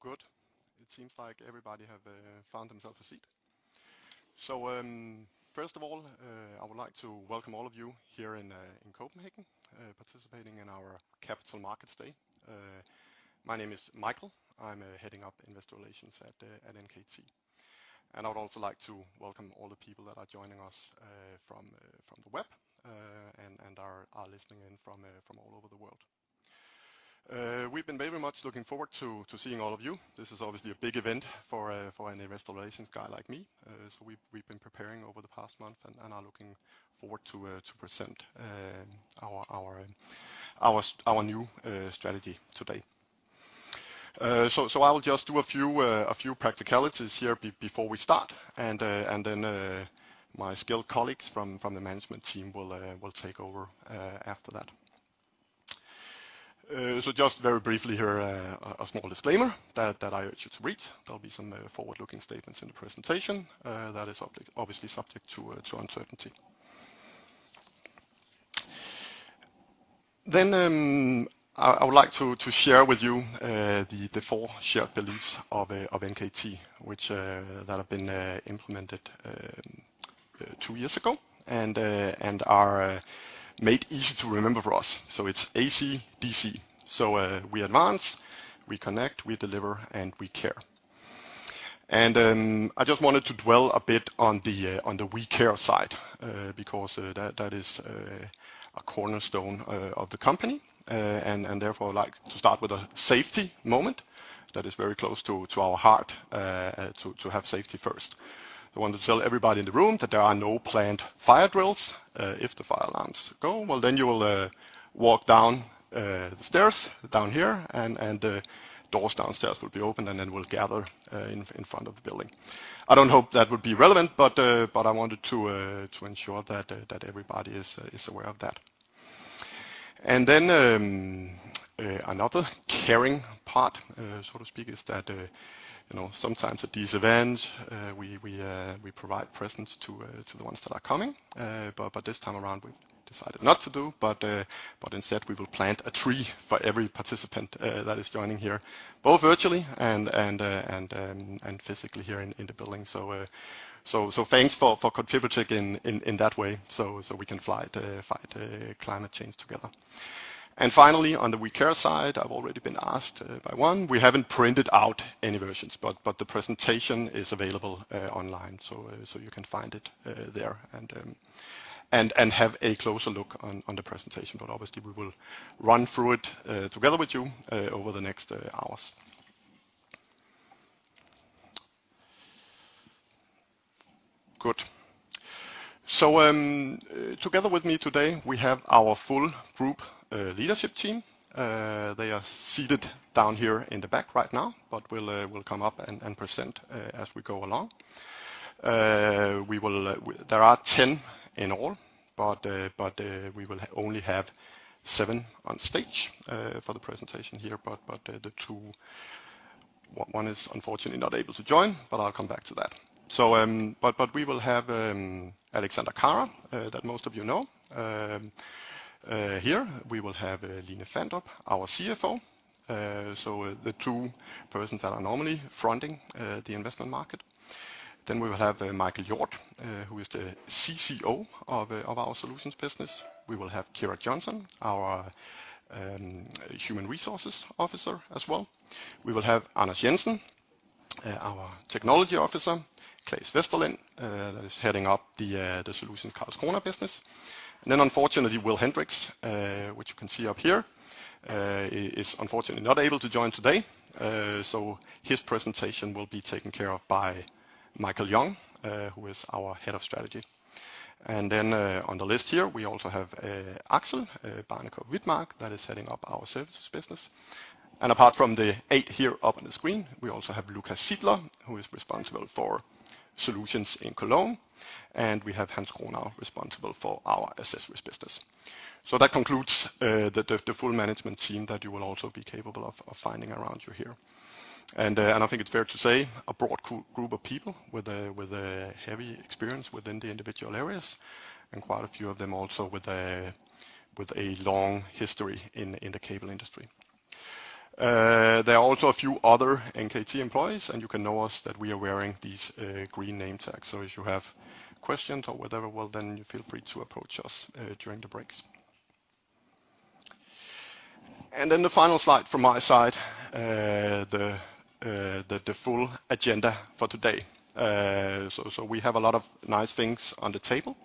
Good. It seems like everybody have found themselves a seat. First of all, I would like to welcome all of you here in Copenhagen participating in our Capital Markets Day. My name is Michael. I'm heading up Investor Relations at NKT. I would also like to welcome all the people that are joining us from the web and are listening in from all over the world. We've been very much looking forward to seeing all of you. This is obviously a big event for an investor relations guy like me. We've been preparing over the past month and are looking forward to present our new strategy today. I will just do a few practicalities here before we start, and then my skilled colleagues from the management team will take over after that. Just very briefly here, a small disclaimer that I urge you to read. There'll be some forward-looking statements in the presentation that is subject, obviously, to uncertainty. I would like to share with you the four shared beliefs of NKT, which have been implemented two years ago and are made easy to remember for us. It's ACDC. We advance, we connect, we deliver, and we care. I just wanted to dwell a bit on the we care side, because that is a cornerstone of the company. Therefore I'd like to start with a safety moment that is very close to our heart, to have safety first. I want to tell everybody in the room that there are no planned fire drills. If the fire alarms go, well, then you will walk down the stairs down here, and doors downstairs will be open, and then we'll gather in front of the building. I don't hope that will be relevant, but I wanted to ensure that everybody is aware of that. Then, another caring part, so to speak, is that, you know, sometimes at these events, we provide presents to the ones that are coming. This time around, we decided not to do but instead, we will plant a tree for every participant that is joining here, both virtually and physically here in the building. Thanks for contributing in that way, so we can fight climate change together. Finally, on the we care side, I've already been asked by one, we haven't printed out any versions, but the presentation is available online, so you can find it there and have a closer look on the presentation. Obviously, we will run through it together with you over the next hours. Good. Together with me today, we have our full group leadership team. They are seated down here in the back right now, but will come up and present as we go along. There are 10 in all, but we will only have seven on stage for the presentation here. The two. One is unfortunately not able to join, but I'll come back to that. We will have Alexander Kara that most of you know here. We will have Line Fandrup, our CFO. The two persons that are normally fronting the investment market. We will have Michael Hjorth, who is the CCO of our solutions business. We will have Kira Johnson, our Human Resources Officer as well. We will have Anders Jensen, our Technology officer. Claes Westerlind, that is heading up the Solutions Karlskrona business. Unfortunately, Will Hendrikx, which you can see up here, is unfortunately not able to join today. His presentation will be taken care of by Michael Yong, who is our Head of Strategy. On the list here, we also have Axel Barnekow Widmark, that is heading up our Services Business. Apart from the eight here up on the screen, we also have Lukas Sidler, who is responsible for solutions in Cologne. We have Hans Gronau, responsible for our Accessories Business. That concludes the full management team that you will also be capable of finding around you here. I think it's fair to say a broad group of people with a heavy experience within the individual areas, and quite a few of them also with a long history in the cable industry. There are also a few other NKT employees, and you'll know us that we are wearing these green name tags. If you have questions or whatever, well then feel free to approach us during the breaks. Then the final slide from my side, the full agenda for today. We have a lot of nice things on the table.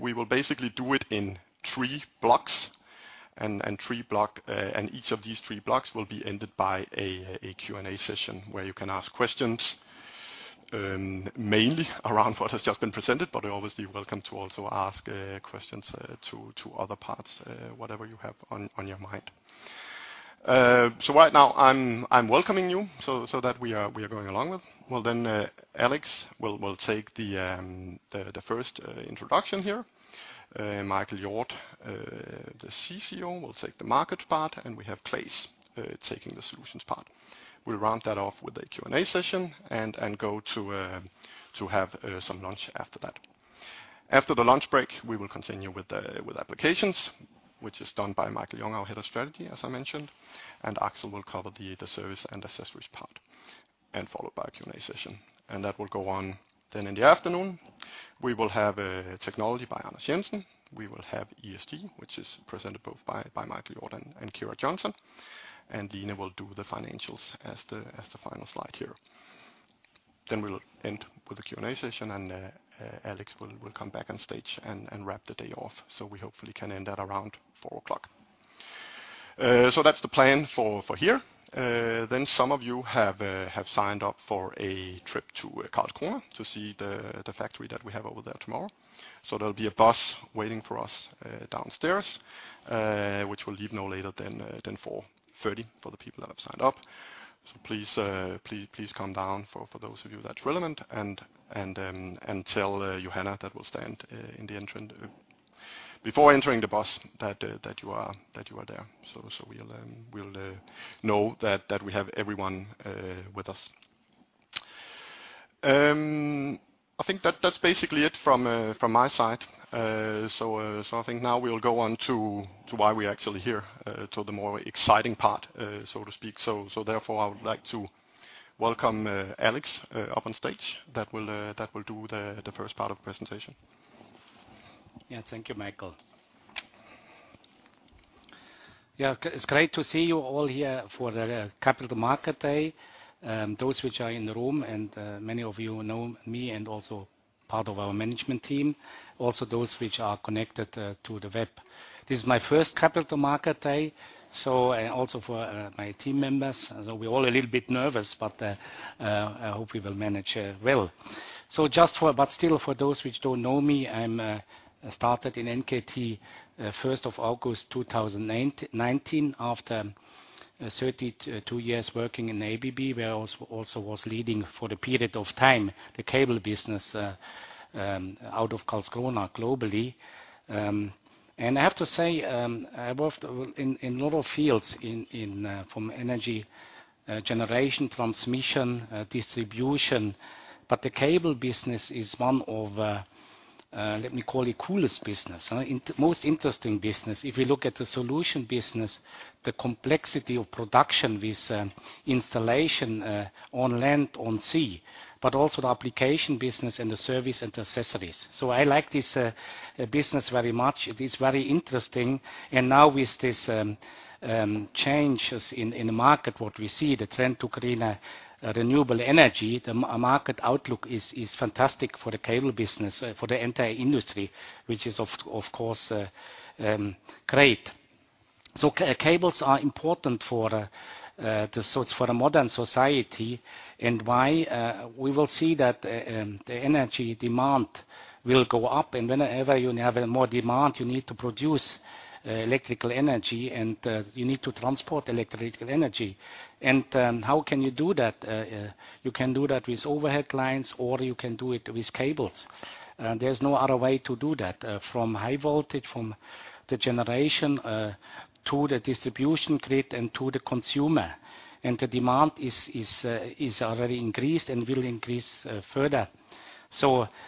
We will basically do it in three blocks and each of these three blocks will be ended by a Q&A session where you can ask questions, mainly around what has just been presented, but obviously welcome to also ask questions to other parts, whatever you have on your mind. Right now I'm welcoming you so that we are going along with. Well, Alex will take the first introduction here. Michael Hjorth, the CCO, will take the market part, and we have Claes taking the solutions part. We'll round that off with a Q&A session and go to have some lunch after that. After the lunch break, we will continue with applications, which is done by Michael Yong, our Head of Strategy, as I mentioned. Axel will cover the service and accessories part, followed by a Q&A session. That will go on. In the afternoon, we will have Technology by Anders Jensen. We will have ESG, which is presented both by Michael Hjorth and Kira Johnson. Line Fandrup will do the financials as the final slide here. We will end with a Q&A session, and Alexander Kara will come back on stage and wrap the day off. We hopefully can end at around four o'clock. That's the plan for here. Some of you have signed up for a trip to Karlskrona to see the factory that we have over there tomorrow. There'll be a bus waiting for us downstairs, which will leave no later than 4:30 P.M. for the people that have signed up. Please come down for those of you that's relevant and tell Johanna that will stand in the entrance before entering the bus that you are there. We'll know that we have everyone with us. I think that's basically it from my side. I think now we'll go on to why we're actually here, to the more exciting part, so to speak. Therefore, I would like to welcome Alex up on stage that will do the first part of the presentation. Yeah. Thank you, Michael. It's great to see you all here for the Capital Markets Day. Those which are in the room, and many of you know me and also part of our management team, also those which are connected to the web. This is my first Capital Markets Day, and also for my team members. We're all a little bit nervous, but I hope we will manage well. But still for those which don't know me, I started in NKT first of August 2019 after 32 years working in ABB, where I also was leading for the period of time the cable business out of Karlskrona globally. I have to say, I worked in a lot of fields in from energy generation, transmission, distribution, but the cable business is one of, let me call it coolest business. Most interesting business. If you look at the solution business, the complexity of production with installation on land, on sea, but also the application business and the service and accessories. I like this business very much. It is very interesting. Now with this changes in the market, what we see the trend to greener renewable energy, the market outlook is fantastic for the cable business for the entire industry, which is of course great. Cables are important for the modern society and why we will see that the energy demand will go up. Whenever you have more demand, you need to produce electrical energy, and you need to transport electrical energy. How can you do that? You can do that with overhead lines, or you can do it with cables. There's no other way to do that from high voltage, from the generation to the distribution grid and to the consumer. The demand is already increased and will increase further.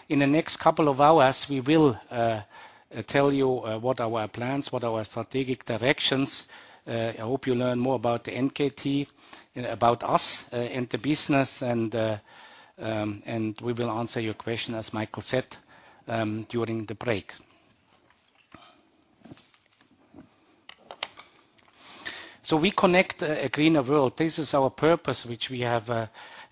In the next couple of hours, we will tell you what are our plans, what are our strategic directions. I hope you learn more about the NKT, about us, and the business, and we will answer your question, as Michael said, during the break. We connect a greener world. This is our purpose, which we have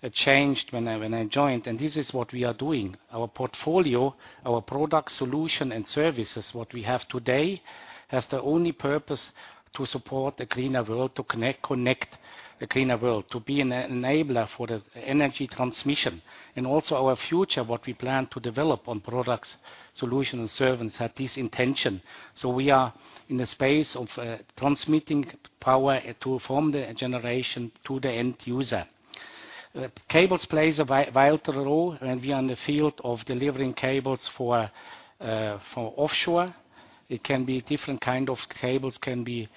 changed when I joined, and this is what we are doing. Our portfolio, our product solution and services, what we have today, has the only purpose to support a greener world, to connect a greener world, to be an enabler for the energy transmission. Our future, what we plan to develop on products, solutions and service have this intention. We are in the space of transmitting power, from the generation to the end user. Cables plays a vital role, and we are in the field of delivering cables for offshore. It can be different kind of cables, can be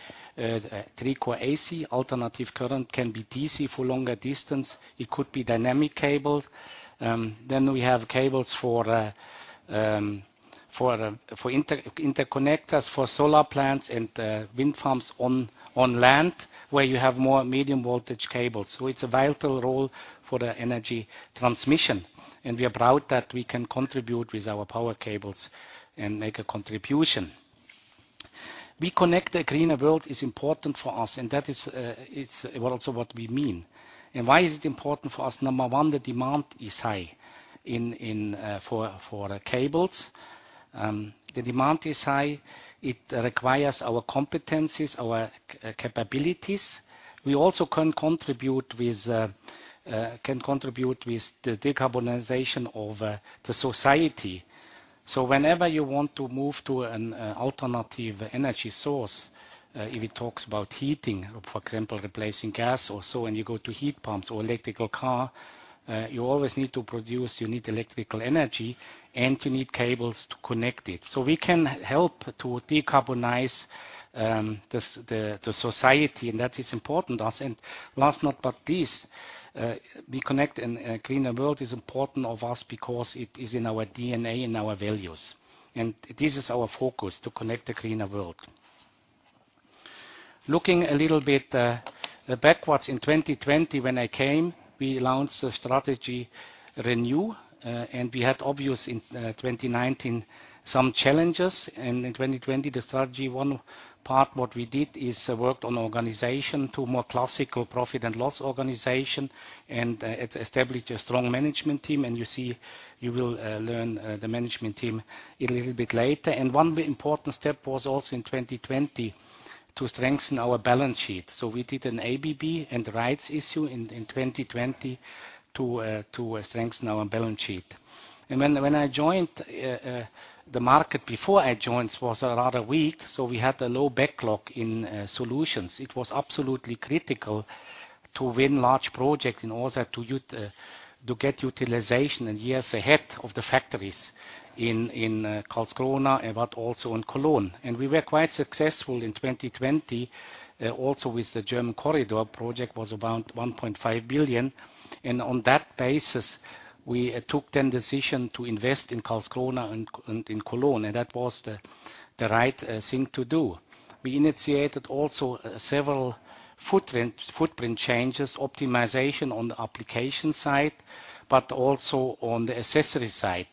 three core AC, alternating current, can be DC for longer distance. It could be Dynamic Cable. Then we have cables for interconnectors, for solar plants and wind farms on land where you have more medium voltage cables. It's a vital role for the energy transmission, and we are proud that we can contribute with our power cables and make a contribution. We connect a greener world is important for us, and that is, it's what we also mean. Why is it important for us? Number one, the demand is high for cables. The demand is high. It requires our competencies, our capabilities. We also can contribute with the decarbonization of the society. Whenever you want to move to an alternative energy source, if it talks about heating, for example, replacing gas also, when you go to heat pumps or electric car, you always need to produce, you need electrical energy, and you need cables to connect it. We can help to decarbonize the society, and that is important to us. Last but not least, connecting a greener world is important to us because it is in our DNA and our values, and this is our focus to connect a greener world. Looking a little bit backwards in 2020 when I came, we launched a strategy ReNew, and we had obviously some challenges in 2019. In 2020 the strategy one part what we did is worked on organization to more classical profit and loss organization and established a strong management team and you will learn the management team a little bit later. One important step was also in 2020 to strengthen our balance sheet. We did an ABB and rights issue in 2020 to strengthen our balance sheet. When I joined the market before I joined was rather weak, so we had a low backlog in solutions. It was absolutely critical to win large projects in order to to get utilization and years ahead of the factories in Karlskrona, but also in Cologne. We were quite successful in 2020, also with the German Corridor project was around 1.5 billion. On that basis, we took the decision to invest in Karlskrona and in Cologne, and that was the right thing to do. We initiated also several footprint changes, optimization on the application side, but also on the accessory side.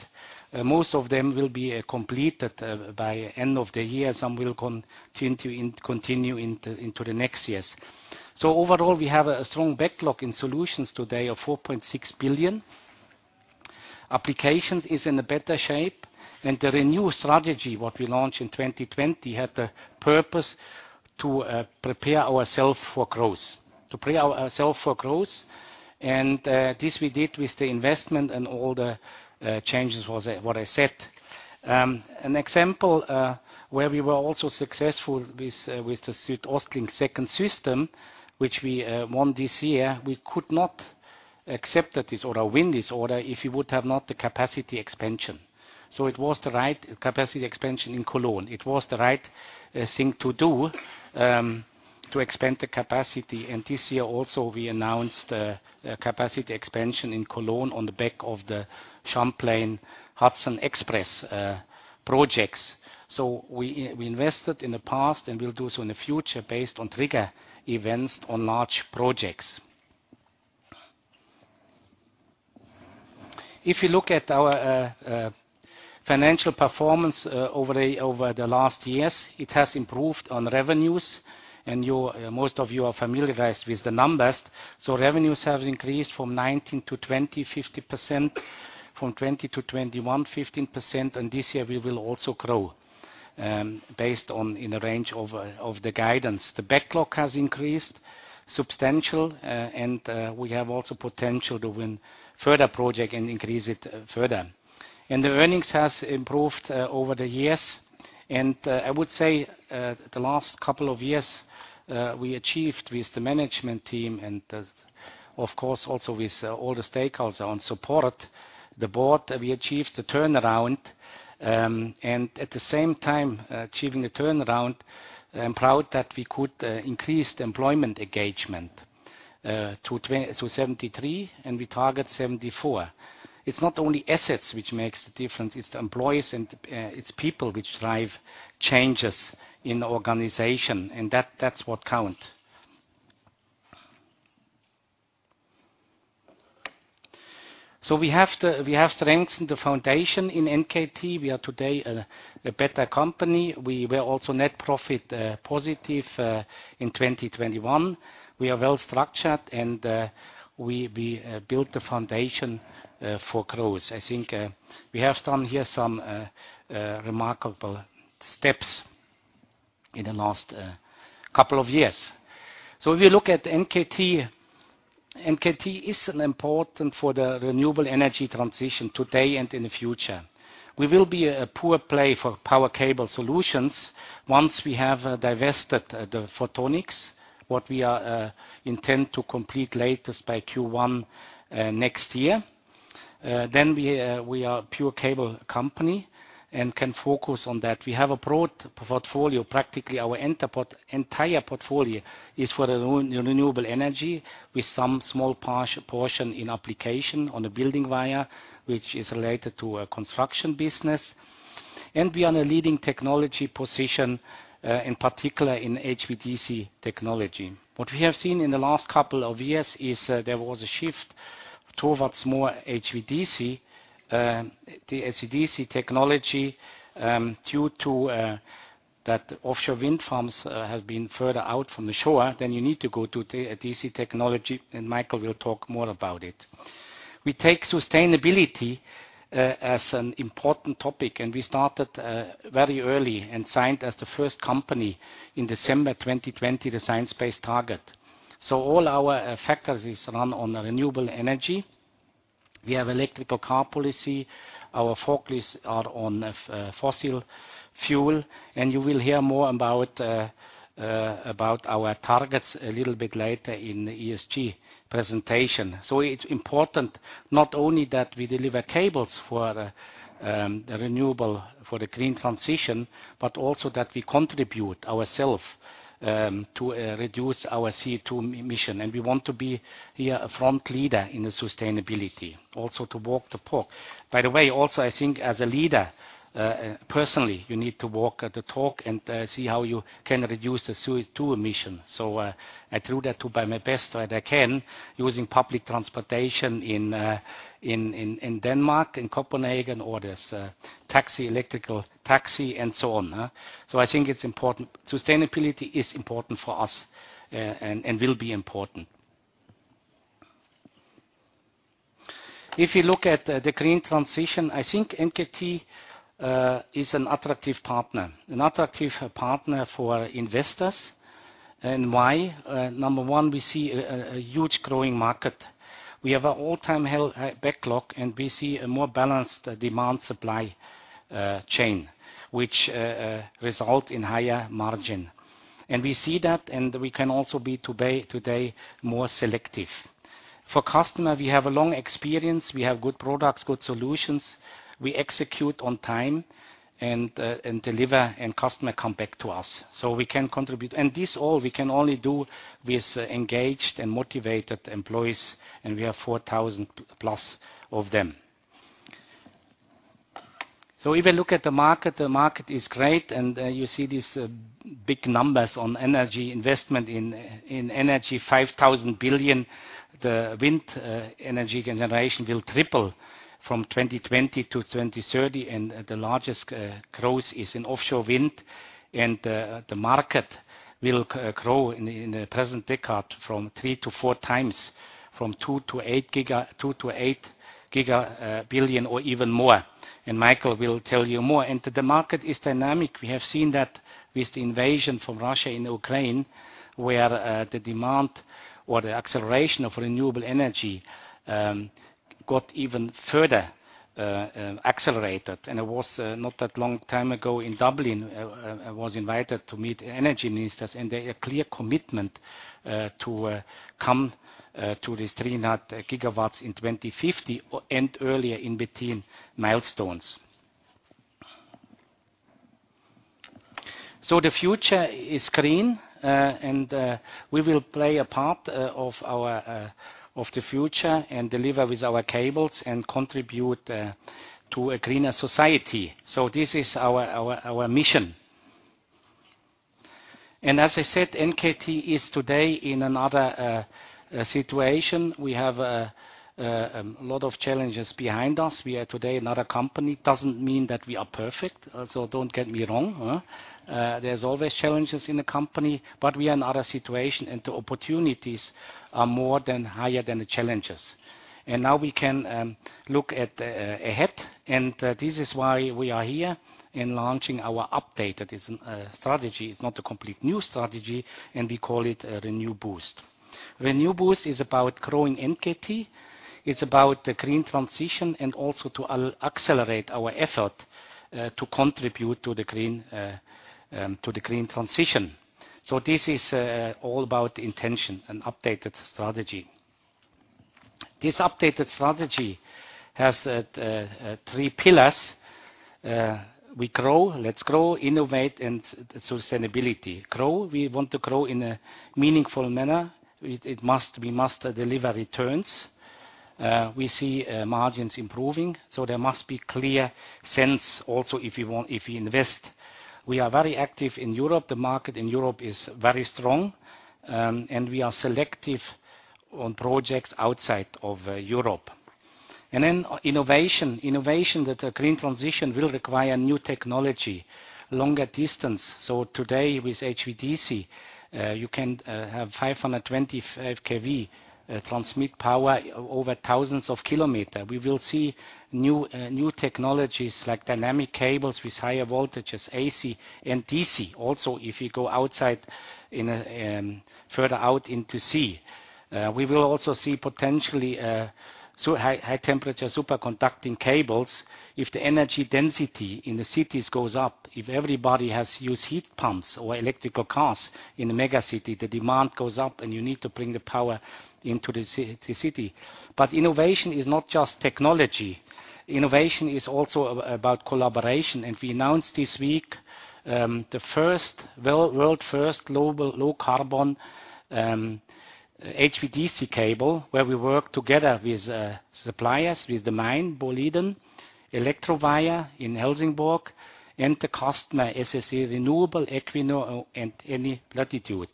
Most of them will be completed by end of the year. Some will continue into the next years. Overall, we have a strong backlog in solutions today of 4.6 billion. Applications is in a better shape. The ReNew strategy, what we launched in 2020, had the purpose to prepare ourself for growth. This we did with the investment and all the changes was what I said. An example where we were also successful with the SuedOstLink second system, which we won this year. We could not win this order if we would have not the capacity expansion. It was the right capacity expansion in Cologne. It was the right thing to do to expand the capacity. This year also, we announced a capacity expansion in Cologne on the back of the Champlain Hudson Power Express projects. We invested in the past, and we'll do so in the future based on trigger events on large projects. If you look at our financial performance over the last years, it has improved on revenues. You, most of you, are familiar with the numbers. Revenues have increased from 2019 to 2020, 50%. From 2020 to 2021, 15%. This year, we will also grow, based on in the range of the guidance. The backlog has increased substantially, and we have also potential to win further projects and increase it further. The earnings has improved over the years. I would say the last couple of years, we achieved with the management team and, of course, also with all the stakeholders on support. The board, we achieved the turnaround, and at the same time, achieving a turnaround, I'm proud that we could increase the employment engagement to 73, and we target 74. It's not only assets which makes the difference, it's the employees and it's people which drive changes in the organization, and that's what count. We have strengthened the foundation in NKT. We are today a better company. We were also net profit positive in 2021. We are well structured and we built the foundation for growth. I think we have done here some remarkable steps in the last couple of years. If you look at NKT is an important for the renewable energy transition today and in the future. We will be a pure play for power cable solutions once we have divested the Photonics, which we intend to complete latest by Q1 next year. We are pure cable company and can focus on that. We have a broad portfolio. Practically, our entire portfolio is for renewable energy with some small portion in application on the building wire, which is related to a construction business. We are in a leading technology position, in particular in HVDC technology. What we have seen in the last couple of years is there was a shift towards more HVDC. The DC technology due to that offshore wind farms have been further out from the shore, then you need to go to DC Technology, and Michael will talk more about it. We take sustainability as an important topic, and we started very early and signed as the first company in December 2020 the Science Based Targets. All our factories run on renewable energy. We have electric car policy. Our focus are on fossil fuel. You will hear more about our targets a little bit later in the ESG presentation. It's important. Not only that we deliver cables for the green transition, but also that we contribute ourselves to reduce our CO2 emissions. We want to be here a front leader in the sustainability, also to walk the talk. By the way, also, I think as a leader personally, you need to walk the talk and see how you can reduce the CO2 emissions. I do that too by my best way that I can, using public transportation in Denmark, in Copenhagen, or there's a taxi, electric taxi, and so on. I think it's important. Sustainability is important for us and will be important. If you look at the green transition, I think NKT is an attractive partner, an attractive partner for investors. Why? Number one, we see a huge growing market. We have an all-time high backlog, and we see a more balanced demand-supply chain, which result in higher margin. We see that, and we can also be today more selective. For customer, we have a long experience, we have good products, good solutions. We execute on time and deliver, and customer come back to us. We can contribute. This all we can only do with engaged and motivated employees, and we have 4,000 plus of them. If you look at the market, the market is great, and you see these big numbers on energy investment. In energy, 5,000 billion. The wind energy generation will triple from 2020 to 2030, and the largest growth is in offshore wind. The market will grow in the present decade from 3 to 4 times, from 2 billion to 8 billion or even more. Michael will tell you more. The market is dynamic. We have seen that with the invasion from Russia in Ukraine, where the demand or the acceleration of renewable energy got even further accelerated. It was not that long time ago in Dublin I was invited to meet energy ministers, and they have clear commitment to come to these 300 gigawatts in 2050 and earlier in between milestones. The future is green, and we will play a part of our future and deliver with our cables and contribute to a greener society. This is our mission. As I said, NKT is today in another situation. We have a lot of challenges behind us. We are today another company. Doesn't mean that we are perfect, so don't get me wrong. There's always challenges in a company, but we are another situation, and the opportunities are higher than the challenges. Now we can look ahead, and this is why we are here in launching our updated strategy. It's not a complete new strategy, and we call it ReNew BOOST. ReNew BOOST is about growing NKT. It's about the green transition and also to accelerate our effort to contribute to the green transition. This is all about implementation and updated strategy. This updated strategy has three pillars. Grow, innovate, and sustainability. Grow, we want to grow in a meaningful manner. We must deliver returns. We see margins improving, so there must be clear sense also if you invest. We are very active in Europe. The market in Europe is very strong, and we are selective on projects outside of Europe. Innovation. A green transition will require new technology, longer distance. Today with HVDC you can have 525 kV transmit power over thousands of kilometer. We will see new technologies like dynamic cables with higher voltages, AC and DC. Also, if you go further out into sea. We will also see potentially so high-temperature superconducting cables if the energy density in the cities goes up. If everybody has to use heat pumps or electric cars in the megacity, the demand goes up and you need to bring the power into the city. Innovation is not just technology. Innovation is also about collaboration. We announced this week the world's first global low-carbon HVDC cable, where we work together with suppliers, with Boliden, Elcowire in Helsingborg, and the customer SSE Renewables, Equinor, and Eni Plenitude.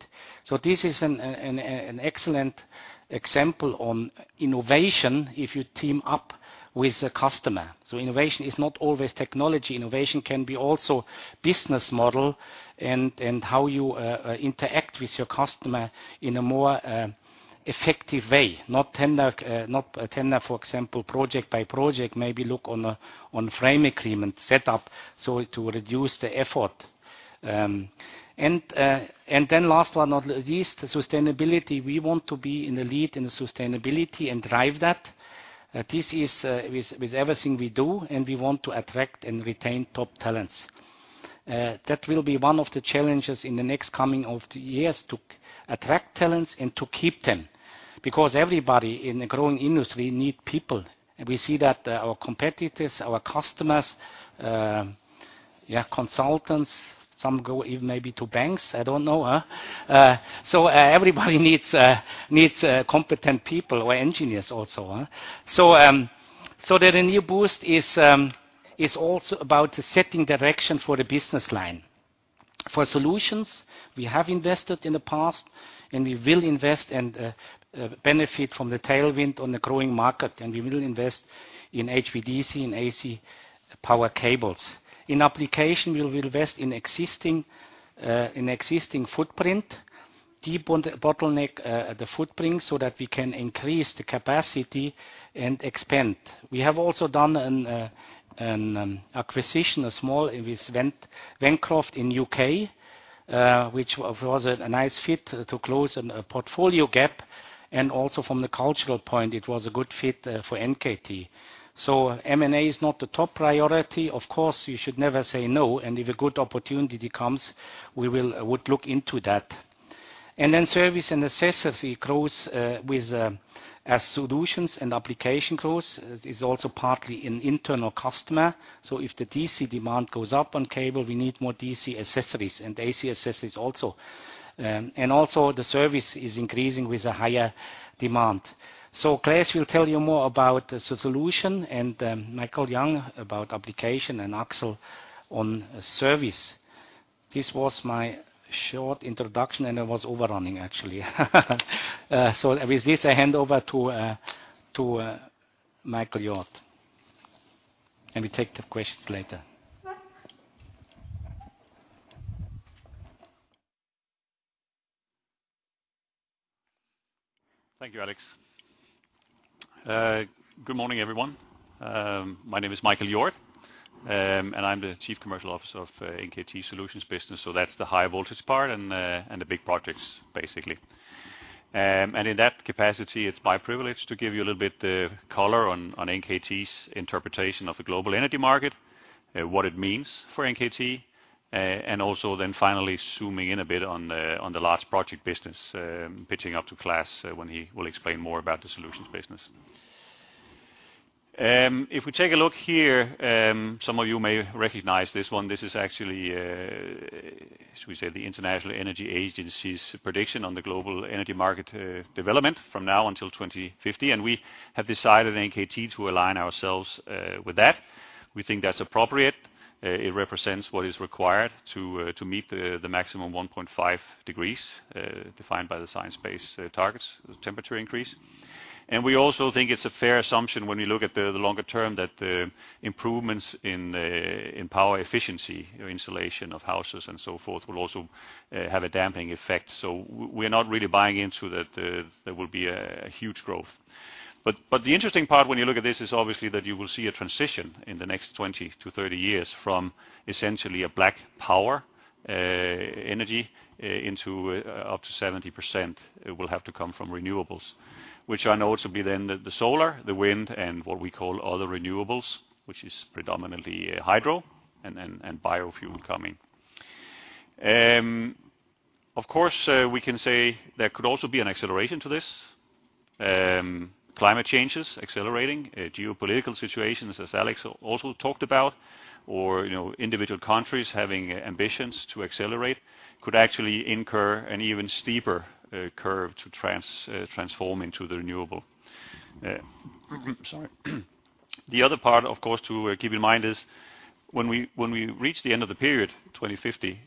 This is an excellent example of innovation if you team up with a customer. Innovation is not always technology. Innovation can also be business model and how you interact with your customer in a more effective way. Not a tender, for example, project by project, maybe look on a frame agreement set up so to reduce the effort. Last but not least, sustainability. We want to be in the lead in sustainability and drive that. This is with everything we do, and we want to attract and retain top talents. That will be one of the challenges in the next coming of the years, to attract talents and to keep them because everybody in a growing industry need people. We see that our competitors, our customers, consultants, some go even maybe to banks, I don't know. Everybody needs competent people or engineers also. The ReNew BOOST is also about setting direction for the business line. For solutions, we have invested in the past, and we will invest and benefit from the tailwind on the growing market, and we will invest in HVDC and AC power cables. In application, we will invest in existing footprint, deep on the bottleneck, the footprint, so that we can increase the capacity and expand. We have also done an acquisition, a small, with Ventcroft in U.K., which was a nice fit to close a portfolio gap. Also from the cultural point, it was a good fit for NKT. M&A is not the top priority. Of course, you should never say no, and if a good opportunity comes, we would look into that. Then service and accessories grows with as solutions and application grows is also partly an internal customer. If the DC demand goes up on cable, we need more DC accessories and AC accessories also. The service is increasing with a higher demand. Claes will tell you more about the solution and Michael Hjorth about application and Axel on service. This was my short introduction, and I was overrunning actually. With this, I hand over to Michael Hjorth. We take the questions later. Thank you, Alex. Good morning, everyone. My name is Michael Hjorth, and I'm the Chief Commercial Officer of NKT's HV Solutions business, so that's the high voltage part and the big projects, basically. In that capacity, it's my privilege to give you a little bit of color on NKT's interpretation of the global energy market, what it means for NKT, and also then finally zooming in a bit on the large project business, pitching up to Claes when he will explain more about the solutions business. If we take a look here, some of you may recognize this one. This is actually, shall we say, the International Energy Agency's prediction on the global energy market development from now until 2050. We have decided at NKT to align ourselves with that. We think that's appropriate. It represents what is required to meet the maximum 1.5 degrees defined by the Science Based Targets, the temperature increase. We also think it's a fair assumption when we look at the longer term that improvements in power efficiency or insulation of houses and so forth will also have a damping effect. We're not really buying into that there will be a huge growth. The interesting part when you look at this is obviously that you will see a transition in the next 20-30 years from essentially a black power energy into up to 70% will have to come from renewables, which I know to be the solar, the wind, and what we call other renewables, which is predominantly hydro and biofuel coming. Of course, we can say there could also be an acceleration to this. Climate change is accelerating. Geopolitical situations, as Alex also talked about, or you know, individual countries having ambitions to accelerate could actually incur an even steeper curve to transform into the renewable. Sorry. The other part, of course, to keep in mind is when we reach the end of the period, 2050,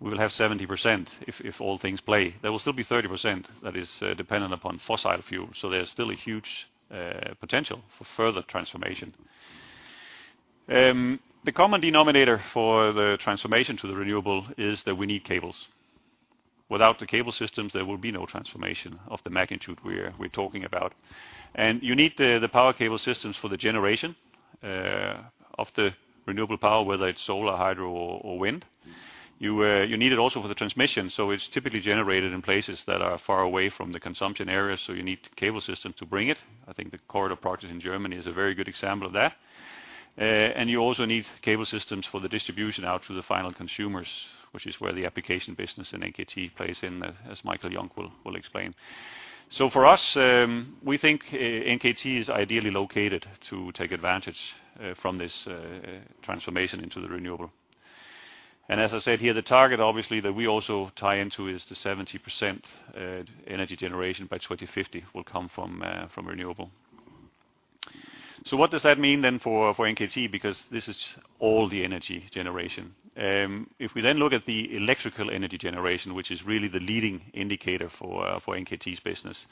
we will have 70% if all things play. There will still be 30% that is dependent upon fossil fuel, so there's still a huge potential for further transformation. The common denominator for the transformation to the renewable is that we need cables. Without the cable systems, there will be no transformation of the magnitude we're talking about. You need the power cable systems for the generation of the renewable power, whether it's solar, hydro or wind. You need it also for the transmission. It's typically generated in places that are far away from the consumption area, so you need cable system to bring it. I think the corridor project in Germany is a very good example of that. You also need cable systems for the distribution out to the final consumers, which is where the application business in NKT plays in, as Michael Hjorth will explain. For us, we think NKT is ideally located to take advantage from this transformation into the renewable. As I said here, the target obviously that we also tie into is the 70% energy generation by 2050 will come from renewable. What does that mean then for NKT? Because this is all the energy generation. If we look at the electrical energy generation, which is really the leading indicator for NKT's business,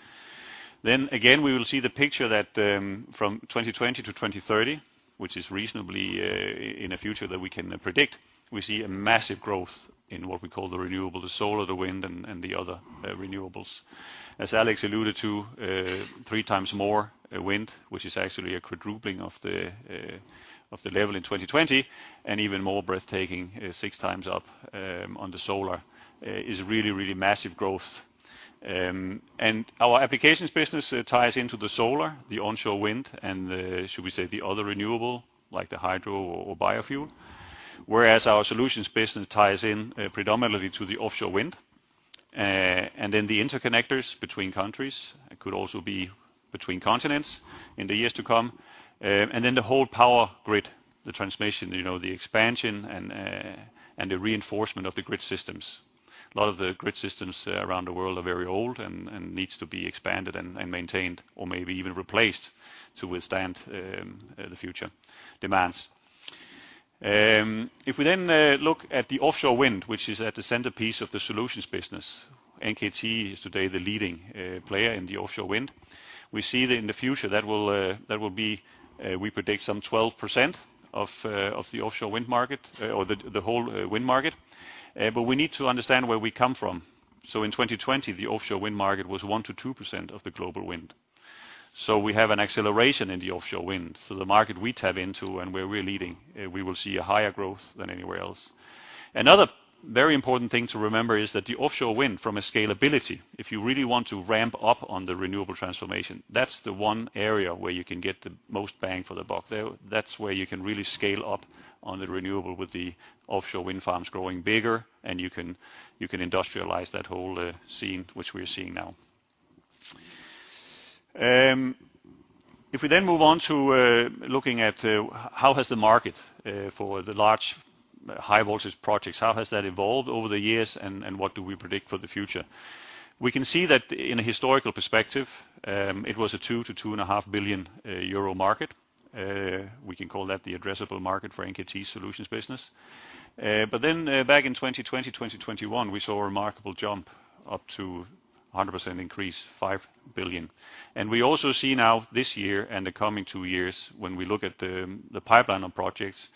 we will see the picture that from 2020 to 2030, which is reasonably in a future that we can predict, we see a massive growth in what we call the renewable, the solar, the wind and the other renewables. As Alex alluded to, three times more wind, which is actually a quadrupling of the level in 2020 and even more breathtaking, six times up on the solar is really, really massive growth. Our applications business ties into the solar, the onshore wind and the, should we say, the other renewable, like the hydro or biofuel. Whereas our solutions business ties in, predominantly to the offshore wind. The interconnectors between countries could also be between continents in the years to come. The whole power grid, the transmission, you know, the expansion and the reinforcement of the grid systems. A lot of the grid systems around the world are very old and needs to be expanded and maintained or maybe even replaced to withstand the future demands. If we then look at the offshore wind, which is at the centerpiece of the solutions business, NKT is today the leading player in the offshore wind. We see that in the future that will be, we predict some 12% of the offshore wind market or the whole wind market. We need to understand where we come from. In 2020, the offshore wind market was 1%-2% of the global wind. We have an acceleration in the offshore wind. The market we tap into and where we're leading, we will see a higher growth than anywhere else. Another very important thing to remember is that the offshore wind from a scalability, if you really want to ramp up on the renewable transformation, that's the one area where you can get the most bang for the buck. That's where you can really scale up on the renewable with the offshore wind farms growing bigger, and you can industrialize that whole scene, which we are seeing now. If we move on to looking at how the market for the large high voltage projects has evolved over the years, and what do we predict for the future? We can see that in a historical perspective, it was a 2-2.5 billion euro market. We can call that the addressable market for NKT Solutions business. Back in 2020, 2021, we saw a remarkable jump up to 100% increase, 5 billion. We also see now this year and the coming 2 years, when we look at the pipeline of projects,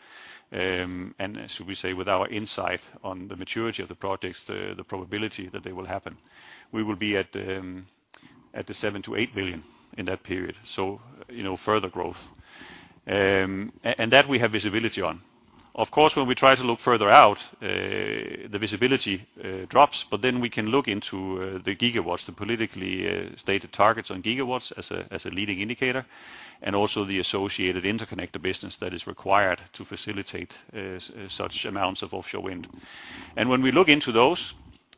and should we say with our insight on the maturity of the projects, the probability that they will happen, we will be at 7 billion-8 billion in that period. You know, further growth. And that we have visibility on. Of course, when we try to look further out, the visibility drops, but then we can look into the gigawatts, the politically stated targets on gigawatts as a leading indicator, and also the associated interconnector business that is required to facilitate such amounts of offshore wind. When we look into those,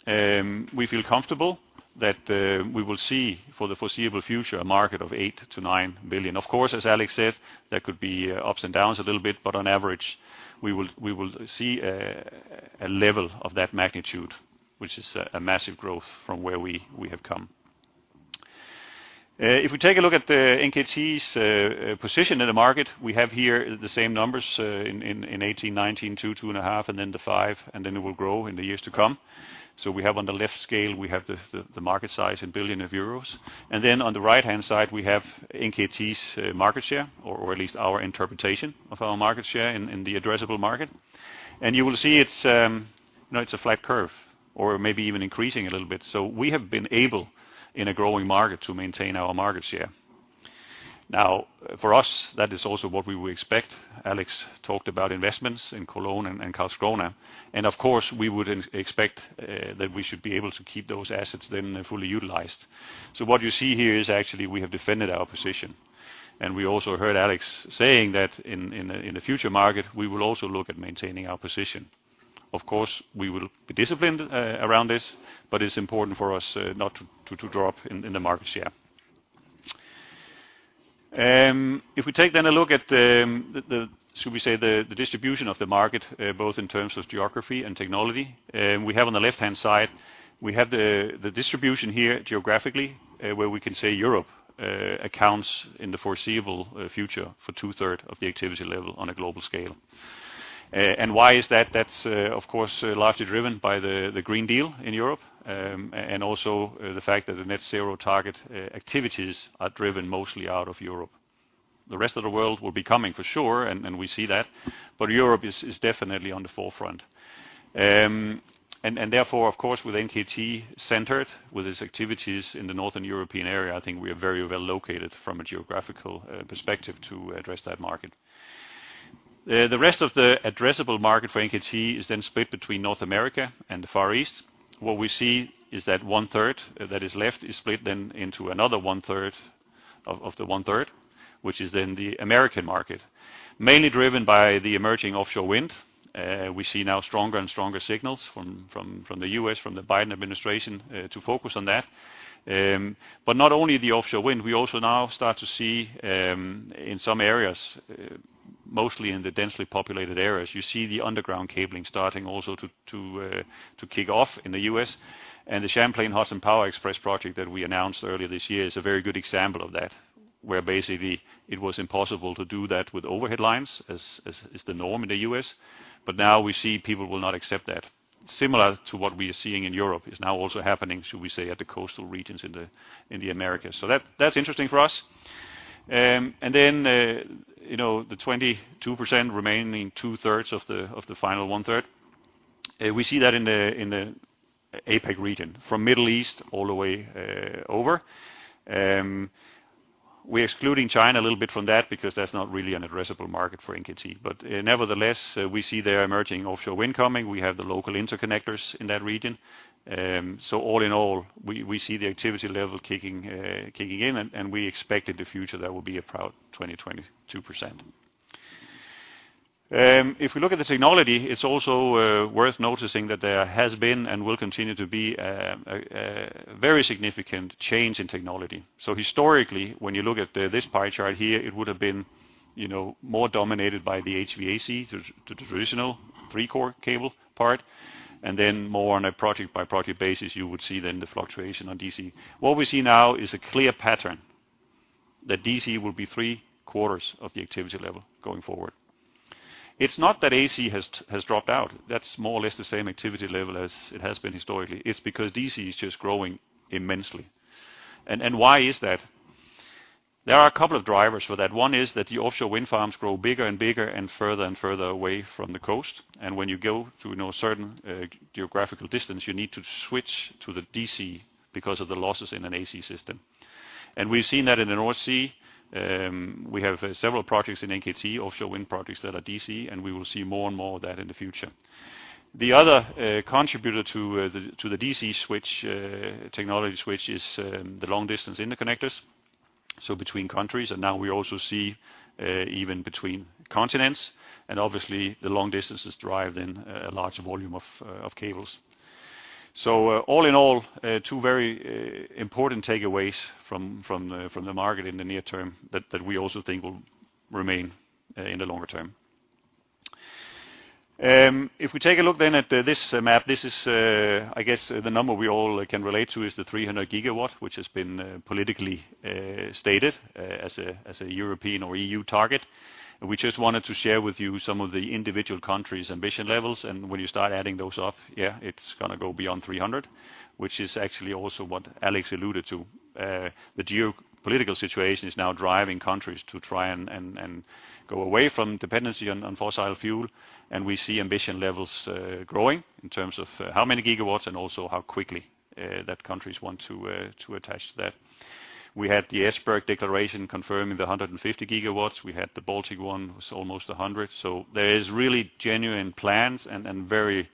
we feel comfortable that we will see for the foreseeable future a market of 8 billion-9 billion. Of course, as Alex said, there could be ups and downs a little bit, but on average, we will see a level of that magnitude, which is a massive growth from where we have come. If we take a look at NKT's position in the market, we have here the same numbers in 2018, 2019, 2 billion, EUR 2.5 billion, and then 5 billion, and then it will grow in the years to come. We have on the left scale the market size in billions of EUR. Then on the right-hand side, we have NKT's market share, or at least our interpretation of our market share in the addressable market. You will see it's, you know, it's a flat curve or maybe even increasing a little bit. We have been able in a growing market to maintain our market share. Now, for us, that is also what we would expect. Alex talked about investments in Cologne and Karlskrona. Of course, we would expect that we should be able to keep those assets then fully utilized. What you see here is actually we have defended our position. We also heard Alex saying that in the future market, we will also look at maintaining our position. Of course, we will be disciplined around this, but it's important for us not to drop in the market share. If we take a look at the distribution of the market, both in terms of Geography and Technology, we have on the left-hand side the distribution here geographically, where we can say Europe accounts in the foreseeable future for two-thirds of the activity level on a global scale. Why is that? That's of course largely driven by the European Green Deal and also the fact that the net-zero target activities are driven mostly out of Europe. The rest of the world will be coming for sure, and we see that, but Europe is definitely on the forefront. Therefore, of course, with NKT centered with its activities in the Northern European area, I think we are very well located from a geographical perspective to address that market. The rest of the addressable market for NKT is then split between North America and the Far East. What we see is that one-third that is left is split then into another one-third of the one-third, which is then the American market, mainly driven by the emerging offshore wind. We see now stronger and stronger signals from the U.S., from the Biden administration, to focus on that. Not only the offshore wind, we also now start to see, in some areas, mostly in the densely populated areas, you see the underground cabling starting also to kick off in the U.S. The Champlain Hudson Power Express project that we announced earlier this year is a very good example of that, where basically it was impossible to do that with overhead lines as the norm in the U.S. Now we see people will not accept that. Similar to what we are seeing in Europe is now also happening, should we say, at the coastal regions in the Americas. That's interesting for us. The 22% remaining two-thirds of the final one-third, we see that in the APAC region, from Middle East all the way over. We're excluding China a little bit from that because that's not really an addressable market for NKT. Nevertheless, we see their emerging offshore wind coming. We have the local interconnectors in that region. All in all, we see the activity level kicking in, and we expect in the future that will be about 22%. If we look at the technology, it's also worth noticing that there has been and will continue to be a very significant change in technology. Historically, when you look at this pie chart here, it would have been, you know, more dominated by the HVAC, the traditional three-core cable part, and then more on a project-by-project basis, you would see then the fluctuation on DC. What we see now is a clear pattern that DC will be 3/4 of the activity level going forward. It's not that AC has dropped out. That's more or less the same activity level as it has been historically. It's because DC is just growing immensely. Why is that? There are a couple of drivers for that. One is that the offshore wind farms grow bigger and bigger and further and further away from the coast, and when you go to, you know, a certain geographical distance, you need to switch to the DC because of the losses in an AC system. We've seen that in the North Sea. We have several projects in NKT, offshore wind projects that are DC, and we will see more and more of that in the future. The other contributor to the DC switch, technology switch is the long-distance interconnectors, so between countries, and now we also see even between continents. Obviously, the long distance is derived in a large volume of cables. All in all, two very important takeaways from the market in the near term that we also think will remain in the longer term. If we take a look then at this map, this is, I guess the number we all can relate to is the 300 GW, which has been politically stated as a European or EU target. We just wanted to share with you some of the individual countries' ambition levels. When you start adding those up, yeah, it's gonna go beyond 300, which is actually also what Alex alluded to. The geopolitical situation is now driving countries to try and go away from dependency on fossil fuel. We see ambition levels growing in terms of how many gigawatts and also how quickly that countries want to achieve that. We had the Esbjerg Declaration confirming 150 gigawatts. We had the Baltic one was almost 100. There is really genuine plans and very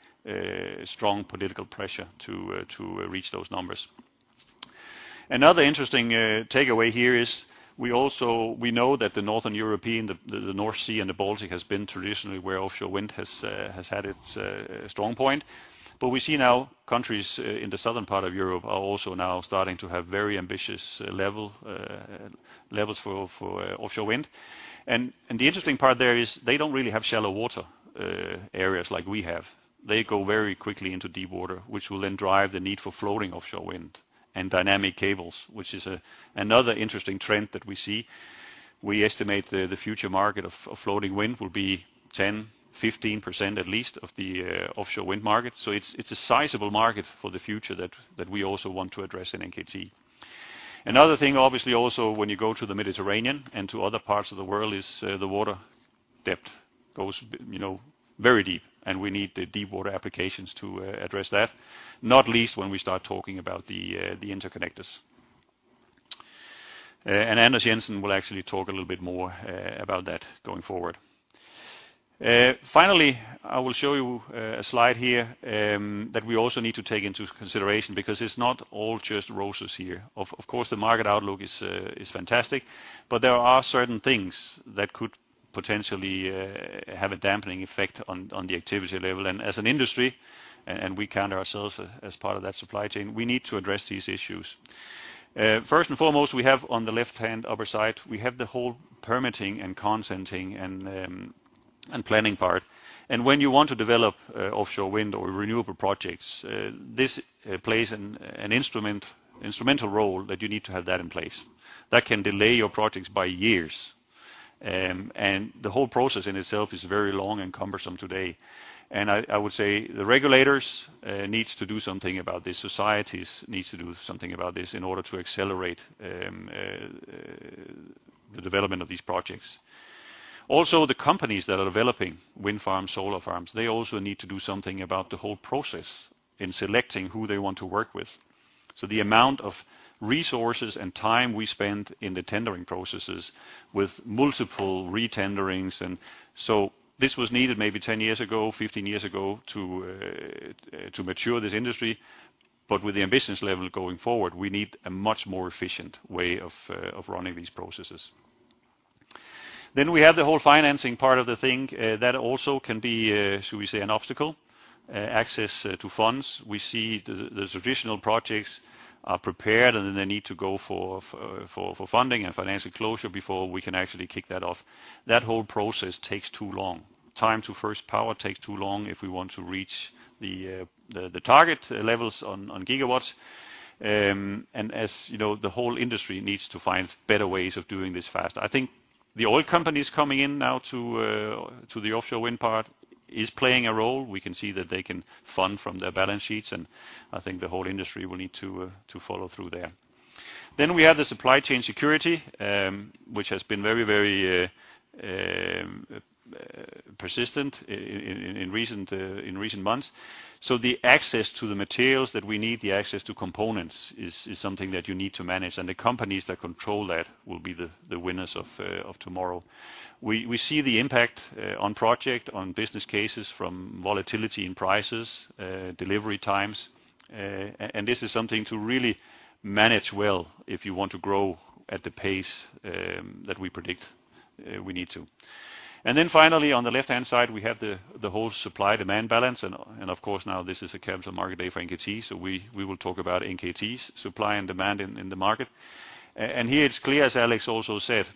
strong political pressure to reach those numbers. Another interesting takeaway here is we also know that the Northern Europe, the North Sea and the Baltic has been traditionally where offshore wind has had its strong point. But we see now countries in the Southern part of Europe are also now starting to have very ambitious levels for offshore wind. The interesting part there is they don't really have shallow water areas like we have. They go very quickly into deep water, which will then drive the need for floating offshore wind and Dynamic Cables, which is another interesting trend that we see. We estimate the future market of floating wind will be 10, 15% at least of the offshore wind market. It's a sizable market for the future that we also want to address in NKT. Another thing, obviously, also, when you go to the Mediterranean and to other parts of the world is the water depth goes you know very deep, and we need the deep water applications to address that, not least when we start talking about the interconnectors. Anders Jensen will actually talk a little bit more about that going forward. Finally, I will show you a slide here that we also need to take into consideration because it's not all just roses here. Of course, the market outlook is fantastic, but there are certain things that could potentially have a dampening effect on the activity level. As an industry, we count ourselves as part of that supply chain, we need to address these issues. First and foremost, we have on the left-hand upper side the whole permitting and consenting and planning part. When you want to develop offshore wind or renewable projects, this plays an instrumental role that you need to have that in place. That can delay your projects by years. The whole process in itself is very long and cumbersome today. I would say the regulators needs to do something about this. Societies needs to do something about this in order to accelerate the development of these projects. Also, the companies that are developing wind farms, solar farms, they also need to do something about the whole process in selecting who they want to work with. The amount of resources and time we spend in the tendering processes with multiple retenderings. This was needed maybe 10 years ago, 15 years ago to mature this industry. With the ambitions level going forward, we need a much more efficient way of running these processes. We have the whole financing part of the thing that also can be, should we say, an obstacle, access to funds. We see the traditional projects are prepared, and then they need to go for funding and financial closure before we can actually kick that off. That whole process takes too long. Time to first power takes too long if we want to reach the target levels on gigawatts. As you know, the whole industry needs to find better ways of doing this faster. I think the oil companies coming in now to the offshore wind part is playing a role. We can see that they can fund from their balance sheets, and I think the whole industry will need to follow through there. We have the supply chain security, which has been very persistent in recent months. The access to the materials that we need, the access to components is something that you need to manage. The companies that control that will be the winners of tomorrow. We see the impact on projects on business cases from volatility in prices, delivery times, and this is something to really manage well if you want to grow at the pace that we predict we need to. Finally, on the left-hand side, we have the whole supply demand balance. Of course, now this is a capital market day for NKT, so we will talk about NKT's supply and demand in the market. Here it's clear, as Alex also said,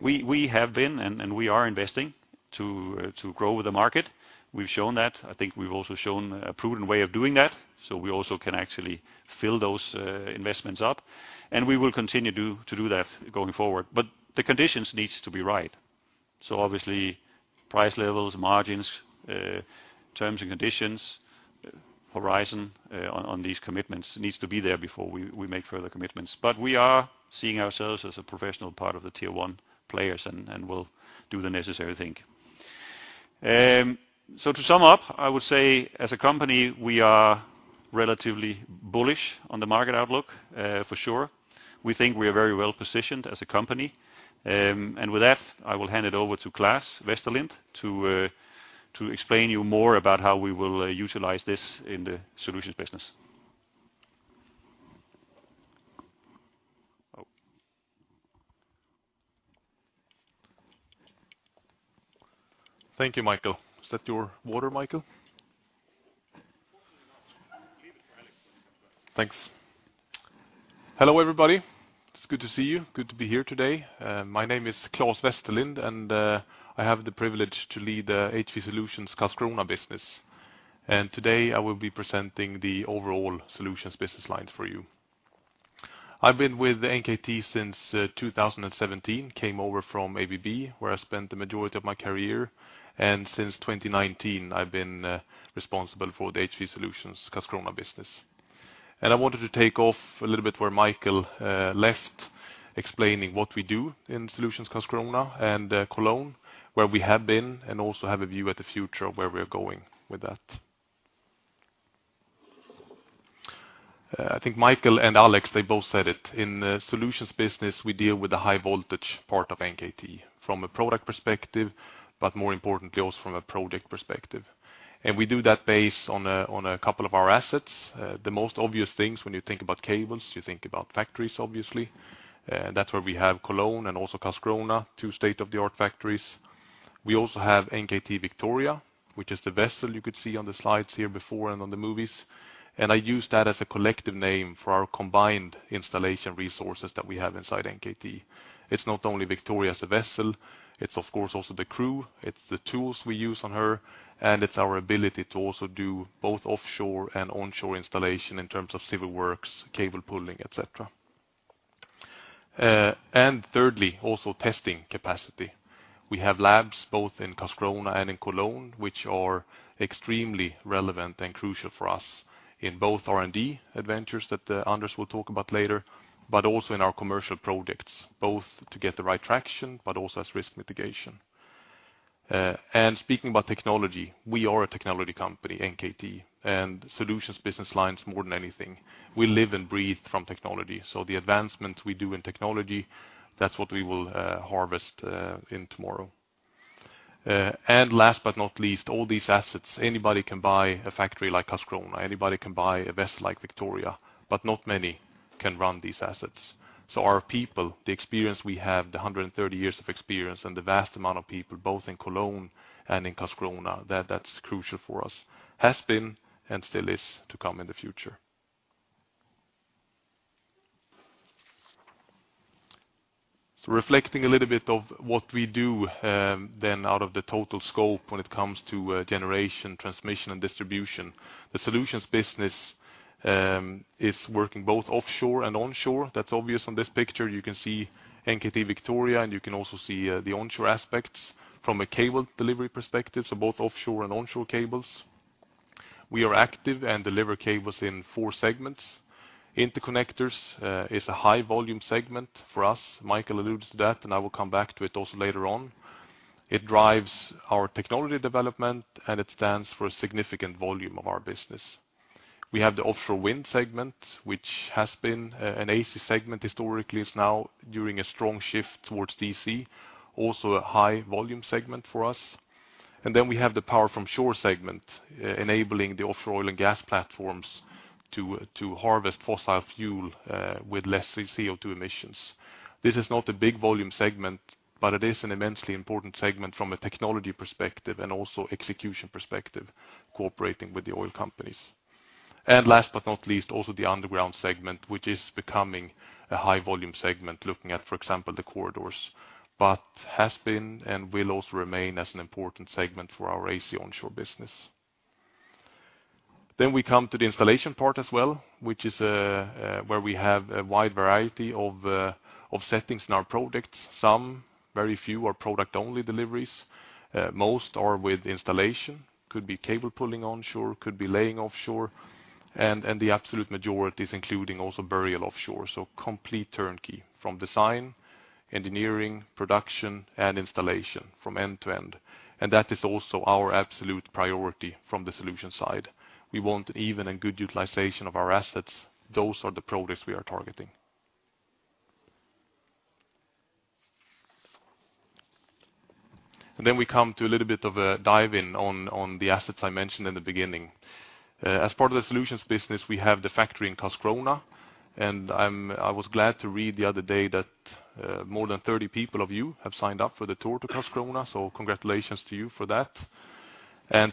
we have been and we are investing to grow the market. We've shown that. I think we've also shown a prudent way of doing that, so we also can actually fill those investments up, and we will continue to do that going forward. The conditions needs to be right. Obviously price levels, margins, terms and conditions, horizon on these commitments needs to be there before we make further commitments. We are seeing ourselves as a professional part of the tier one players and we'll do the necessary thing. To sum up, I would say as a company, we are relatively bullish on the market outlook for sure. We think we are very well positioned as a company. With that, I will hand it over to Claes Westerlind to explain to you more about how we will utilize this in the solutions business. Thank you, Michael. Is that your water, Michael? Thanks. Hello, everybody. It's good to see you. Good to be here today. My name is Claes Westerlind, and I have the privilege to lead HV Solutions Karlskrona business. Today, I will be presenting the overall solutions business lines for you. I've been with NKT since 2017. Came over from ABB, where I spent the majority of my career. Since 2019, I've been responsible for the HV Solutions Karlskrona business. I wanted to take off a little bit where Michael left explaining what we do in Solutions Karlskrona and Cologne, where we have been, and also have a view at the future of where we're going with that. I think Michael and Alex, they both said it. In the solutions business, we deal with the high voltage part of NKT from a product perspective, but more importantly also from a project perspective. We do that based on a couple of our assets. The most obvious things when you think about cables, you think about factories, obviously. That's where we have Cologne and also Karlskrona, two state-of-the-art factories. We also have NKT Victoria, which is the vessel you could see on the slides here before and on the movies. I use that as a collective name for our combined installation resources that we have inside NKT. It's not only Victoria as a vessel, it's of course also the crew, it's the tools we use on her, and it's our ability to also do both offshore and onshore installation in terms of civil works, cable pulling, et cetera. Thirdly, also testing capacity. We have labs both in Karlskrona and in Cologne, which are extremely relevant and crucial for us in both R&D adventures that Anders will talk about later, but also in our commercial projects, both to get the right traction but also as risk mitigation. Speaking about technology, we are a technology company, NKT, and solutions business lines more than anything. We live and breathe from technology. The advancements we do in technology, that's what we will harvest in tomorrow. Last but not least, all these assets, anybody can buy a factory like Karlskrona, anybody can buy a vessel like Victoria, but not many can run these assets. Our people, the experience we have, the 130 years of experience and the vast amount of people both in Cologne and in Karlskrona, that's crucial for us, has been and still is to come in the future. Reflecting a little bit of what we do, then out of the total scope when it comes to generation, transmission, and distribution. The solutions business is working both offshore and onshore. That's obvious on this picture. You can see NKT Victoria, and you can also see the onshore aspects from a cable delivery perspective, so both offshore and onshore cables. We are active and deliver cables in four segments. Interconnectors is a high volume segment for us. Michael alluded to that, and I will come back to it also later on. It drives our technology development, and it stands for a significant volume of our business. We have the offshore wind segment, which has been an AC segment historically. It's now during a strong shift towards DC, also a high volume segment for us. We have the power from shore segment enabling the offshore oil and gas platforms to harvest fossil fuel with less CO₂ emissions. This is not a big volume segment, but it is an immensely important segment from a technology perspective and also execution perspective cooperating with the oil companies. The underground segment, which is becoming a high volume segment looking at, for example, the corridors, but has been and will also remain as an important segment for our AC onshore business. We come to the installation part as well, which is where we have a wide variety of settings in our projects. Some, very few are product only deliveries. Most are with installation, could be cable pulling onshore, could be laying offshore, and the absolute majority is including also burial offshore, so complete turnkey from design, engineering, production, and installation from end to end. That is also our absolute priority from the solution side. We want even and good utilization of our assets. Those are the products we are targeting. We come to a little bit of a dive in on the assets I mentioned in the beginning. As part of the solutions business, we have the factory in Karlskrona, and I was glad to read the other day that more than 30 people of you have signed up for the tour to Karlskrona, so congratulations to you for that.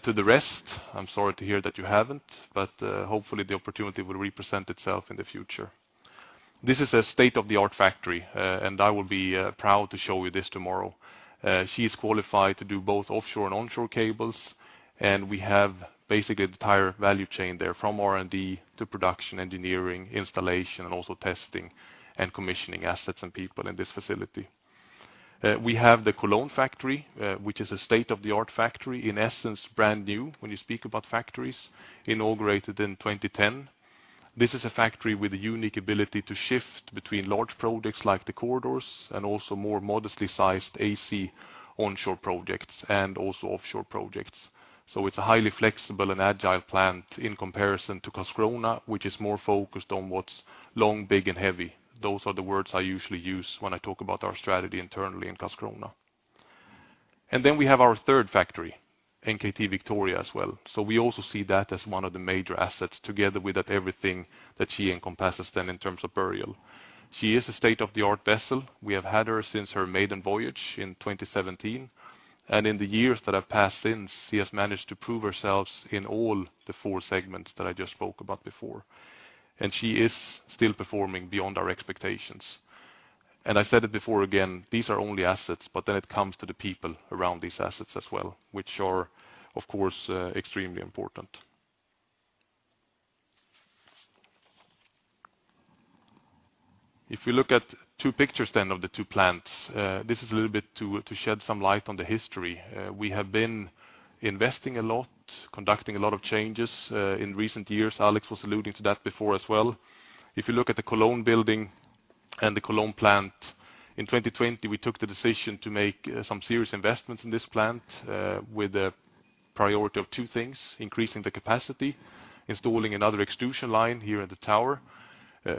To the rest, I'm sorry to hear that you haven't, but hopefully, the opportunity will represent itself in the future. This is a state-of-the-art factory, and I will be proud to show you this tomorrow. She is qualified to do both offshore and onshore cables, and we have basically the entire value chain there from R&D to production, engineering, installation, and also testing and commissioning assets and people in this facility. We have the Cologne factory, which is a state-of-the-art factory, in essence brand new when you speak about factories, inaugurated in 2010. This is a factory with a unique ability to shift between large projects like the corridors and also more modestly sized AC onshore projects and also offshore projects. It's a highly flexible and agile plant in comparison to Karlskrona, which is more focused on what's long, big, and heavy. Those are the words I usually use when I talk about our strategy internally in Karlskrona. We have our third factory, NKT Victoria, as well. We also see that as one of the major assets together with that everything that she encompasses then in terms of burial. She is a state-of-the-art vessel. We have had her since her maiden voyage in 2017. In the years that have passed since, she has managed to prove herself in all the four segments that I just spoke about before. She is still performing beyond our expectations. I said it before again, these are only assets, but then it comes to the people around these assets as well, which are, of course, extremely important. If we look at two pictures then of the two plants, this is a little bit to shed some light on the history. We have been investing a lot, conducting a lot of changes in recent years. Alex was alluding to that before as well. If you look at the Cologne building and the Cologne plant, in 2020, we took the decision to make some serious investments in this plant, with a priority of two things, increasing the capacity, installing another extrusion line here at the tower,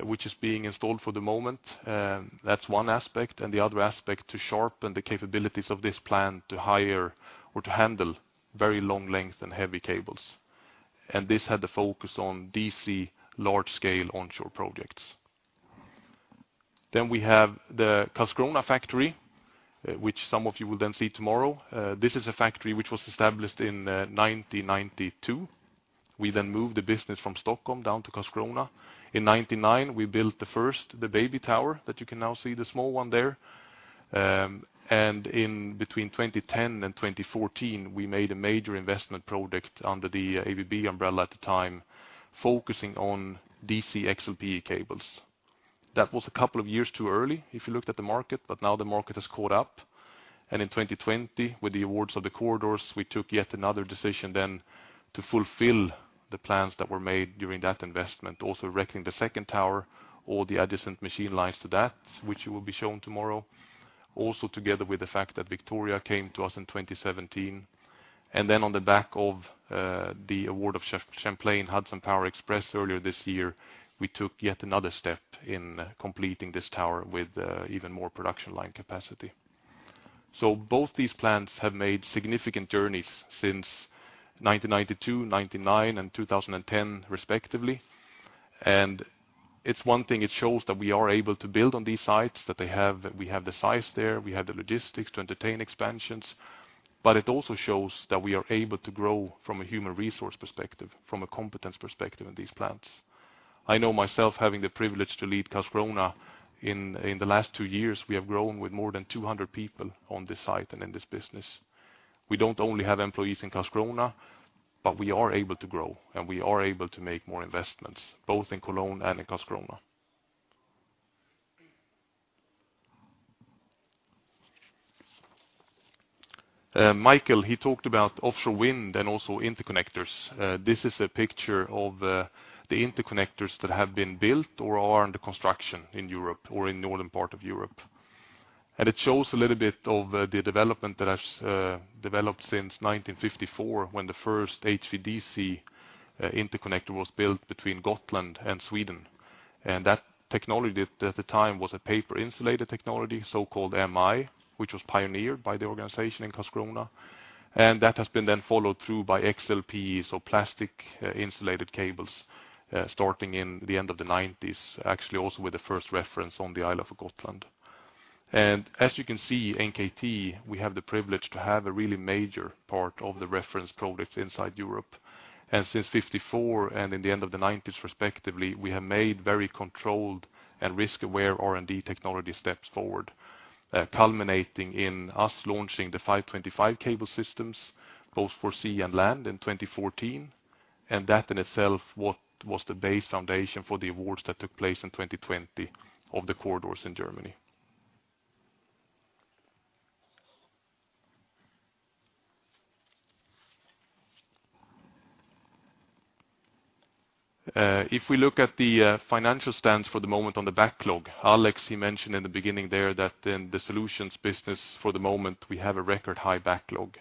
which is being installed for the moment. That's one aspect. The other aspect to sharpen the capabilities of this plant to haul or to handle very long length and heavy cables. This had the focus on DC large-scale onshore projects. We have the Karlskrona factory, which some of you will then see tomorrow. This is a factory which was established in 1992. We then moved the business from Stockholm down to Karlskrona. In 1999, we built the first, the baby tower that you can now see, the small one there. In between 2010 and 2014, we made a major investment project under the ABB umbrella at the time, focusing on DC XLPE cables. That was a couple of years too early, if you looked at the market, but now the market has caught up. In 2020, with the awards of the corridors, we took yet another decision then to fulfill the plans that were made during that investment, also erecting the second tower or the adjacent machine lines to that, which will be shown tomorrow. Also, together with the fact that Victoria came to us in 2017. On the back of the award of Champlain Hudson Power Express earlier this year, we took yet another step in completing this tower with even more production line capacity. Both these plants have made significant journeys since 1992, 1999, and 2010, respectively. It's one thing it shows that we are able to build on these sites, we have the size there, we have the logistics to entertain expansions. It also shows that we are able to grow from a human resource perspective, from a competence perspective in these plants. I know myself having the privilege to lead Karlskrona. In the last 2 years, we have grown with more than 200 people on this site and in this business. We don't only have employees in Karlskrona, but we are able to grow, and we are able to make more investments, both in Cologne and in Karlskrona. Michael, he talked about offshore wind and also interconnectors. This is a picture of the interconnectors that have been built or are under construction in Europe or in northern part of Europe. It shows a little bit of the development that has developed since 1954 when the first HVDC interconnector was built between Gotland and Sweden. That technology at the time was a paper insulator technology, so-called MI, which was pioneered by the organization in Karlskrona. That has been then followed through by XLPE, so plastic insulated cables, starting in the end of the 1990s, actually also with the first reference on the island of Gotland. As you can see, NKT, we have the privilege to have a really major part of the reference projects inside Europe. Since 54 and in the end of the 1990s, respectively, we have made very controlled and risk-aware R&D technology steps forward, culminating in us launching the 525 cable systems both for sea and land in 2014. That in itself, what was the base foundation for the awards that took place in 2020 of the corridors in Germany. If we look at the, financial stance for the moment on the backlog, Alex, he mentioned in the beginning there that in the solutions business for the moment, we have a record high backlog.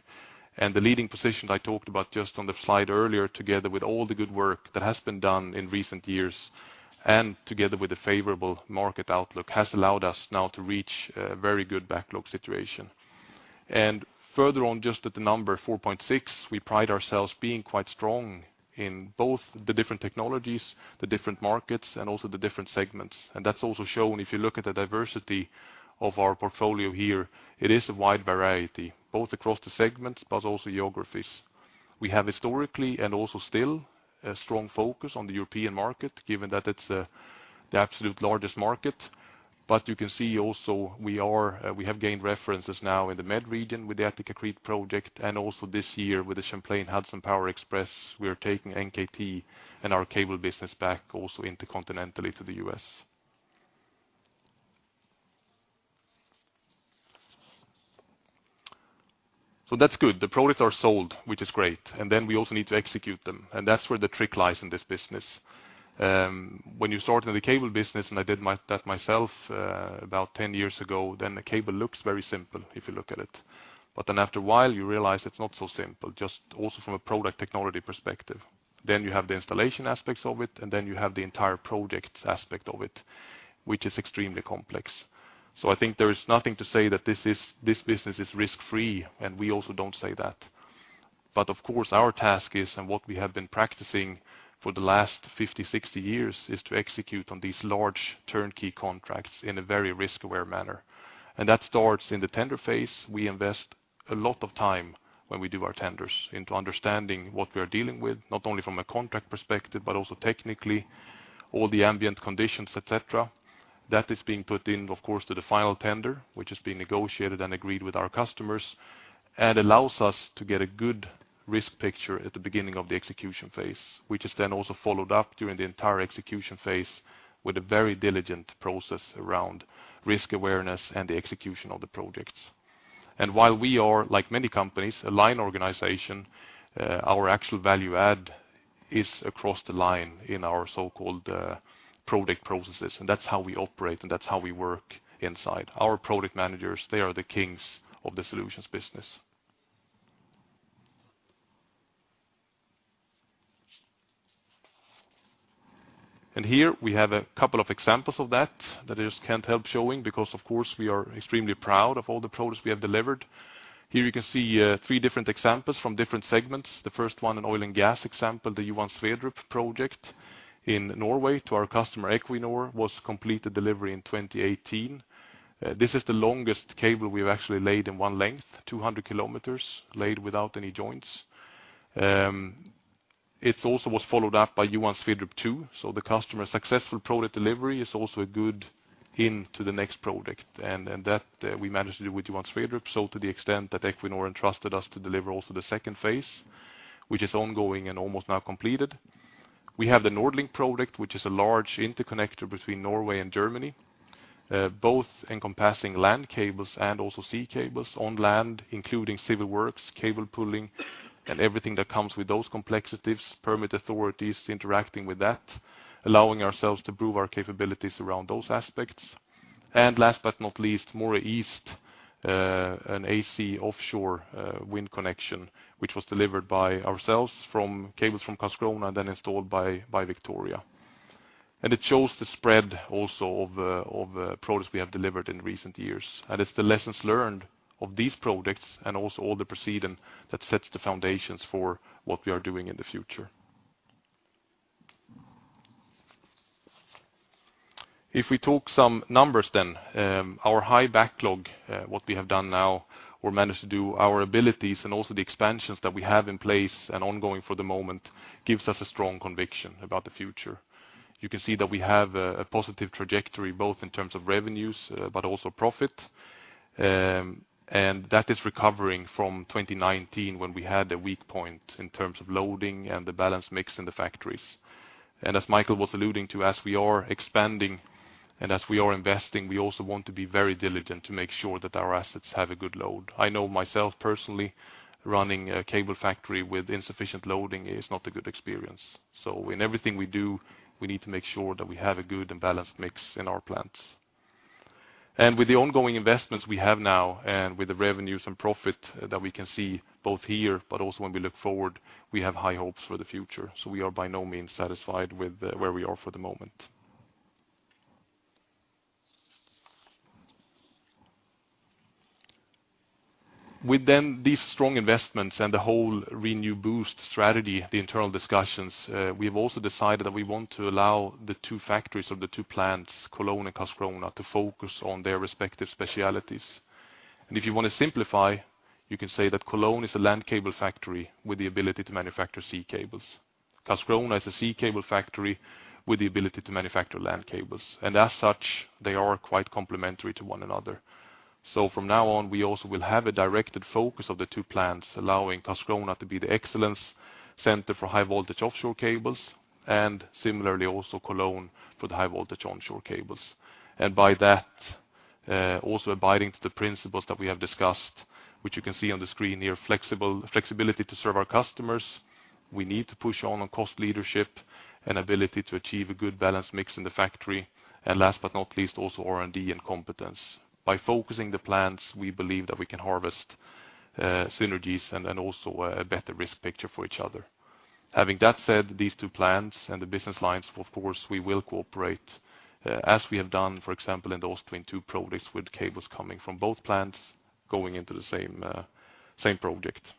The leading position I talked about just on the slide earlier, together with all the good work that has been done in recent years and together with a favorable market outlook, has allowed us now to reach a very good backlog situation. Further on just at the number 4.6, we pride ourselves being quite strong in both the different technologies, the different markets, and also the different segments. That's also shown if you look at the diversity of our portfolio here, it is a wide variety, both across the segments, but also geographies. We have historically, and also still, a strong focus on the European market, given that it's the absolute largest market. You can see also we have gained references now in the Med region with the Attica-Crete project, and also this year with the Champlain Hudson Power Express, we are taking NKT and our cable business back also intercontinentally to the US. That's good. The products are sold, which is great, and then we also need to execute them, and that's where the trick lies in this business. When you start in the cable business, and I did that myself, about 10 years ago, the cable looks very simple if you look at it. After a while, you realize it's not so simple, just also from a product technology perspective. You have the installation aspects of it, and then you have the entire project aspect of it, which is extremely complex. I think there is nothing to say that this business is risk-free, and we also don't say that. Of course, our task is, and what we have been practicing for the last 50, 60 years, is to execute on these large turnkey contracts in a very risk-aware manner. That starts in the tender phase. We invest a lot of time when we do our tenders into understanding what we are dealing with, not only from a contract perspective, but also technically, all the ambient conditions, et cetera. That is being put in, of course, to the final tender, which is being negotiated and agreed with our customers, and allows us to get a good risk picture at the beginning of the execution phase, which is then also followed up during the entire execution phase with a very diligent process around risk awareness and the execution of the projects. While we are, like many companies, a line organization, our actual value add is across the line in our so-called, product processes. That's how we operate, and that's how we work inside. Our product managers, they are the kings of the solutions business. Here we have a couple of examples of that I just can't help showing because, of course, we are extremely proud of all the products we have delivered. Here you can see three different examples from different segments. The first one, an oil and gas example, the Johan Sverdrup project in Norway to our customer Equinor, was completed delivery in 2018. This is the longest cable we've actually laid in one length, 200 kilometers laid without any joints. It also was followed up by Johan Sverdrup 2. The customer's successful product delivery is also a good hint to the next project. We managed to do with Johan Sverdrup, so to the extent that Equinor entrusted us to deliver also the second phase, which is ongoing and almost now completed. We have the NordLink project, which is a large interconnector between Norway and Germany, both encompassing land cables and also sea cables on land, including civil works, cable pooling, and everything that comes with those complexities, permit authorities interacting with that, allowing ourselves to prove our capabilities around those aspects. Last but not least, Moray East, an AC offshore wind connection, which was delivered by ourselves from cables from Karlskrona and then installed by Victoria. It shows the spread also of products we have delivered in recent years. It's the lessons learned of these products and also all the precedent that sets the foundations for what we are doing in the future. If we talk some numbers then, our high backlog, what we have done now or managed to do, our abilities, and also the expansions that we have in place and ongoing for the moment gives us a strong conviction about the future. You can see that we have a positive trajectory, both in terms of revenues, but also profit. That is recovering from 2019 when we had a weak point in terms of loading and the balance mix in the factories. As Michael was alluding to, as we are expanding and as we are investing, we also want to be very diligent to make sure that our assets have a good load. I know myself personally, running a cable factory with insufficient loading is not a good experience. In everything we do, we need to make sure that we have a good and balanced mix in our plants. With the ongoing investments we have now, and with the revenues and profit that we can see both here but also when we look forward, we have high hopes for the future. We are by no means satisfied with where we are for the moment. With then these strong investments and the whole ReNew BOOST strategy, the internal discussions, we have also decided that we want to allow the two factories or the two plants, Cologne and Karlskrona, to focus on their respective specialties. If you wanna simplify, you can say that Cologne is a land cable factory with the ability to manufacture sea cables. Karlskrona is a sea cable factory with the ability to manufacture land cables. As such, they are quite complementary to one another. From now on, we also will have a directed focus of the two plants, allowing Karlskrona to be the excellence center for high voltage offshore cables, and similarly, also Cologne for the high voltage onshore cables. By that, also abiding to the principles that we have discussed, which you can see on the screen here, flexibility to serve our customers. We need to push on cost leadership and ability to achieve a good balance mix in the factory. Last but not least, also R&D and competence. By focusing the plants, we believe that we can harvest synergies and also a better risk picture for each other. Having that said, these two plants and the business lines, of course, we will cooperate as we have done, for example, in the Ostwind 2 projects with cables coming from both plants going into the same project.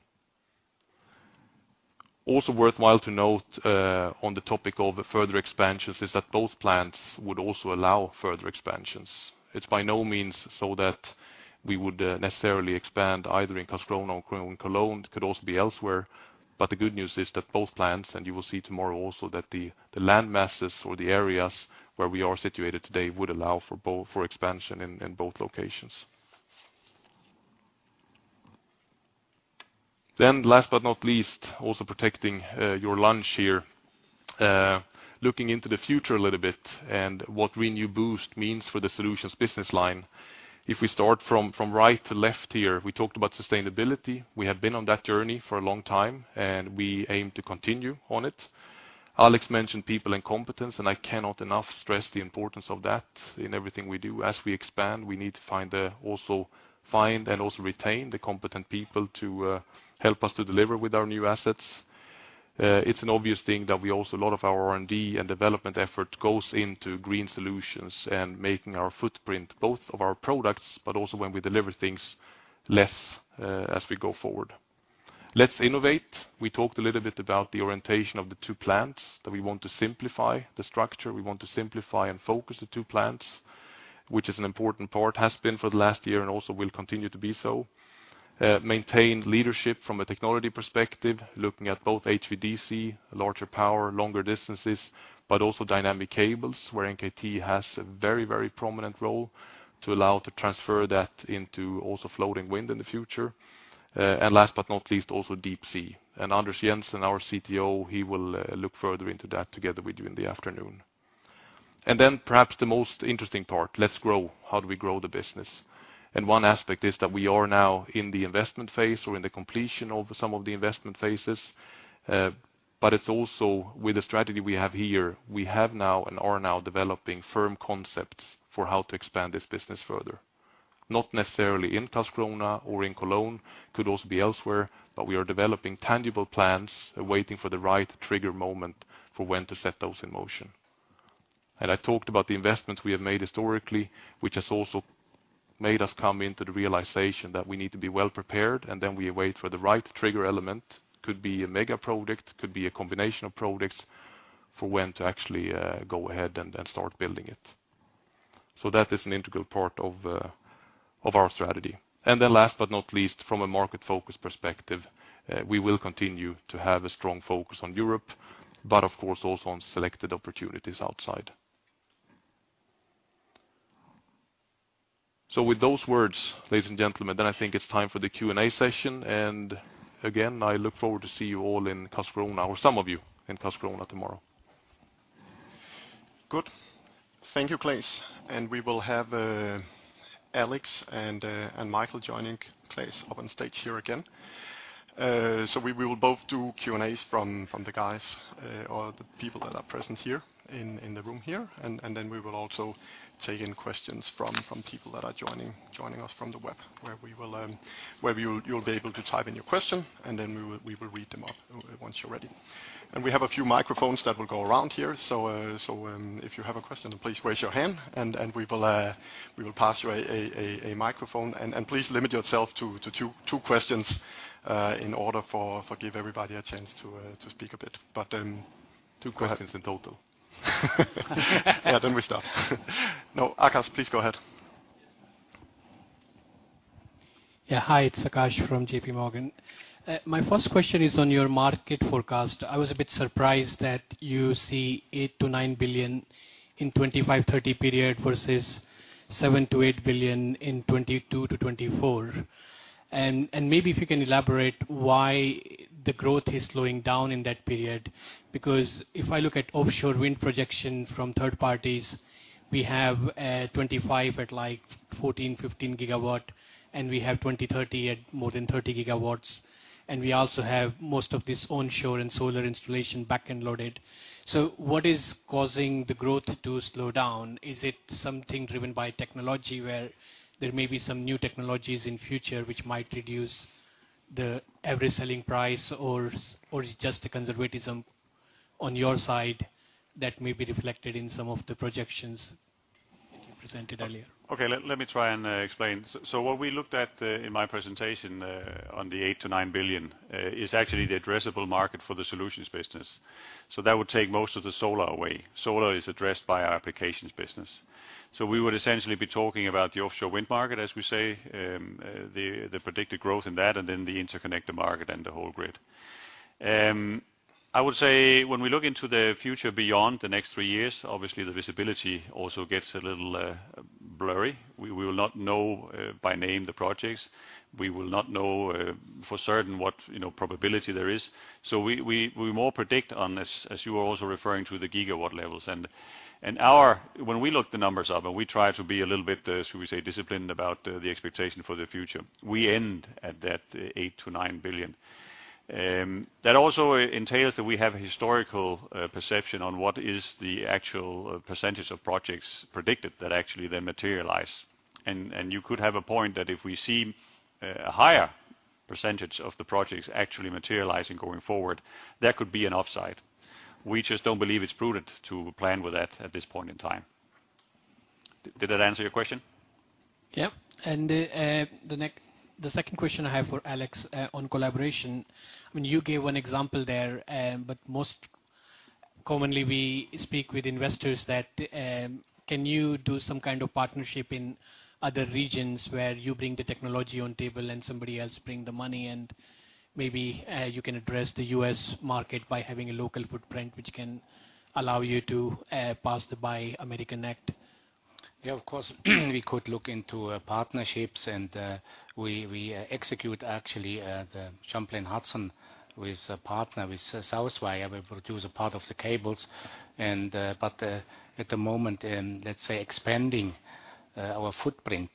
Also worthwhile to note on the topic of the further expansions is that those plants would also allow further expansions. It's by no means so that we would necessarily expand either in Karlskrona or in Cologne, could also be elsewhere. The good news is that both plants, and you will see tomorrow also that the land masses or the areas where we are situated today would allow for both for expansion in both locations. Last but not least, also protecting your lunch here. Looking into the future a little bit and what ReNew BOOST means for the solutions business line. If we start from right to left here, we talked about sustainability. We have been on that journey for a long time, and we aim to continue on it. Alex mentioned people and competence, and I cannot enough stress the importance of that in everything we do. As we expand, we need to find and retain the competent people to help us to deliver with our new assets. It's an obvious thing that a lot of our R&D and development effort goes into green solutions and making our footprint, both of our products, but also when we deliver things less as we go forward. Let's innovate. We talked a little bit about the orientation of the two plants, that we want to simplify the structure. We want to simplify and focus the two plants, which is an important part, has been for the last year and also will continue to be so. Maintain leadership from a technology perspective, looking at both HVDC, larger power, longer distances, but also dynamic cables, where NKT has a very, very prominent role to allow to transfer that into also floating wind in the future. Last but not least, also deep sea. Anders Jensen, our CTO, he will look further into that together with you in the afternoon. Then perhaps the most interesting part, let's grow. How do we grow the business? One aspect is that we are now in the investment phase or in the completion of some of the investment phases. It's also with the strategy we have here, we have now and are now developing firm concepts for how to expand this business further. Not necessarily in Karlskrona or in Cologne, could also be elsewhere, but we are developing tangible plans, waiting for the right trigger moment for when to set those in motion. I talked about the investment we have made historically, which has also made us come into the realization that we need to be well prepared, and then we wait for the right trigger element. Could be a mega product, could be a combination of products for when to actually go ahead and start building it. That is an integral part of our strategy. Last but not least, from a market focus perspective, we will continue to have a strong focus on Europe, but of course also on selected opportunities outside. With those words, ladies and gentlemen, then I think it's time for the Q&A session. Again, I look forward to see you all in Karlskrona, or some of you in Karlskrona tomorrow. Good. Thank you, Claes. We will have Alex and Michael joining Claes up on stage here again. We will both do Q&As from the guys or the people that are present here in the room here. We will also take in questions from people that are joining us from the web, where you'll be able to type in your question, and then we will read them up once you're ready. We have a few microphones that will go around here. If you have a question, please raise your hand, and we will pass you a microphone. Please limit yourself to two questions in order to give everybody a chance to speak a bit. Go ahead. Two questions in total. Yeah. We stop. No, Akash, please go ahead. Yeah. Hi, it's Akash from JPMorgan. My first question is on your market forecast. I was a bit surprised that you see 8-9 billion in 2025-2030 period versus 7-8 billion in 2022-2024. Maybe if you can elaborate why the growth is slowing down in that period. Because if I look at offshore wind projection from third parties, we have 2025 at, like, 14-15 GW, and we have 2030 at more than 30 GW. We also have most of this onshore and solar installation back-ended loaded. What is causing the growth to slow down? Is it something driven by technology where there may be some new technologies in future which might reduce the average selling price, or it's just a conservatism on your side that may be reflected in some of the projections you presented earlier? Okay. Let me try and explain. What we looked at in my presentation on the 8 billion-9 billion is actually the addressable market for the solutions business. That would take most of the solar away. Solar is addressed by our applications business. We would essentially be talking about the offshore wind market, as we say, the predicted growth in that, and then the interconnector market and the whole grid. I would say when we look into the future beyond the next three years, obviously the visibility also gets a little blurry. We more predict on this, as you were also referring to the gigawatt levels. When we look up the numbers, and we try to be a little bit, shall we say, disciplined about the expectation for the future, we end at that 8 billion-9 billion. That also entails that we have historical perspective on what is the actual percentage of projects predicted that actually then materialize. You could have a point that if we see a higher percentage of the projects actually materializing going forward, that could be an upside. We just don't believe it's prudent to plan with that at this point in time. Did that answer your question? Yeah. The second question I have for Alex, on collaboration, when you gave one example there, but most commonly we speak with investors that can you do some kind of partnership in other regions where you bring the technology on table and somebody else bring the money, and maybe you can address the U.S. market by having a local footprint, which can allow you to pass the Buy American Act? Yeah, of course. We could look into partnerships and we execute actually the Champlain Hudson with a partner, with Southwire. We produce a part of the cables and but at the moment let's say expanding our footprint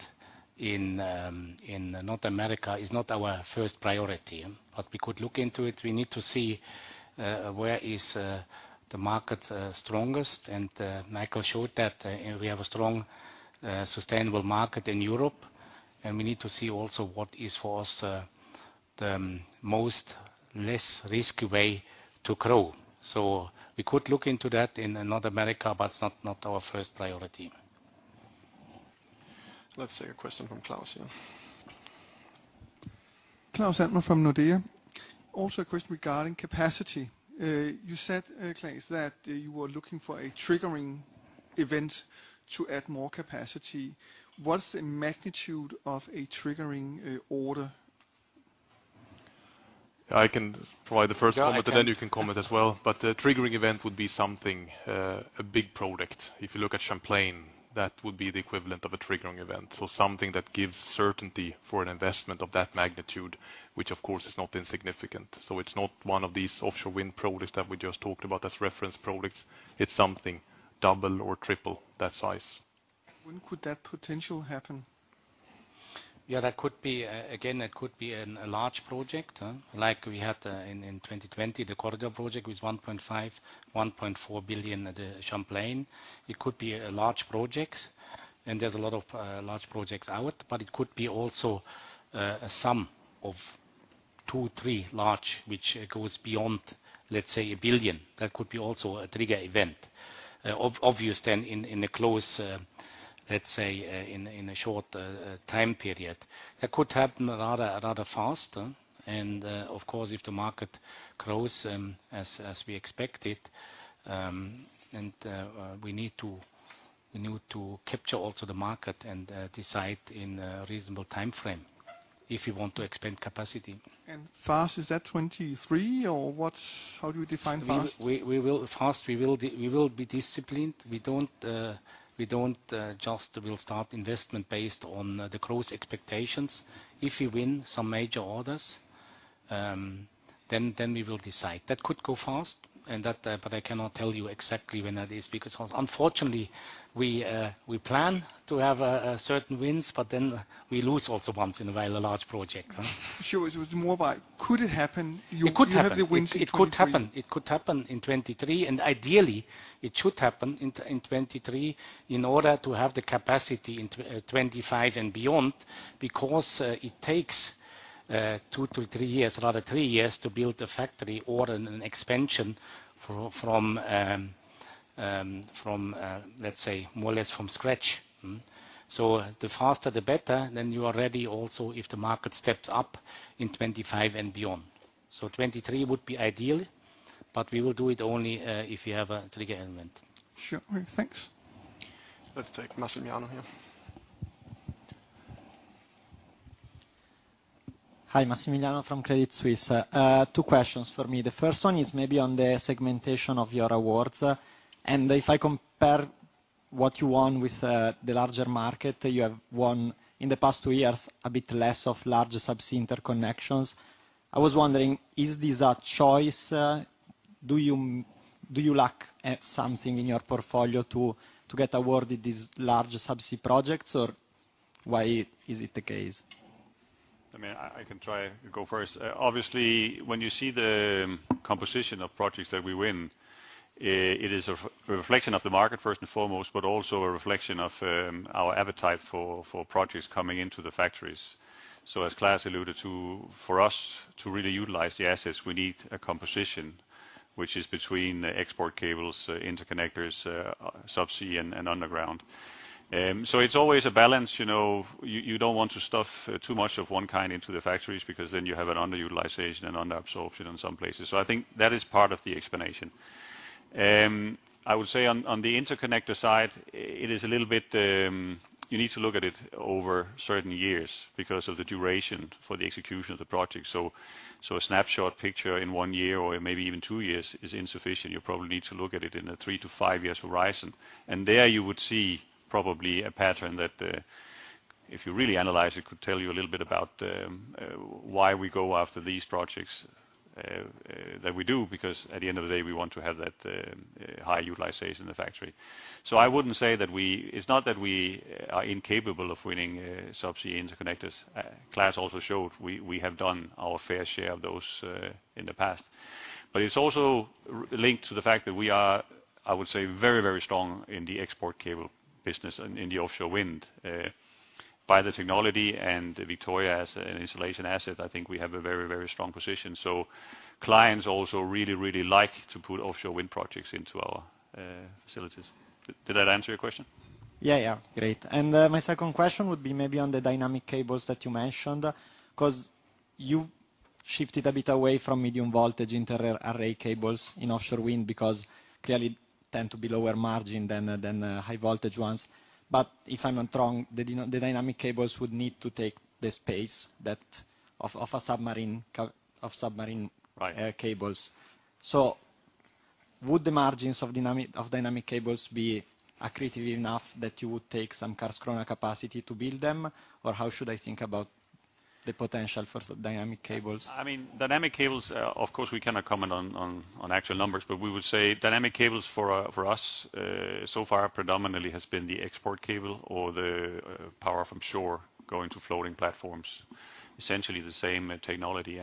in North America is not our first priority. But we could look into it. We need to see where is the market strongest, and Michael showed that we have a strong sustainable market in Europe, and we need to see also what is for us the most less risky way to grow. We could look into that in North America, but it's not our first priority. Let's take a question from Claus here. Claus Almer from Nordea. Also a question regarding capacity. You said, Claes, that you were looking for a triggering event to add more capacity. What's the magnitude of a triggering order? I can provide the first comment. Go ahead. Then you can comment as well. The triggering event would be something, a big product. If you look at Champlain, that would be the equivalent of a triggering event. Something that gives certainty for an investment of that magnitude, which, of course, is not insignificant. It's not one of these offshore wind products that we just talked about as reference products. It's something double or triple that size. When could that potential happen? Yeah, that could be a large project, like we had in 2020, the Corridor project with 1.5 billion, 1.4 billion at Champlain. It could be large projects, and there's a lot of large projects out, but it could be also a sum of two, three large, which goes beyond, let's say, 1 billion. That could be also a trigger event. Obvious then in the close, let's say, in a short time period. That could happen rather fast. Of course, if the market grows as we expect it, and we need to capture also the market and decide in a reasonable timeframe if you want to expand capacity. Fast, is that 23 or what's, how do you define fast? We will be disciplined. We don't just will start investment based on the growth expectations. If we win some major orders, then we will decide. That could go fast and that, but I cannot tell you exactly when that is because unfortunately, we plan to have certain wins, but then we lose also once in a while a large project. Sure. It was more about could it happen? It could happen. You have the wins in 2023. It could happen. It could happen in 2023, and ideally, it should happen in 2023 in order to have the capacity in 2025 and beyond because it takes two-three years, rather three years to build a factory or an expansion from, let's say more or less from scratch. The faster the better, then you are ready also if the market steps up in 2025 and beyond. 2023 would be ideal, but we will do it only if you have a trigger event. Sure. Thanks. Let's take Massimiliano here. Hi, Massimiliano from Crédit Suisse. Two questions for me. The first one is maybe on the segmentation of your awards. If I compare what you won with the larger market, you have won in the past two years a bit less of large subsea interconnections. I was wondering, is this a choice? Do you lack something in your portfolio to get awarded these large subsea projects, or why is it the case? I mean, I can try to go first. Obviously, when you see the composition of projects that we win, it is a reflection of the market first and foremost, but also a reflection of our appetite for projects coming into the factories. As Claes alluded to, for us to really utilize the assets, we need a composition which is between export cables, interconnectors, subsea and underground. It's always a balance. You know, you don't want to stuff too much of one kind into the factories because then you have an underutilization and under absorption in some places. I think that is part of the explanation. I would say on the interconnector side, it is a little bit, you need to look at it over certain years because of the duration for the execution of the project. A snapshot picture in one year or maybe even two years is insufficient. You probably need to look at it in a three to five year horizon. There you would see probably a pattern that, if you really analyze, it could tell you a little bit about why we go after these projects that we do, because at the end of the day, we want to have that high utilization in the factory. I wouldn't say that we are incapable of winning subsea interconnectors. Claes also showed we have done our fair share of those in the past. It's also related to the fact that we are, I would say, very, very strong in the export cable business and in the offshore wind. With the technology and Victoria as an installation asset, I think we have a very, very strong position. Clients also really, really like to put offshore wind projects into our facilities. Did that answer your question? Yeah, yeah. Great. My second question would be maybe on the dynamic cables that you mentioned. 'Cause you shifted a bit away from medium voltage inter array cables in offshore wind because clearly tend to be lower margin than the high voltage ones. But if I'm not wrong, the dynamic cables would need to take the space that of a submarine Right. cables. Would the margins of dynamic cables be accretive enough that you would take some Karlskrona capacity to build them? Or how should I think about the potential for dynamic cables? I mean, dynamic cables, of course, we cannot comment on actual numbers, but we would say dynamic cables for us so far predominantly has been the export cable or the power from shore going to floating platforms, essentially the same technology.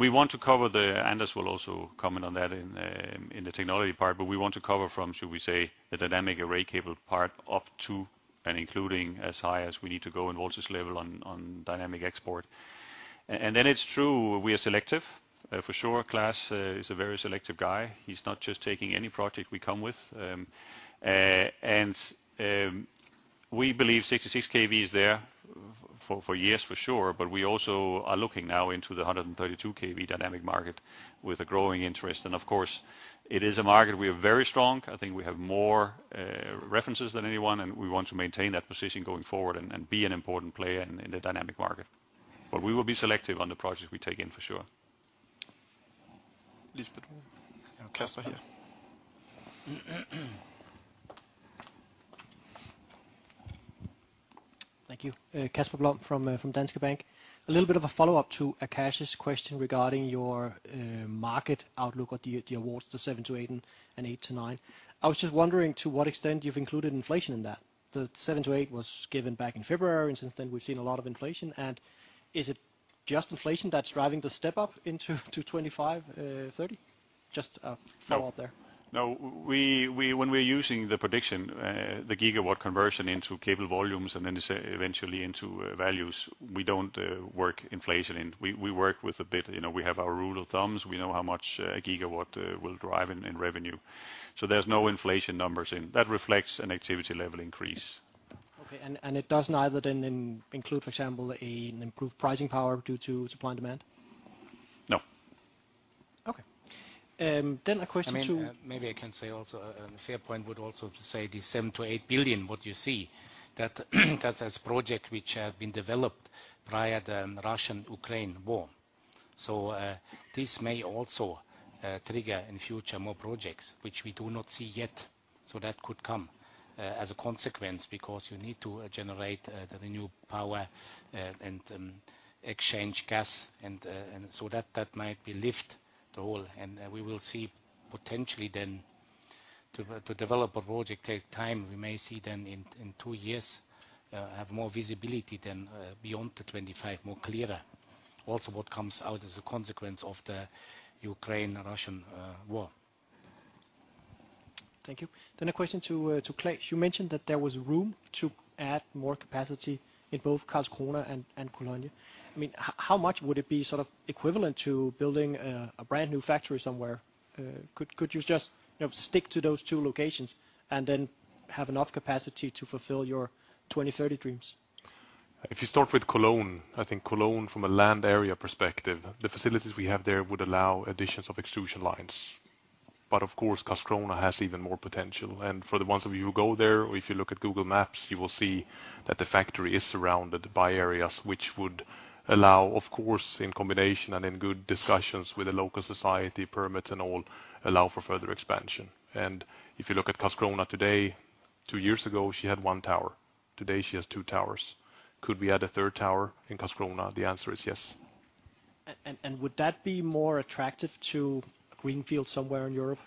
We want to cover. Anders will also comment on that in the technology part, but we want to cover from, should we say, the dynamic array cable part up to and including as high as we need to go in voltage level on dynamic export. Then it's true, we are selective. For sure, Claes is a very selective guy. He's not just taking any project we come with. We believe 66 kV is there for years for sure, but we also are looking now into the 132 kV dynamic market with a growing interest. Of course, it is a market we are very strong. I think we have more references than anyone, and we want to maintain that position going forward and be an important player in the dynamic market. We will be selective on the projects we take in for sure. Lisbon. You know Casper here. Thank you. Casper Blom from Danske Bank. A little bit of a follow-up to Akash's question regarding your market outlook or the awards, the 7-8 and 8-9. I was just wondering to what extent you've included inflation in that. The seven to eight was given back in February, and since then we've seen a lot of inflation. Is it just inflation that's driving the step up into 25-30? Just a follow-up there. No. When we're using the prediction, the gigawatt conversion into cable volumes and then eventually into values, we don't work inflation in. We work with a bit, you know, we have our rules of thumb. We know how much a gigawatt will drive in revenue. There's no inflation numbers in. That reflects an activity level increase. Okay. It doesn't either then include, for example, an improved pricing power due to supply and demand? No. Okay. A question to- I mean, maybe I can say also, fair point would also to say the 7 billion-8 billion, what you see, that is projects which have been developed prior to the Russian-Ukraine war. This may also trigger in future more projects which we do not see yet. That could come as a consequence because you need to generate the new power and replace gas and so that might lift the whole. We will see potentially then to develop a project take time. We may see then in 2 years have more visibility than beyond 2025 more clearer. Also, what comes out as a consequence of the Russian-Ukraine war. Thank you. A question to Claes. You mentioned that there was room to add more capacity in both Karlskrona and Cologne. I mean, how much would it be sort of equivalent to building a brand new factory somewhere? Could you just, you know, stick to those two locations and then have enough capacity to fulfill your 2030 dreams? If you start with Cologne, I think Cologne from a land area perspective, the facilities we have there would allow additions of extrusion lines. Of course, Karlskrona has even more potential. For the ones of you who go there, or if you look at Google Maps, you will see that the factory is surrounded by areas which would allow, of course, in combination and in good discussions with the local society permits and all, allow for further expansion. If you look at Karlskrona today, two years ago, she had one tower. Today, she has two towers. Could we add a third tower in Karlskrona? The answer is yes. Would that be more attractive to greenfield somewhere in Europe?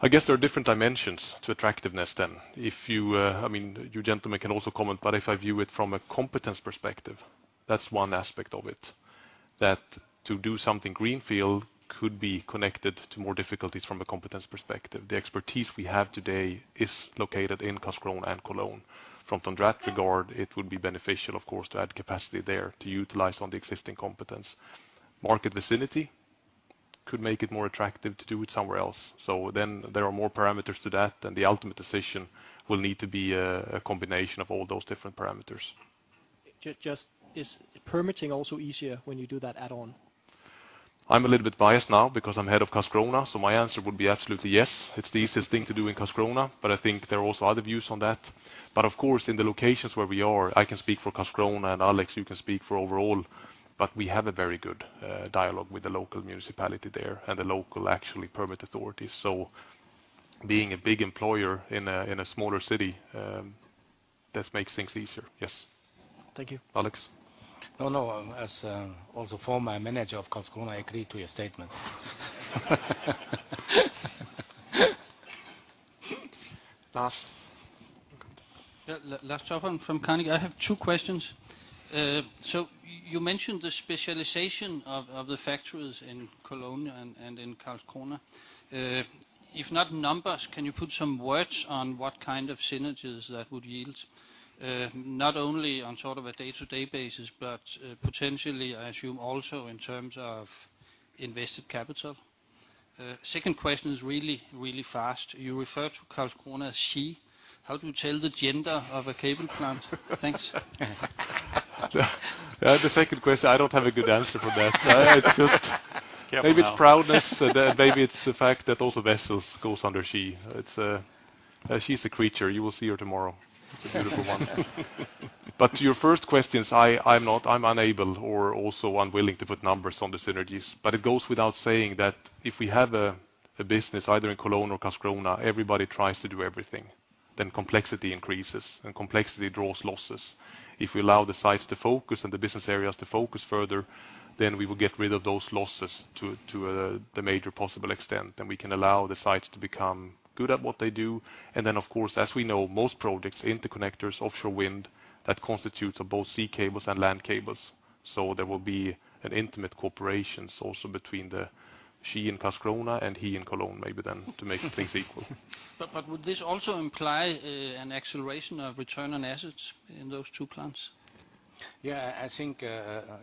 I guess there are different dimensions to attractiveness then. If you, I mean, you gentlemen can also comment, but if I view it from a competence perspective, that's one aspect of it. That to do something greenfield could be connected to more difficulties from a competence perspective. The expertise we have today is located in Karlskrona and Cologne. From tender track regard, it would be beneficial, of course, to add capacity there to utilize the existing competence. Market vicinity could make it more attractive to do it somewhere else. There are more parameters to that, and the ultimate decision will need to be a combination of all those different parameters. Just, is permitting also easier when you do that add-on? I'm a little bit biased now because I'm head of Karlskrona, so my answer would be absolutely yes. It's the easiest thing to do in Karlskrona, but I think there are also other views on that. Of course, in the locations where we are, I can speak for Karlskrona and Alex, you can speak for overall, but we have a very good dialogue with the local municipality there and the local permitting authorities. Being a big employer in a smaller city, that makes things easier. Yes. Thank you. Alex? No, no. As also former manager of Karlskrona, I agree to your statement. Lars. Yeah. Lars Topholm from Carnegie. I have two questions. So you mentioned the specialization of the factories in Cologne and in Karlskrona. If not numbers, can you put some words on what kind of synergies that would yield? Not only on sort of a day-to-day basis, but potentially, I assume also in terms of invested capital. Second question is really, really fast. You refer to Karlskrona as she. How do you tell the gender of a cable plant? Thanks. Yeah, the second question, I don't have a good answer for that. It's just. Careful now. Maybe it's proudness. Maybe it's the fact that all the vessels goes under she. It's, she's a creature. You will see her tomorrow. It's a beautiful one. To your first questions, I'm unable or also unwilling to put numbers on the synergies. It goes without saying that if we have a business either in Cologne or Karlskrona, everybody tries to do everything, then complexity increases, and complexity draws losses. If we allow the sites to focus and the business areas to focus further, then we will get rid of those losses to the major possible extent. We can allow the sites to become good at what they do. Of course, as we know, most projects, interconnectors, offshore wind, that constitutes of both sea cables and land cables. There will be an intimate cooperation also between the she in Karlskrona and he in Cologne, maybe then to make things equal. Would this also imply an acceleration of return on assets in those two plants? Yeah, I think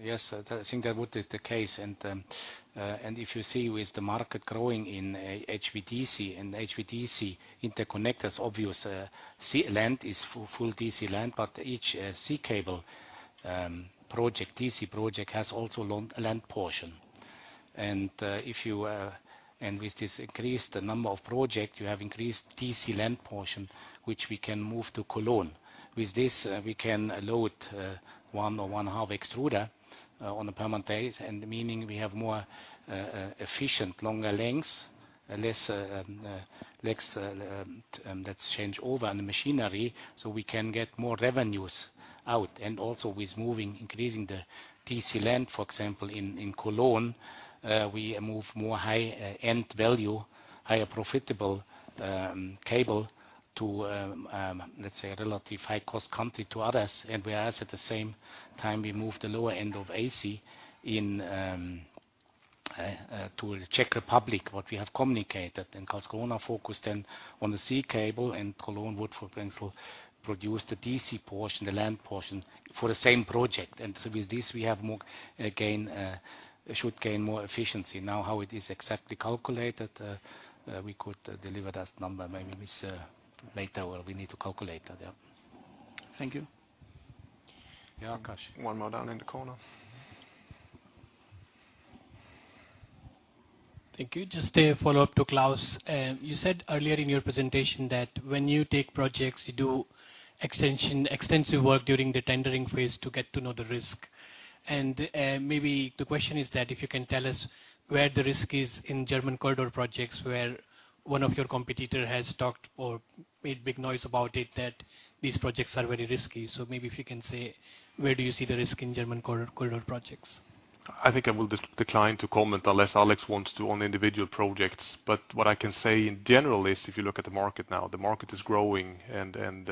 yes, I think that would be the case. If you see with the market growing in HVDC and HVDC interconnectors, obviously sea and land is full DC land, but each sea cable project, DC project has also land portion. With this increased number of project, you have increased DC land portion, which we can move to Cologne. With this, we can load one or one-half extruder on a permanent basis, and meaning we have more efficient longer lengths and less changeover on the machinery, so we can get more revenues out. Also with moving, increasing the DC land, for example, in Cologne, we move more high-end value, higher profitable cable to, let's say, a relative high-cost country to others. Whereas at the same time, we move the lower end of AC to Czech Republic, what we have communicated. Karlskrona focus then on the sea cable and Cologne would for example produce the DC portion, the land portion for the same project. With this, we have more gain, should gain more efficiency. Now how it is exactly calculated, we could deliver that number maybe with later or we need to calculate that, yeah. Thank you. Yeah. Akash. One more down in the corner. Thank you. Just a follow-up to Claus. You said earlier in your presentation that when you take projects, you do extensive work during the tendering phase to get to know the risk. Maybe the question is that if you can tell us where the risk is in German Corridor projects, where one of your competitor has talked or made big noise about it, that these projects are very risky. Maybe if you can say, where do you see the risk in German Corridor projects? I think I will decline to comment unless Alex wants to on individual projects. What I can say in general is if you look at the market now, the market is growing and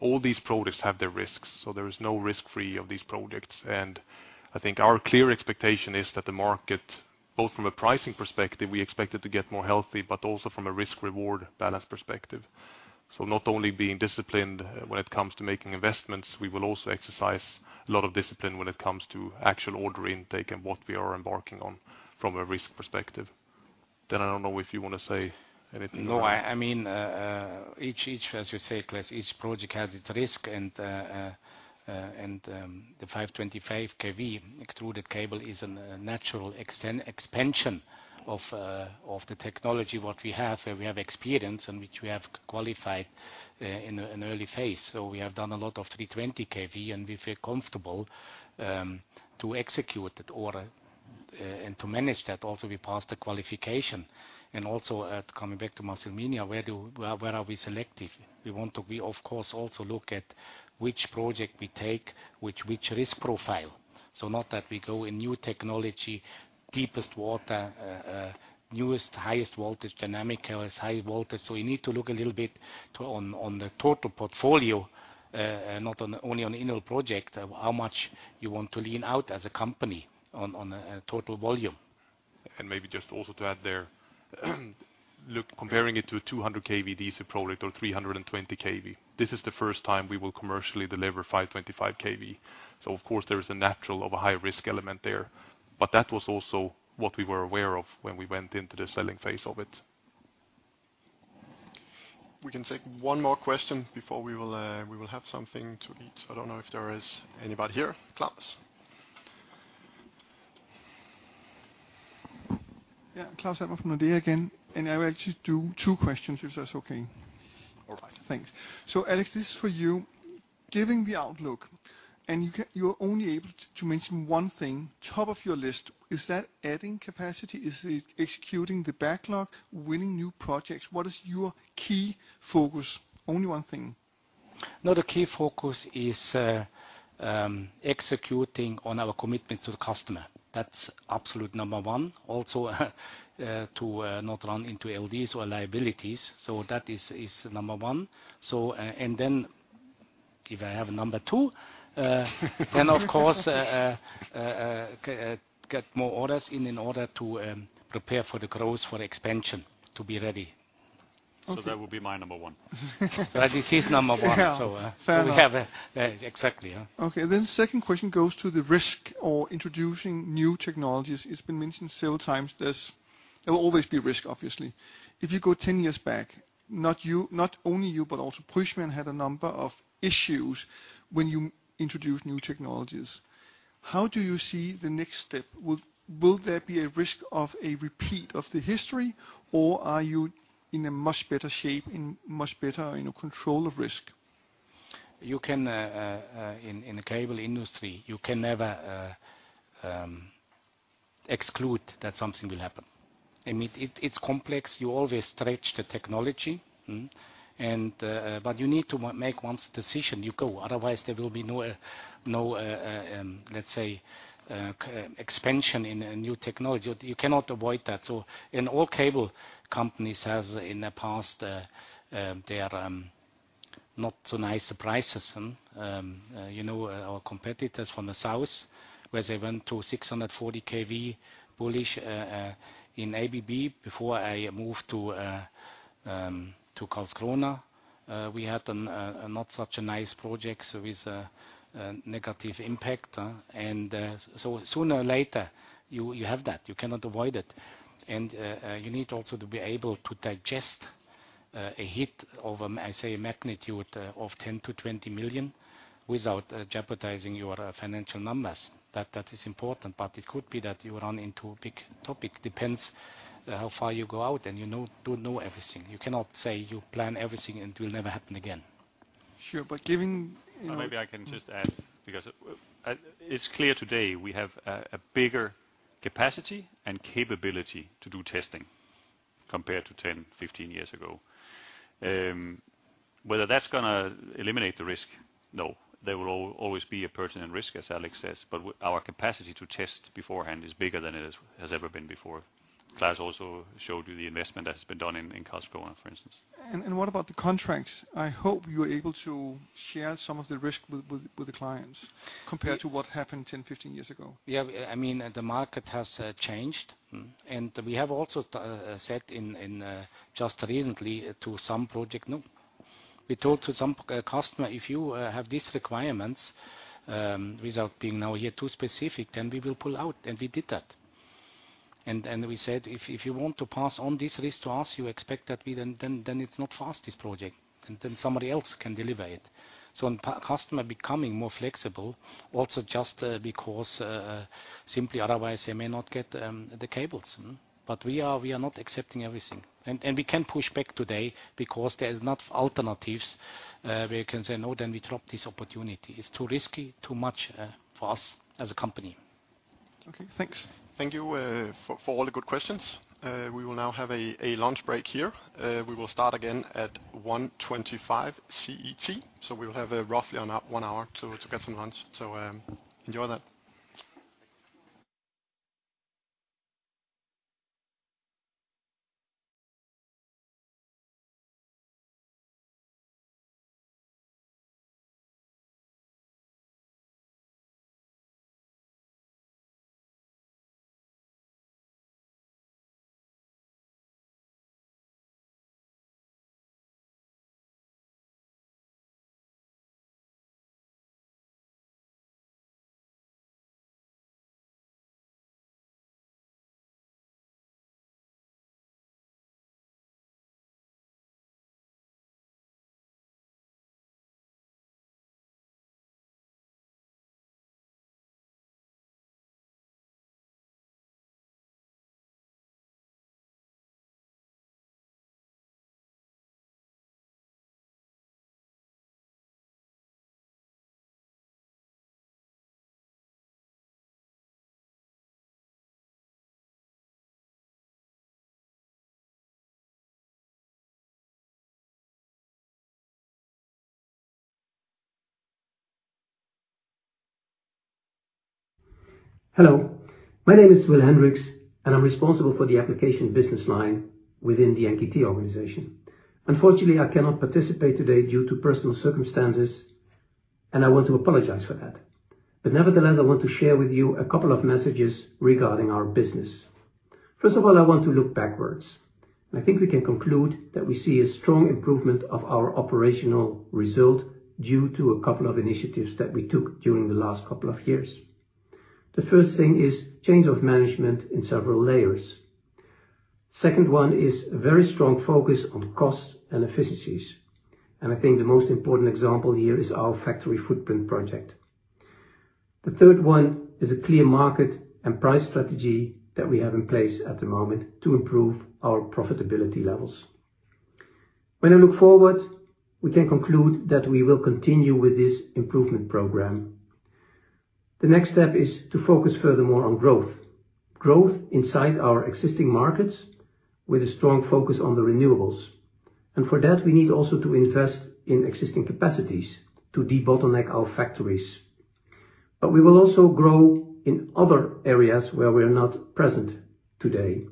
all these projects have their risks, so there is no risk free of these projects. I think our clear expectation is that the market, both from a pricing perspective, we expect it to get more healthy, but also from a risk-reward balance perspective. Not only being disciplined when it comes to making investments, we will also exercise a lot of discipline when it comes to actual order intake and what we are embarking on from a risk perspective. I don't know if you want to say anything. No, I mean, each as you say, Claus, each project has its risk and the 525 kV extruded cable is a natural extension of the technology what we have, where we have experience and which we have qualified in early phase. We have done a lot of 320 kV and we feel comfortable to execute that order and to manage that. Also, we passed the qualification. Also, coming back to Massimiliano, where are we selective? We want to, of course, also look at which project we take, which risk profile. Not that we go to a new technology, deepest water, newest, highest voltage, dynamic cable is high voltage. We need to look a little bit on the total portfolio, not only on the inner project, how much you want to lean out as a company on a total volume. Maybe just also to add there, look, comparing it to a 200 kV DC product or 320 kV, this is the first time we will commercially deliver 525 kV. Of course, there is naturally a high-risk element there. That was also what we were aware of when we went into the selling phase of it. We can take one more question before we will have something to eat. I don't know if there is anybody here. Claus. Yeah. Claus Almer from Nordea again. I will actually do two questions, if that's okay? All right. Thanks. Alex, this is for you. Given the outlook, you're only able to mention one thing, top of your list, is that adding capacity? Is it executing the backlog, winning new projects? What is your key focus? Only one thing. No, the key focus is executing on our commitment to the customer. That's absolute number one. Also, to not run into LDs or liabilities. That is number one. If I have a number two, then of course get more orders in order to prepare for the growth, for the expansion to be ready. Okay. That would be my number one. This is number one, so Fair enough. We have it. Exactly, yeah. Okay. Second question goes to the risk of introducing new technologies. It's been mentioned several times. There will always be risk, obviously. If you go 10 years back, not only you, but also Prysmian had a number of issues when you introduced new technologies. How do you see the next step? Will there be a risk of a repeat of the history, or are you in a much better shape, you know, in control of risk? In the cable industry, you can never exclude that something will happen. I mean, it's complex. You always stretch the technology. Mm-hmm. You need to make one decision. You go, otherwise there will be no expansion in a new technology. You cannot avoid that. In all cable companies has in the past their not so nice prices. You know, our competitors from the south, where they went to 640 kV business in ABB before I moved to Karlskrona. We had not such a nice project with negative impact. You have that. You cannot avoid it. You need also to be able to digest a hit of, I say, a magnitude of 10 million-20 million without jeopardizing your financial numbers. That is important. It could be that you run into a big topic, depends how far you go out, and you know, do know everything. You cannot say you plan everything and it will never happen again. Sure. Giving, you know. Maybe I can just add, because it's clear today we have a bigger capacity and capability to do testing compared to 10, 15 years ago. Whether that's gonna eliminate the risk? No. There will always be a pertinent risk, as Alexander says, but our capacity to test beforehand is bigger than it has ever been before. Claes also showed you the investment that has been done in Karlskrona, for instance. What about the contracts? I hope you are able to share some of the risk with the clients compared to what happened 10-15 years ago. Yeah, I mean, the market has changed, and we have also said just recently no to some project. We talked to some customer, if you have these requirements, without being now here too specific, then we will pull out, and we did that. We said, "If you want to pass on this risk to us, you expect that we then it's not for us, this project, and then somebody else can deliver it." Customer becoming more flexible also just because simply otherwise they may not get the cables. We are not accepting everything. We can push back today because there are no alternatives where you can say, "No, then we drop this opportunity." It's too risky, too much for us as a company. Okay, thanks. Thank you for all the good questions. We will now have a lunch break here. We will start again at 1:25 CET. We will have roughly an hour to get some lunch. Enjoy that. Hello, my name is Will Hendrikx, and I'm responsible for the application business line within the NKT organization. Unfortunately, I cannot participate today due to personal circumstances, and I want to apologize for that. Nevertheless, I want to share with you a couple of messages regarding our business. First of all, I want to look backwards. I think we can conclude that we see a strong improvement of our operational result due to a couple of initiatives that we took during the last couple of years. The first thing is change of management in several layers. Second one is a very strong focus on costs and efficiencies, and I think the most important example here is our factory footprint project. The third one is a clear market and price strategy that we have in place at the moment to improve our profitability levels. When I look forward, we can conclude that we will continue with this improvement program. The next step is to focus furthermore on growth. Growth inside our existing markets with a strong focus on the renewables. For that, we need also to invest in existing capacities to debottleneck our factories. We will also grow in other areas where we're not present today,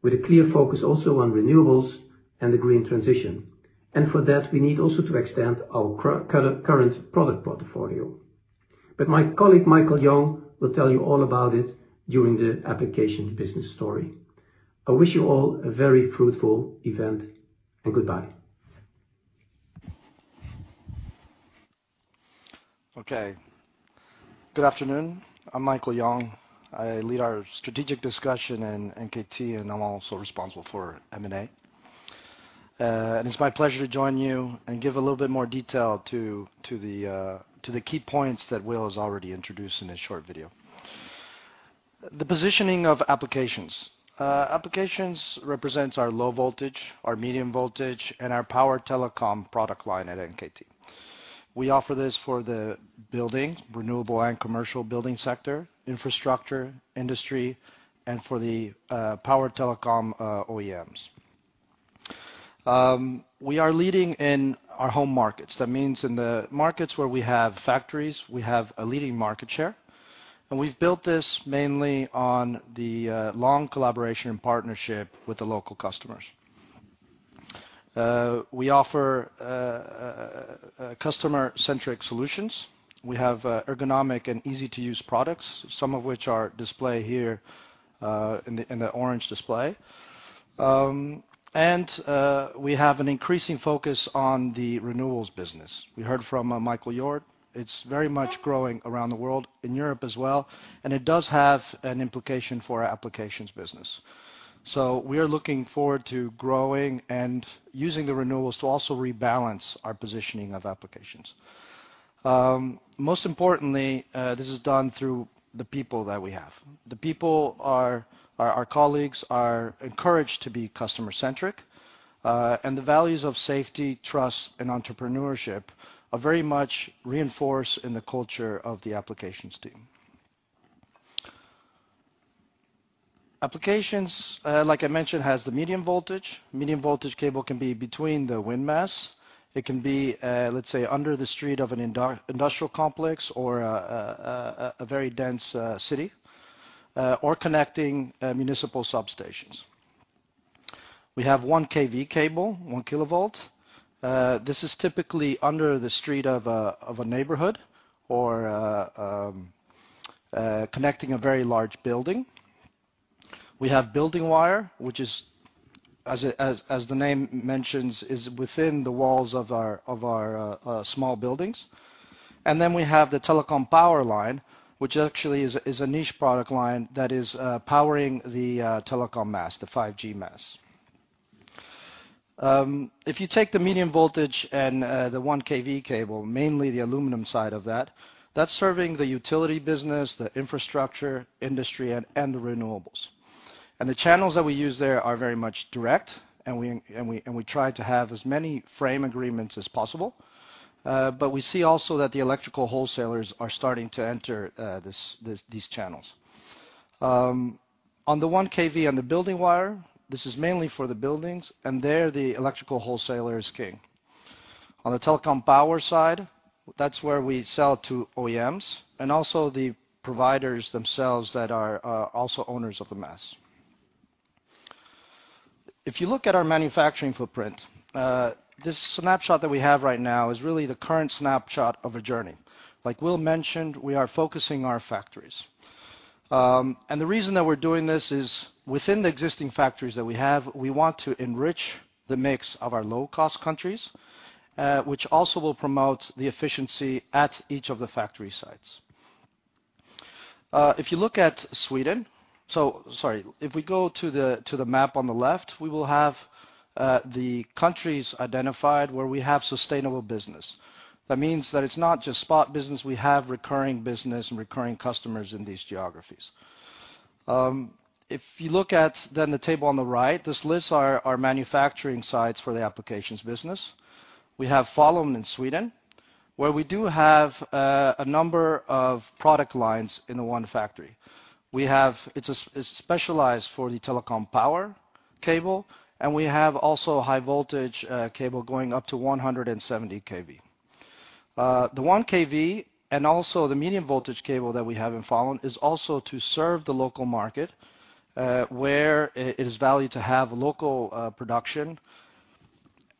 with a clear focus also on renewables and the green transition. For that, we need also to extend our current product portfolio. My colleague, Michael Yong, will tell you all about it during the applications business story. I wish you all a very fruitful event, and goodbye. Okay. Good afternoon. I'm Michael Yong. I lead our strategic discussion in NKT, and I'm also responsible for M&A. It's my pleasure to join you and give a little bit more detail to the key points that Will has already introduced in his short video. The positioning of applications. Applications represents our low voltage, our medium voltage, and our power telecom product line at NKT. We offer this for the building, renewable and commercial building sector, infrastructure, industry, and for the power telecom OEMs. We are leading in our home markets. That means in the markets where we have factories, we have a leading market share, and we've built this mainly on the long collaboration and partnership with the local customers. We offer customer-centric solutions. We have ergonomic and easy-to-use products, some of which are displayed here in the orange display. We have an increasing focus on the renewables business. We heard from Michael Hjorth. It's very much growing around the world, in Europe as well, and it does have an implication for our applications business. We are looking forward to growing and using the renewables to also rebalance our positioning of applications. Most importantly, this is done through the people that we have. Our colleagues are encouraged to be customer-centric, and the values of safety, trust, and entrepreneurship are very much reinforced in the culture of the applications team. Applications, like I mentioned, has the medium voltage. Medium voltage cable can be between the wind masts. It can be, let's say, under the street of an industrial complex or a very dense city or connecting municipal substations. We have 1 kV cable, one kilovolt. This is typically under the street of a neighborhood or connecting a very large building. We have building wire, which is, as the name mentions, within the walls of our small buildings. We have the telecom power line, which actually is a niche product line that is powering the telecom masts, the 5G masts. If you take the medium voltage and the 1 kV cable, mainly the aluminum side of that's serving the utility business, the infrastructure, industry and the renewables. The channels that we use there are very much direct, and we try to have as many frame agreements as possible. We see also that the electrical wholesalers are starting to enter these channels. On the 1 kV and the building wire, this is mainly for the buildings, and there the electrical wholesaler is king. On the telecom power side, that's where we sell to OEMs and also the providers themselves that are also owners of the masts. If you look at our manufacturing footprint, this snapshot that we have right now is really the current snapshot of a journey. Like Will mentioned, we are focusing our factories. The reason that we're doing this is within the existing factories that we have, we want to enrich the mix of our low-cost countries, which also will promote the efficiency at each of the factory sites. If we go to the map on the left, we will have the countries identified where we have sustainable business. That means that it's not just spot business. We have recurring business and recurring customers in these geographies. If you look at then the table on the right, this lists our manufacturing sites for the applications business. We have Falun in Sweden, where we do have a number of product lines in the one factory. It's specialized for the telecom power cable, and we have also high voltage cable going up to 170 kV. The 1 kV and also the medium voltage cable that we have in Falun is also to serve the local market, where it is valued to have local production.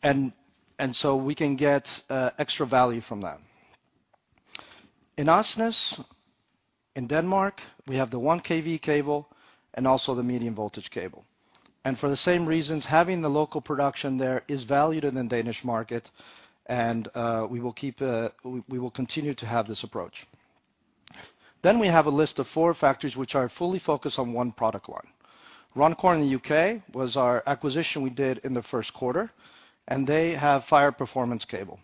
We can get extra value from that. In Asnæs, in Denmark, we have the 1 kV cable and also the medium voltage cable. For the same reasons, having the local production there is valued in the Danish market, and we will continue to have this approach. We have a list of four factories which are fully focused on one product line. Runcorn in the UK was our acquisition we did in the first quarter, and they have fire performance cable.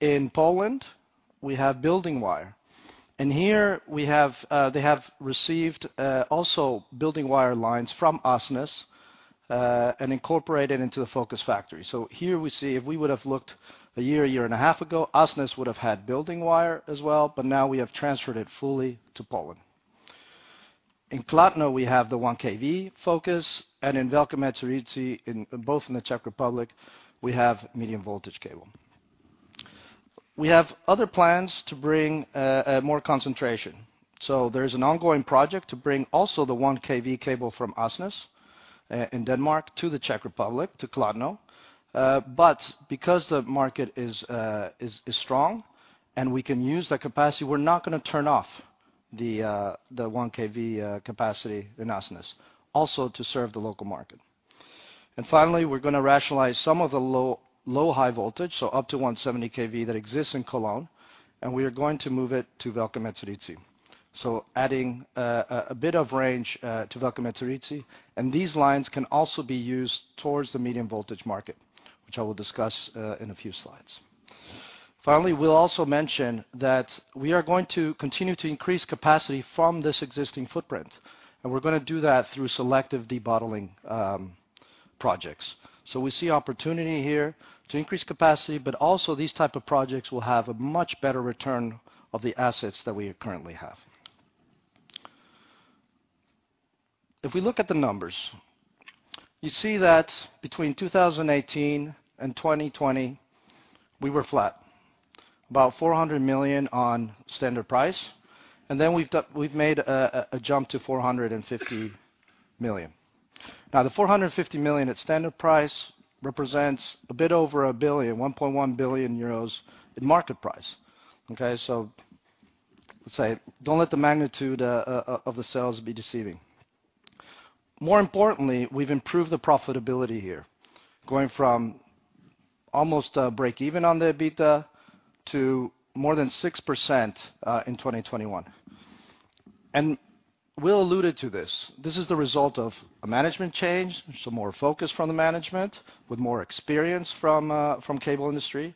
In Poland, we have building wire. Here we have, they have received also building wire lines from Asnæs, and incorporate it into the focus factory. Here we see if we would have looked a year and a half ago, Asnæs would have had building wire as well, but now we have transferred it fully to Poland. In Kladno, we have the 1 kV focus and in Velké Meziříčí, in both in the Czech Republic, we have medium voltage cable. We have other plans to bring more concentration. There's an ongoing project to bring also the 1 kV cable from Asnæs in Denmark to the Czech Republic to Kladno. Because the market is strong and we can use that capacity, we're not gonna turn off the 1 kV capacity in Asnæs also to serve the local market. Finally, we're gonna rationalize some of the low high voltage, so up to 170 kV that exists in Cologne, and we are going to move it to Velke Mezirici. Adding a bit of range to Velke Mezirici. These lines can also be used towards the medium voltage market, which I will discuss in a few slides. Finally, we'll also mention that we are going to continue to increase capacity from this existing footprint, and we're gonna do that through selective debottling projects. We see opportunity here to increase capacity, but also these type of projects will have a much better return of the assets that we currently have. If we look at the numbers, you see that between 2018 and 2020, we were flat. About 400 million on standard price. Then we've made a jump to 450 million. Now, the 450 million at standard price represents a bit over a billion, 1.1 billion euros in market price. Okay. Let's say, don't let the magnitude of the sales be deceiving. More importantly, we've improved the profitability here, going from almost break even on the EBITDA to more than 6% in 2021. Will alluded to this. This is the result of a management change. There's some more focus from the management with more experience from cable industry,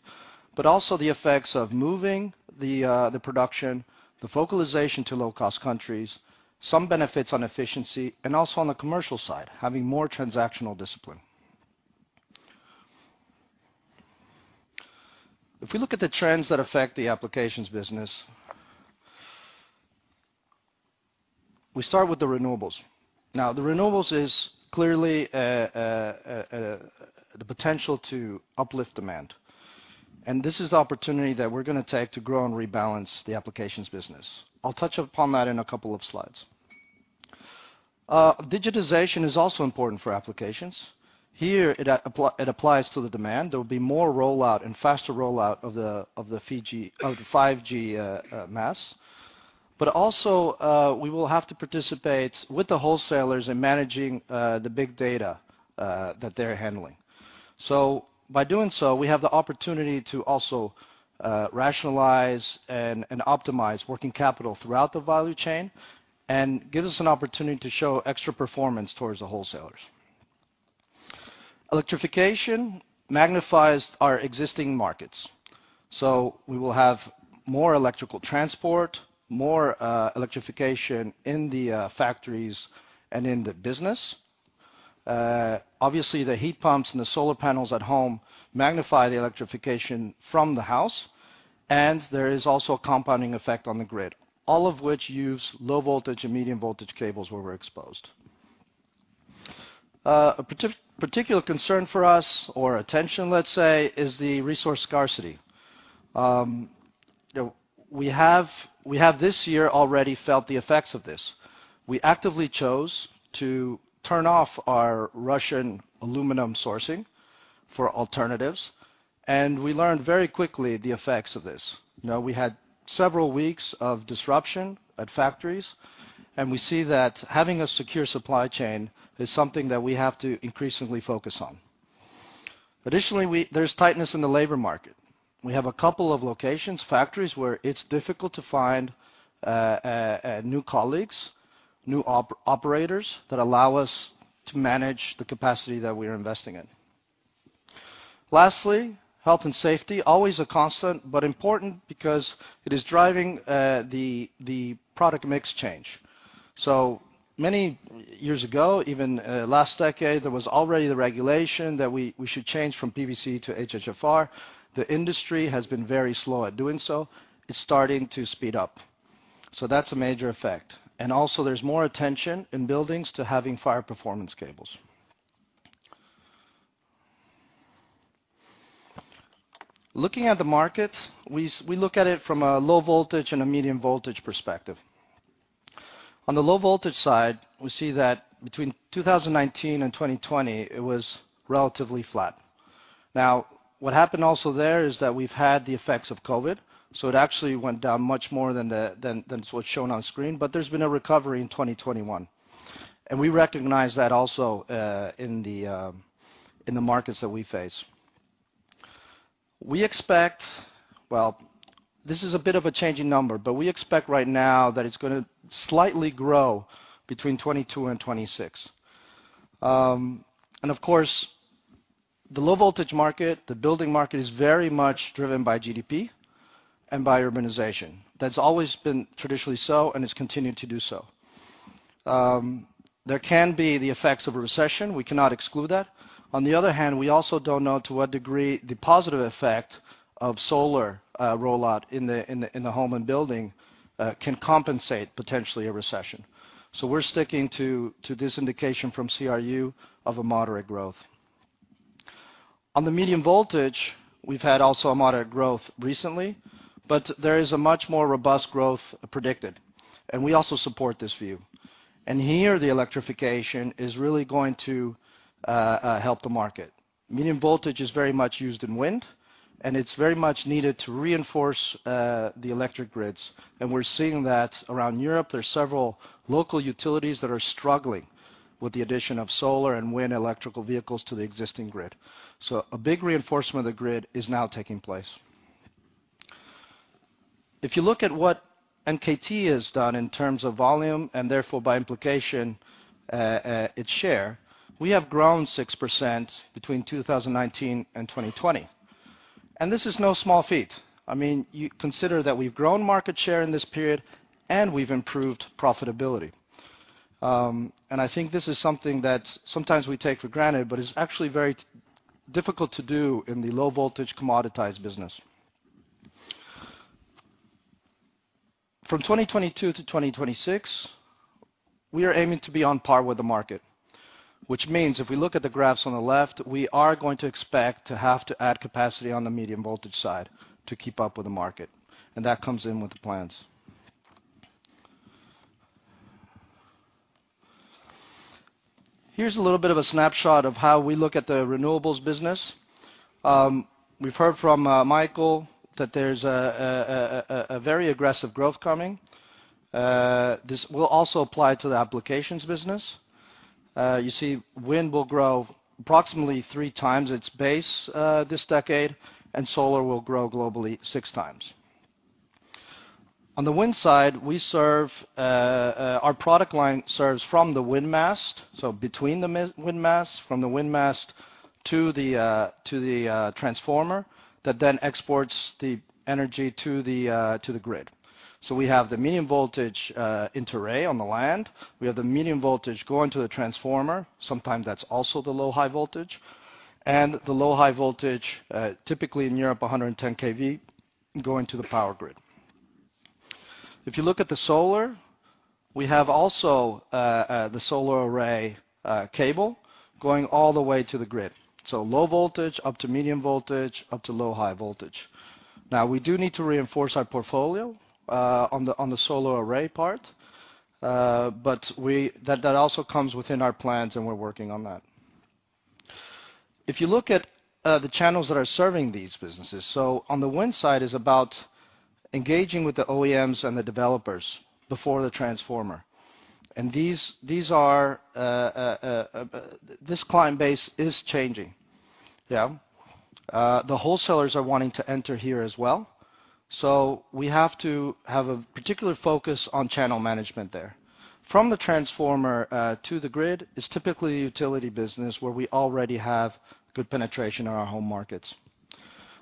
but also the effects of moving the production, the focalization to low cost countries, some benefits on efficiency, and also on the commercial side, having more transactional discipline. If we look at the trends that affect the applications business, we start with the renewables. The renewables is clearly the potential to uplift demand. This is the opportunity that we're gonna take to grow and rebalance the applications business. I'll touch upon that in a couple of slides. Digitization is also important for applications. Here it applies to the demand. There will be more rollout and faster rollout of the 5G masts. Also, we will have to participate with the wholesalers in managing the big data that they're handling. By doing so, we have the opportunity to also rationalize and optimize working capital throughout the value chain and give us an opportunity to show extra performance towards the wholesalers. Electrification magnifies our existing markets, so we will have more electrical transport, more electrification in the factories and in the business. Obviously, the heat pumps and the solar panels at home magnify the electrification from the house, and there is also a compounding effect on the grid. All of which use low voltage and medium voltage cables where we're exposed. A particular concern for us or attention, let's say, is the resource scarcity. You know, we have this year already felt the effects of this. We actively chose to turn off our Russian aluminum sourcing for alternatives, and we learned very quickly the effects of this. You know, we had several weeks of disruption at factories, and we see that having a secure supply chain is something that we have to increasingly focus on. Additionally, there's tightness in the labor market. We have a couple of locations, factories where it's difficult to find new colleagues, new operators that allow us to manage the capacity that we're investing in. Lastly, health and safety, always a constant, but important because it is driving the product mix change. Many years ago, even last decade, there was already the regulation that we should change from PVC to HFFR. The industry has been very slow at doing so. It's starting to speed up. That's a major effect. Also there's more attention in buildings to having fire performance cables. Looking at the markets, we look at it from a low voltage and a medium voltage perspective. On the low voltage side, we see that between 2019 and 2020, it was relatively flat. Now, what happened also there is that we've had the effects of COVID, so it actually went down much more than what's shown on screen. There's been a recovery in 2021, and we recognize that also in the markets that we face. We expect. Well, this is a bit of a changing number, but we expect right now that it's gonna slightly grow between 2022 and 2026. Of course, the low voltage market, the building market, is very much driven by GDP and by urbanization. That's always been traditionally so, and it's continued to do so. There can be the effects of a recession. We cannot exclude that. On the other hand, we also don't know to what degree the positive effect of solar rollout in the home and building can compensate potentially a recession. We're sticking to this indication from CRU of a moderate growth. On the medium voltage, we've had also a moderate growth recently, but there is a much more robust growth predicted, and we also support this view. Here, the electrification is really going to help the market. Medium voltage is very much used in wind, and it's very much needed to reinforce the electric grids. We're seeing that around Europe, there are several local utilities that are struggling with the addition of solar and wind electrical vehicles to the existing grid. A big reinforcement of the grid is now taking place. If you look at what NKT has done in terms of volume, and therefore by implication, its share, we have grown 6% between 2019 and 2020. This is no small feat. I mean, you consider that we've grown market share in this period, and we've improved profitability. I think this is something that sometimes we take for granted, but it's actually very difficult to do in the low voltage commoditized business. From 2022 to 2026, we are aiming to be on par with the market, which means if we look at the graphs on the left, we are going to expect to have to add capacity on the medium voltage side to keep up with the market. That comes in with the plans. Here's a little bit of a snapshot of how we look at the renewables business. We've heard from Michael that there's a very aggressive growth coming. This will also apply to the applications business. You see wind will grow approximately three times its base this decade, and solar will grow globally six times. On the wind side, our product line serves from the wind mast, so between the wind mast, from the wind mast to the transformer that then exports the energy to the grid. We have the medium voltage inter-array on the land. We have the medium voltage going to the transformer. Sometimes that's also the low/high voltage. The low/high voltage, typically in Europe, 110 kV, going to the power grid. If you look at the solar, we have also the solar array cable going all the way to the grid. Low voltage up to medium voltage up to low/high voltage. Now, we do need to reinforce our portfolio on the solar array part, but that also comes within our plans, and we're working on that. If you look at the channels that are serving these businesses, so on the wind side is about engaging with the OEMs and the developers before the transformer. These are this client base is changing. The wholesalers are wanting to enter here as well, so we have to have a particular focus on channel management there. From the transformer to the grid is typically utility business where we already have good penetration in our home markets.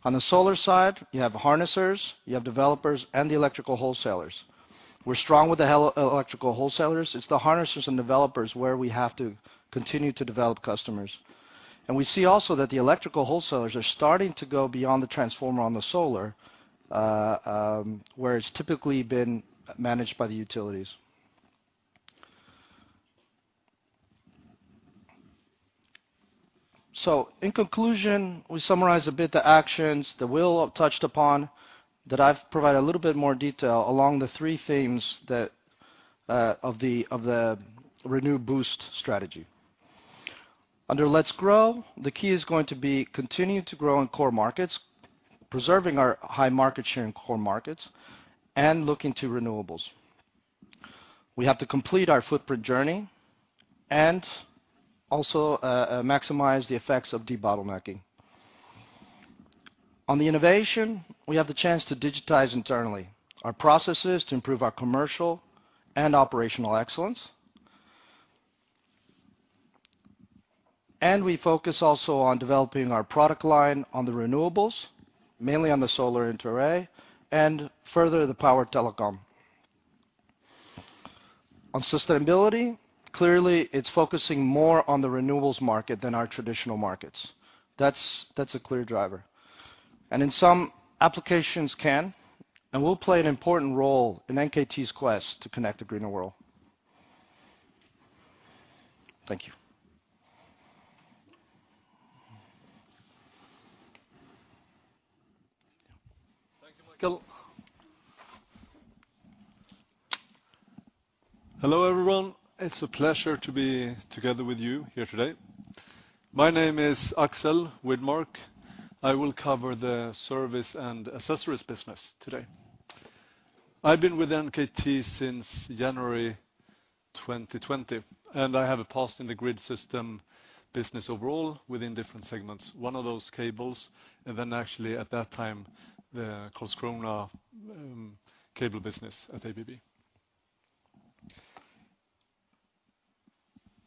On the solar side, you have harnessers, you have developers, and the electrical wholesalers. We're strong with the electrical wholesalers. It's the harnessers and developers where we have to continue to develop customers. We see also that the electrical wholesalers are starting to go beyond the transformer on the solar, where it's typically been managed by the utilities. In conclusion, we summarize a bit the actions that Will touched upon, that I've provided a little bit more detail along the three themes of the ReNew BOOST strategy. Under Let's Grow, the key is going to be continuing to grow in core markets, preserving our high market share in core markets, and looking to renewables. We have to complete our footprint journey and also maximize the effects of debottlenecking. On the innovation, we have the chance to digitize internally our processes to improve our commercial and operational excellence. We focus also on developing our product line on the renewables, mainly on the solar interarray, and further the power telecom. On sustainability, clearly, it's focusing more on the renewables market than our traditional markets. That's a clear driver. In some applications can and will play an important role in NKT's quest to connect a greener world. Thank you. Thank you, Michael. Hello, everyone. It's a pleasure to be together with you here today. My name is Axel Widmark. I will cover the service and accessories business today. I've been with NKT since January 2020, and I have a past in the grid system business overall within different segments. One of those cables, and then actually at that time, the Karlskrona cable business at ABB.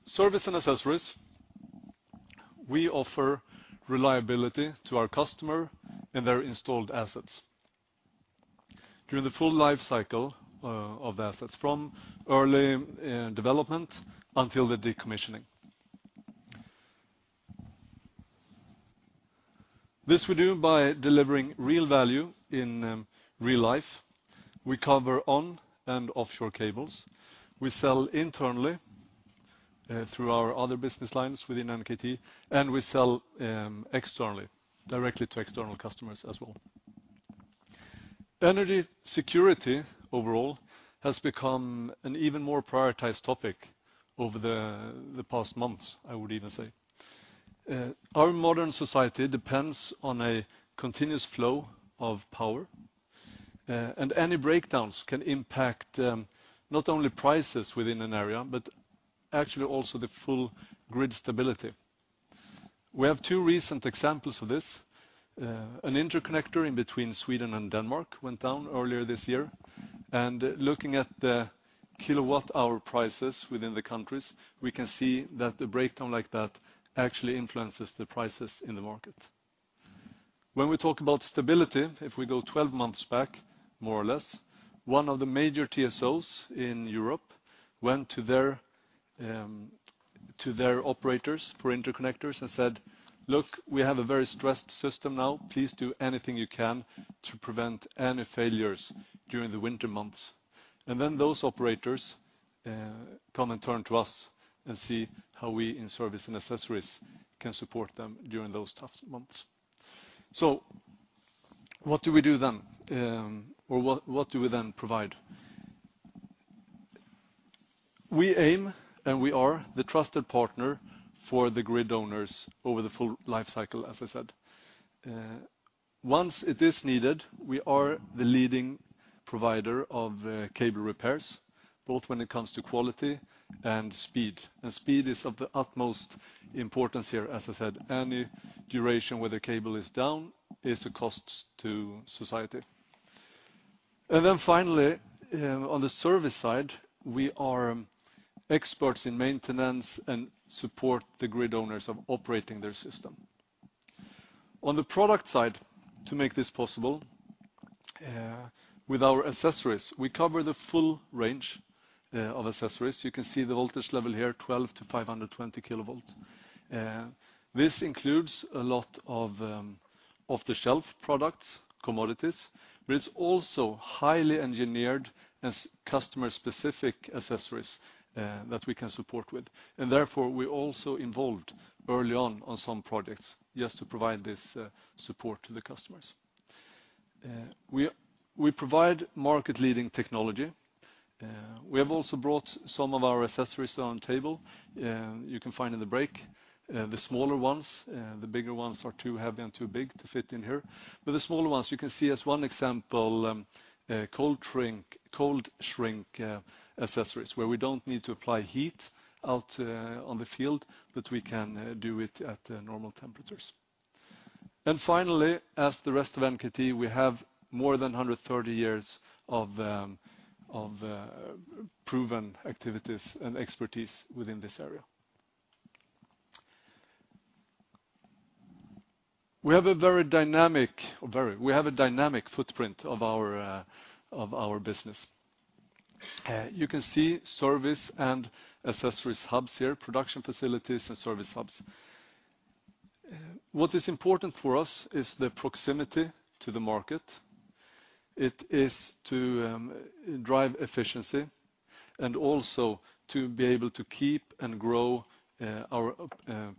Service and accessories. We offer reliability to our customer and their installed assets during the full life cycle of the assets, from early development until the decommissioning. This we do by delivering real value in real life. We cover onshore and offshore cables. We sell internally through our other business lines within NKT, and we sell externally, directly to external customers as well. Energy security overall has become an even more prioritized topic over the past months, I would even say. Our modern society depends on a continuous flow of power, and any breakdowns can impact, not only prices within an area, but actually also the full grid stability. We have two recent examples of this. An interconnector in between Sweden and Denmark went down earlier this year, and looking at the kilowatt hour prices within the countries, we can see that the breakdown like that actually influences the prices in the market. When we talk about stability, if we go 12 months back, more or less, one of the major TSOs in Europe went to their operators for interconnectors and said, "Look, we have a very stressed system now. Please do anything you can to prevent any failures during the winter months." Then those operators come and turn to us and see how we in service and accessories can support them during those tough months. What do we do then? Or what do we then provide? We aim, and we are the trusted partner for the grid owners over the full life cycle, as I said. Once it is needed, we are the leading provider of cable repairs, both when it comes to quality and speed. Speed is of the utmost importance here. As I said, any duration where the cable is down is a cost to society. Then finally, on the service side, we are experts in maintenance and support the grid owners of operating their system. On the product side, to make this possible, with our accessories, we cover the full range of accessories. You can see the voltage level here, 12-520 kilovolt. This includes a lot of off-the-shelf products, commodities, but it's also highly engineered and customer-specific accessories that we can support with. Therefore, we're also involved early on some projects just to provide this support to the customers. We provide market-leading technology. We have also brought some of our accessories on the table. You can find them in the brochure. The smaller ones. The bigger ones are too heavy and too big to fit in here. The smaller ones, you can see as one example, cold shrink accessories, where we don't need to apply heat out on the field, but we can do it at normal temperatures. Finally, as the rest of NKT, we have more than 130 years of proven activities and expertise within this area. We have a very dynamic footprint of our business. You can see service and accessories hubs here, production facilities and service hubs. What is important for us is the proximity to the market. It is to drive efficiency and also to be able to keep and grow our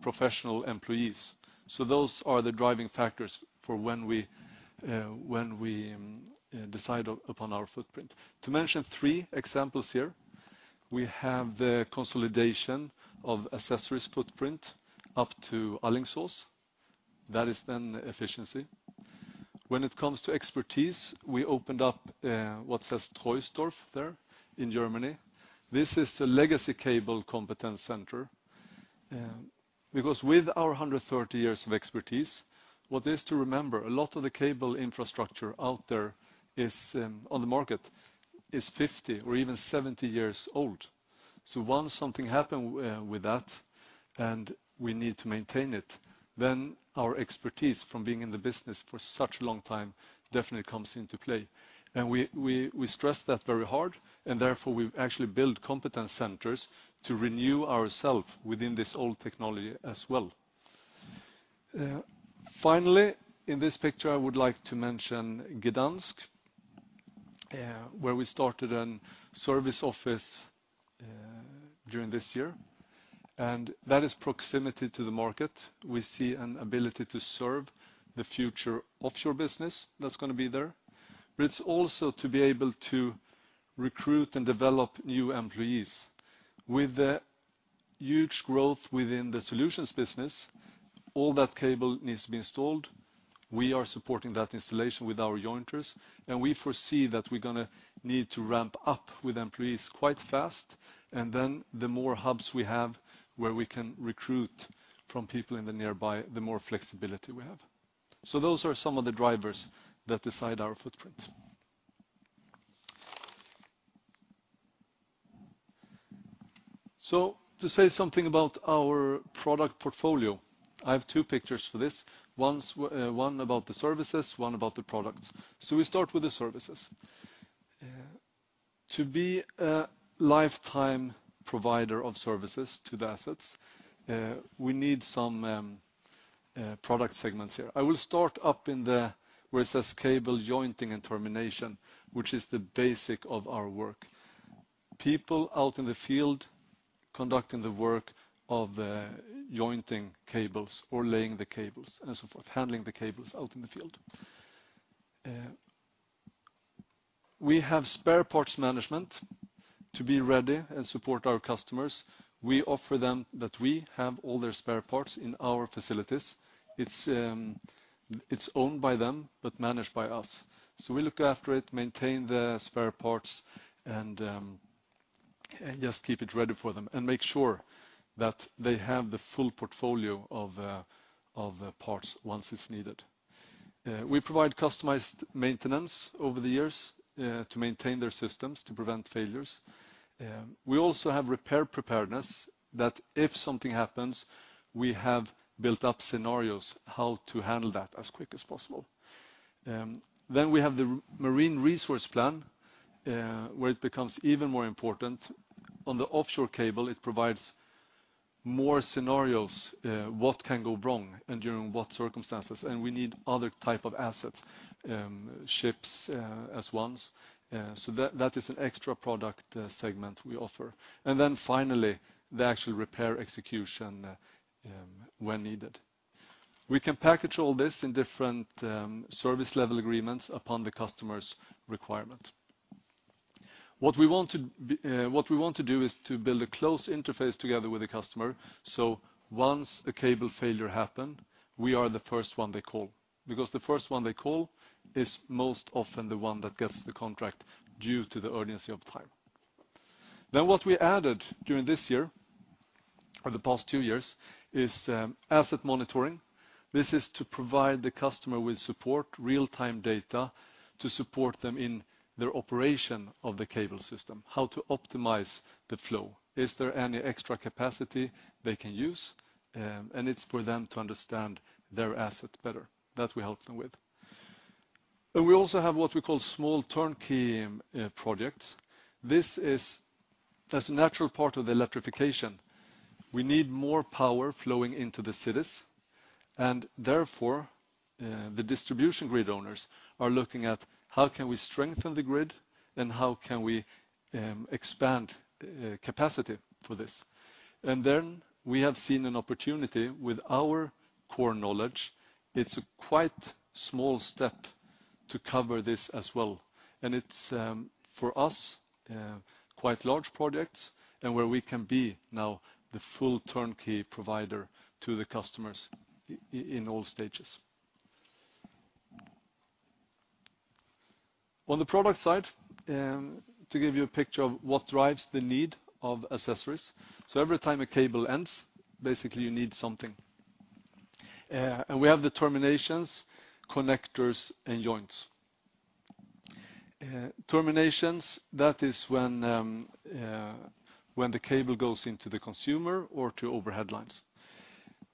professional employees. Those are the driving factors for when we decide upon our footprint. To mention three examples here, we have the consolidation of accessories footprint up to Alingsås. That is then efficiency. When it comes to expertise, we opened up in Troisdorf there in Germany. This is a legacy cable competence center, because with our 130 years of expertise, it's worth remembering, a lot of the cable infrastructure out there on the market is 50 or even 70 years old. Once something happens with that, and we need to maintain it, then our expertise from being in the business for such a long time definitely comes into play. We stress that very hard, and therefore, we've actually built competence centers to renew ourselves within this old technology as well. Finally, in this picture, I would like to mention Gdańsk, where we started a service office during this year, and that is proximity to the market. We see an ability to serve the future offshore business that's gonna be there. But it's also to be able to recruit and develop new employees. With the huge growth within the solutions business, all that cable needs to be installed. We are supporting that installation with our jointers, and we foresee that we're gonna need to ramp up with employees quite fast. Then the more hubs we have where we can recruit from people in the nearby, the more flexibility we have. Those are some of the drivers that decide our footprint. To say something about our product portfolio, I have two pictures for this. One about the services, one about the products. We start with the services. To be a lifetime provider of services to the assets, we need some product segments here. I will start where it says cable jointing and termination, which is the basics of our work. People out in the field conducting the work of jointing cables or laying the cables and so forth, handling the cables out in the field. We have spare parts management to be ready and support our customers. We offer them that we have all their spare parts in our facilities. It's owned by them, but managed by us. We look after it, maintain the spare parts, and just keep it ready for them and make sure that they have the full portfolio of parts once it's needed. We provide customized maintenance over the years, to maintain their systems, to prevent failures. We also have repair preparedness that if something happens, we have built up scenarios how to handle that as quick as possible. We have the marine resource plan, where it becomes even more important. On the offshore cable, it provides more scenarios, what can go wrong and during what circumstances. We need other type of assets, ships, as ones. That is an extra product segment we offer. Finally, the actual repair execution, when needed. We can package all this in different service level agreements upon the customer's requirement. What we want to do is to build a close interface together with the customer, so once a cable failure happen, we are the first one they call. Because the first one they call is most often the one that gets the contract due to the urgency of time. What we added during this year or the past two years is asset monitoring. This is to provide the customer with support real-time data to support them in their operation of the cable system, how to optimize the flow. Is there any extra capacity they can use? It's for them to understand their assets better. That we help them with. We also have what we call small turnkey projects. This is as a natural part of the electrification. We need more power flowing into the cities, and therefore, the distribution grid owners are looking at how can we strengthen the grid and how can we expand capacity for this. Then we have seen an opportunity with our core knowledge. It's a quite small step to cover this as well. It's quite large projects and where we can be now the full turnkey provider to the customers in all stages. On the product side, to give you a picture of what drives the need of accessories. Every time a cable ends, basically you need something. We have the terminations, connectors, and joints. Terminations, that is when the cable goes into the consumer or to overhead lines.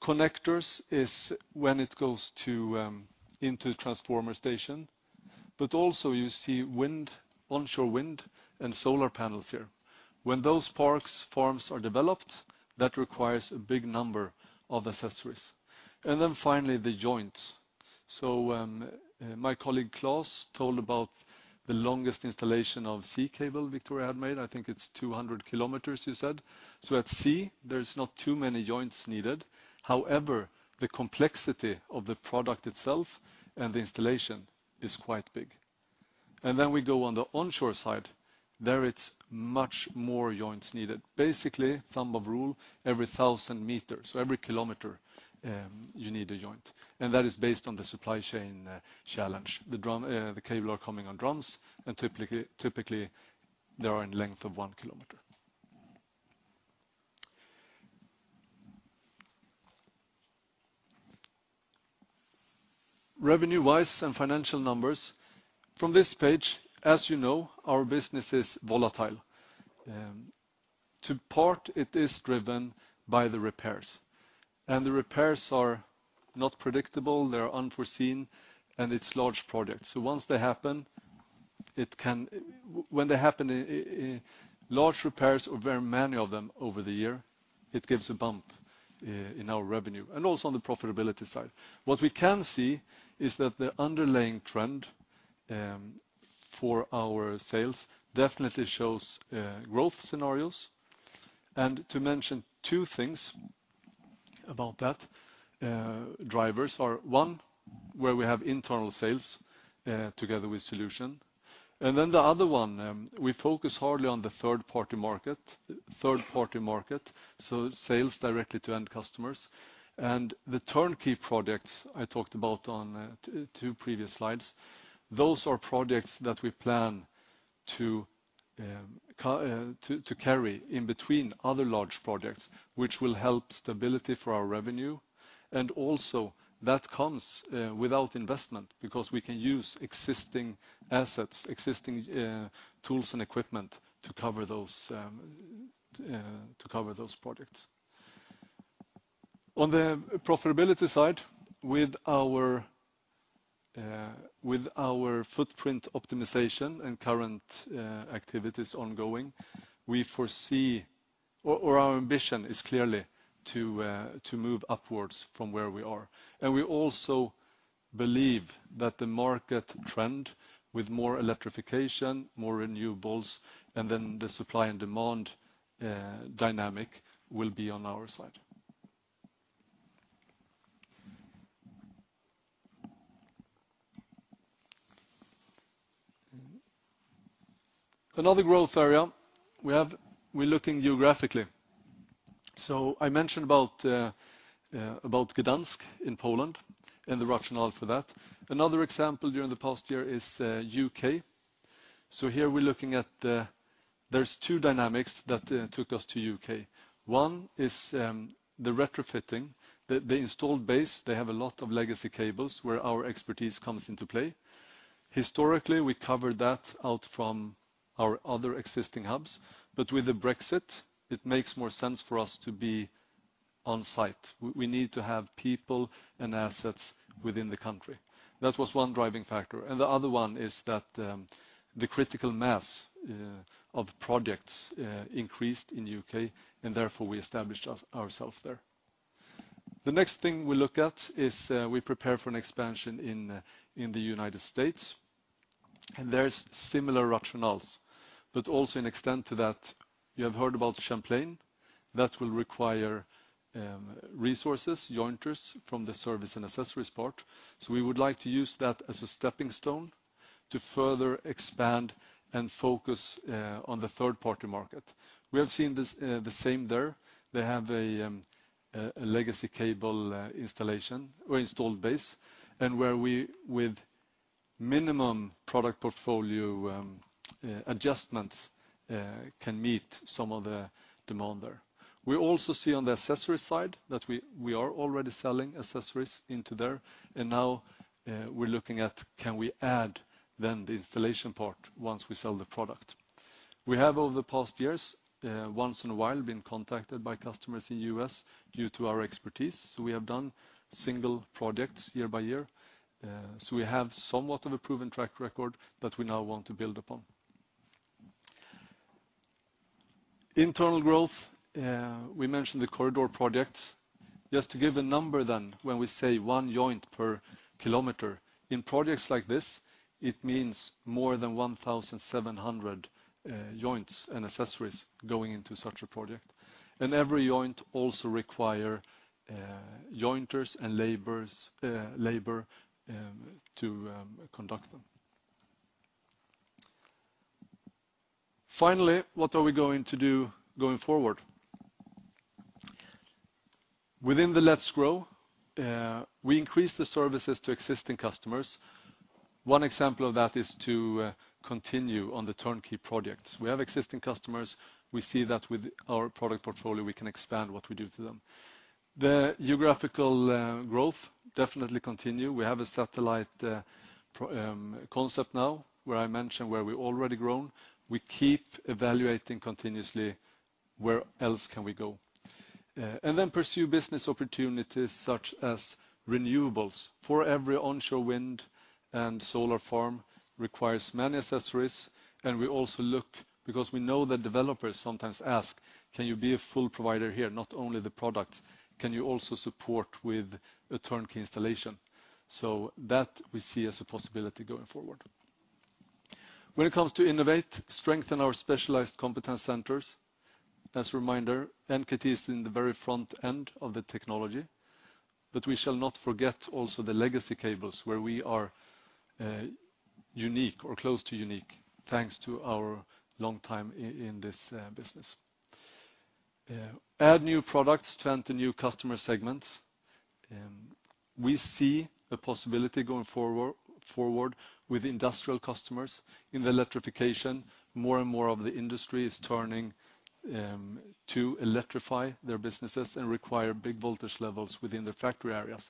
Connectors is when it goes into transformer station, but also you see onshore wind and solar panels here. When those parks forms are developed, that requires a big number of accessories. Finally, the joints. My colleague, Claus, told about the longest installation of subsea cable Victoria had made. I think it's 200 kilometers, you said. At sea, there is not too many joints needed. However, the complexity of the product itself and the installation is quite big. We go on the onshore side. There it's much more joints needed. Basically, rule of thumb, every 1,000 meters, every kilometer, you need a joint. That is based on the supply chain challenge. The drums, the cables are coming on drums, and typically, they are in length of 1 kilometer. Revenue-wise and financial numbers, from this page, as you know, our business is volatile. In part, it is driven by the repairs. The repairs are not predictable, they're unforeseen, and it's large projects. Once they happen, when they happen in large repairs or very many of them over the year, it gives a bump in our revenue and also on the profitability side. What we can see is that the underlying trend for our sales definitely shows growth scenarios. To mention two things about that, drivers are one, where we have internal sales together with solution. The other one, we focus hard on the third-party market, so sales directly to end customers. The turnkey projects I talked about on two previous slides, those are projects that we plan to carry in between other large projects, which will help stability for our revenue. Also that comes without investment because we can use existing assets, existing tools and equipment to cover those projects. On the profitability side, with our footprint optimization and current activities ongoing, we foresee or our ambition is clearly to move upwards from where we are. We also believe that the market trend with more electrification, more renewables, and then the supply and demand dynamic will be on our side. Another growth area we have. We're looking geographically. I mentioned about Gdansk in Poland and the rationale for that. Another example during the past year is UK. Here we're looking at, there's two dynamics that took us to UK. One is the retrofitting. The installed base, they have a lot of legacy cables where our expertise comes into play. Historically, we covered that out from our other existing hubs, but with the Brexit, it makes more sense for us to be on site. We need to have people and assets within the country. That was one driving factor. The other one is that the critical mass of projects increased in UK, and therefore we established ourselves there. The next thing we look at is we prepare for an expansion in the United States, and there's similar rationales, but also in extent to that, you have heard about Champlain. That will require resources, jointers from the service and accessories part. We would like to use that as a stepping stone to further expand and focus on the third-party market. We have seen this, the same there. They have a legacy cable installation or installed base, and where we with minimum product portfolio adjustments can meet some of the demand there. We also see on the accessory side that we are already selling accessories into there, and now we're looking at can we add then the installation part once we sell the product. We have over the past years once in a while been contacted by customers in U.S. due to our expertise, so we have done single projects year by year. We have somewhat of a proven track record that we now want to build upon. Internal growth, we mentioned the Corridor projects. Just to give a number then, when we say one joint per kilometer, in projects like this, it means more than 1,700 joints and accessories going into such a project. Every joint also require jointers and labor to conduct them. Finally, what are we going to do going forward? Within the let's grow, we increase the services to existing customers. One example of that is to continue on the turnkey projects. We have existing customers. We see that with our product portfolio, we can expand what we do to them. The geographical growth definitely continue. We have a satellite concept now where I mentioned where we're already grown. We keep evaluating continuously where else can we go. Then pursue business opportunities such as renewables. For every onshore wind and solar farm requires many accessories, and we also look because we know that developers sometimes ask, "Can you be a full provider here, not only the product? Can you also support with a turnkey installation?" That we see as a possibility going forward. When it comes to innovate, strengthen our specialized competence centers. As a reminder, NKT is in the very front end of the technology, but we shall not forget also the legacy cables where we are unique or close to unique, thanks to our long time in this business. Add new products to enter new customer segments. We see a possibility going forward with industrial customers in the electrification. More and more of the industry is turning to electrify their businesses and require big voltage levels within the factory areas.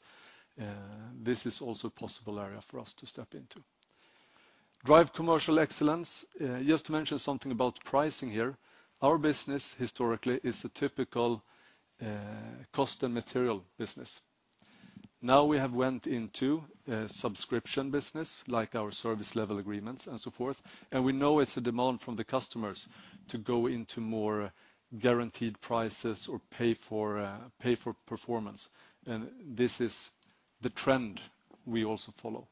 This is also a possible area for us to step into. Drive commercial excellence. Just to mention something about pricing here, our business historically is a typical, cost and material business. Now we have went into a subscription business like our service level agreements and so forth, and we know it's a demand from the customers to go into more guaranteed prices or pay for performance. This is the trend we also follow.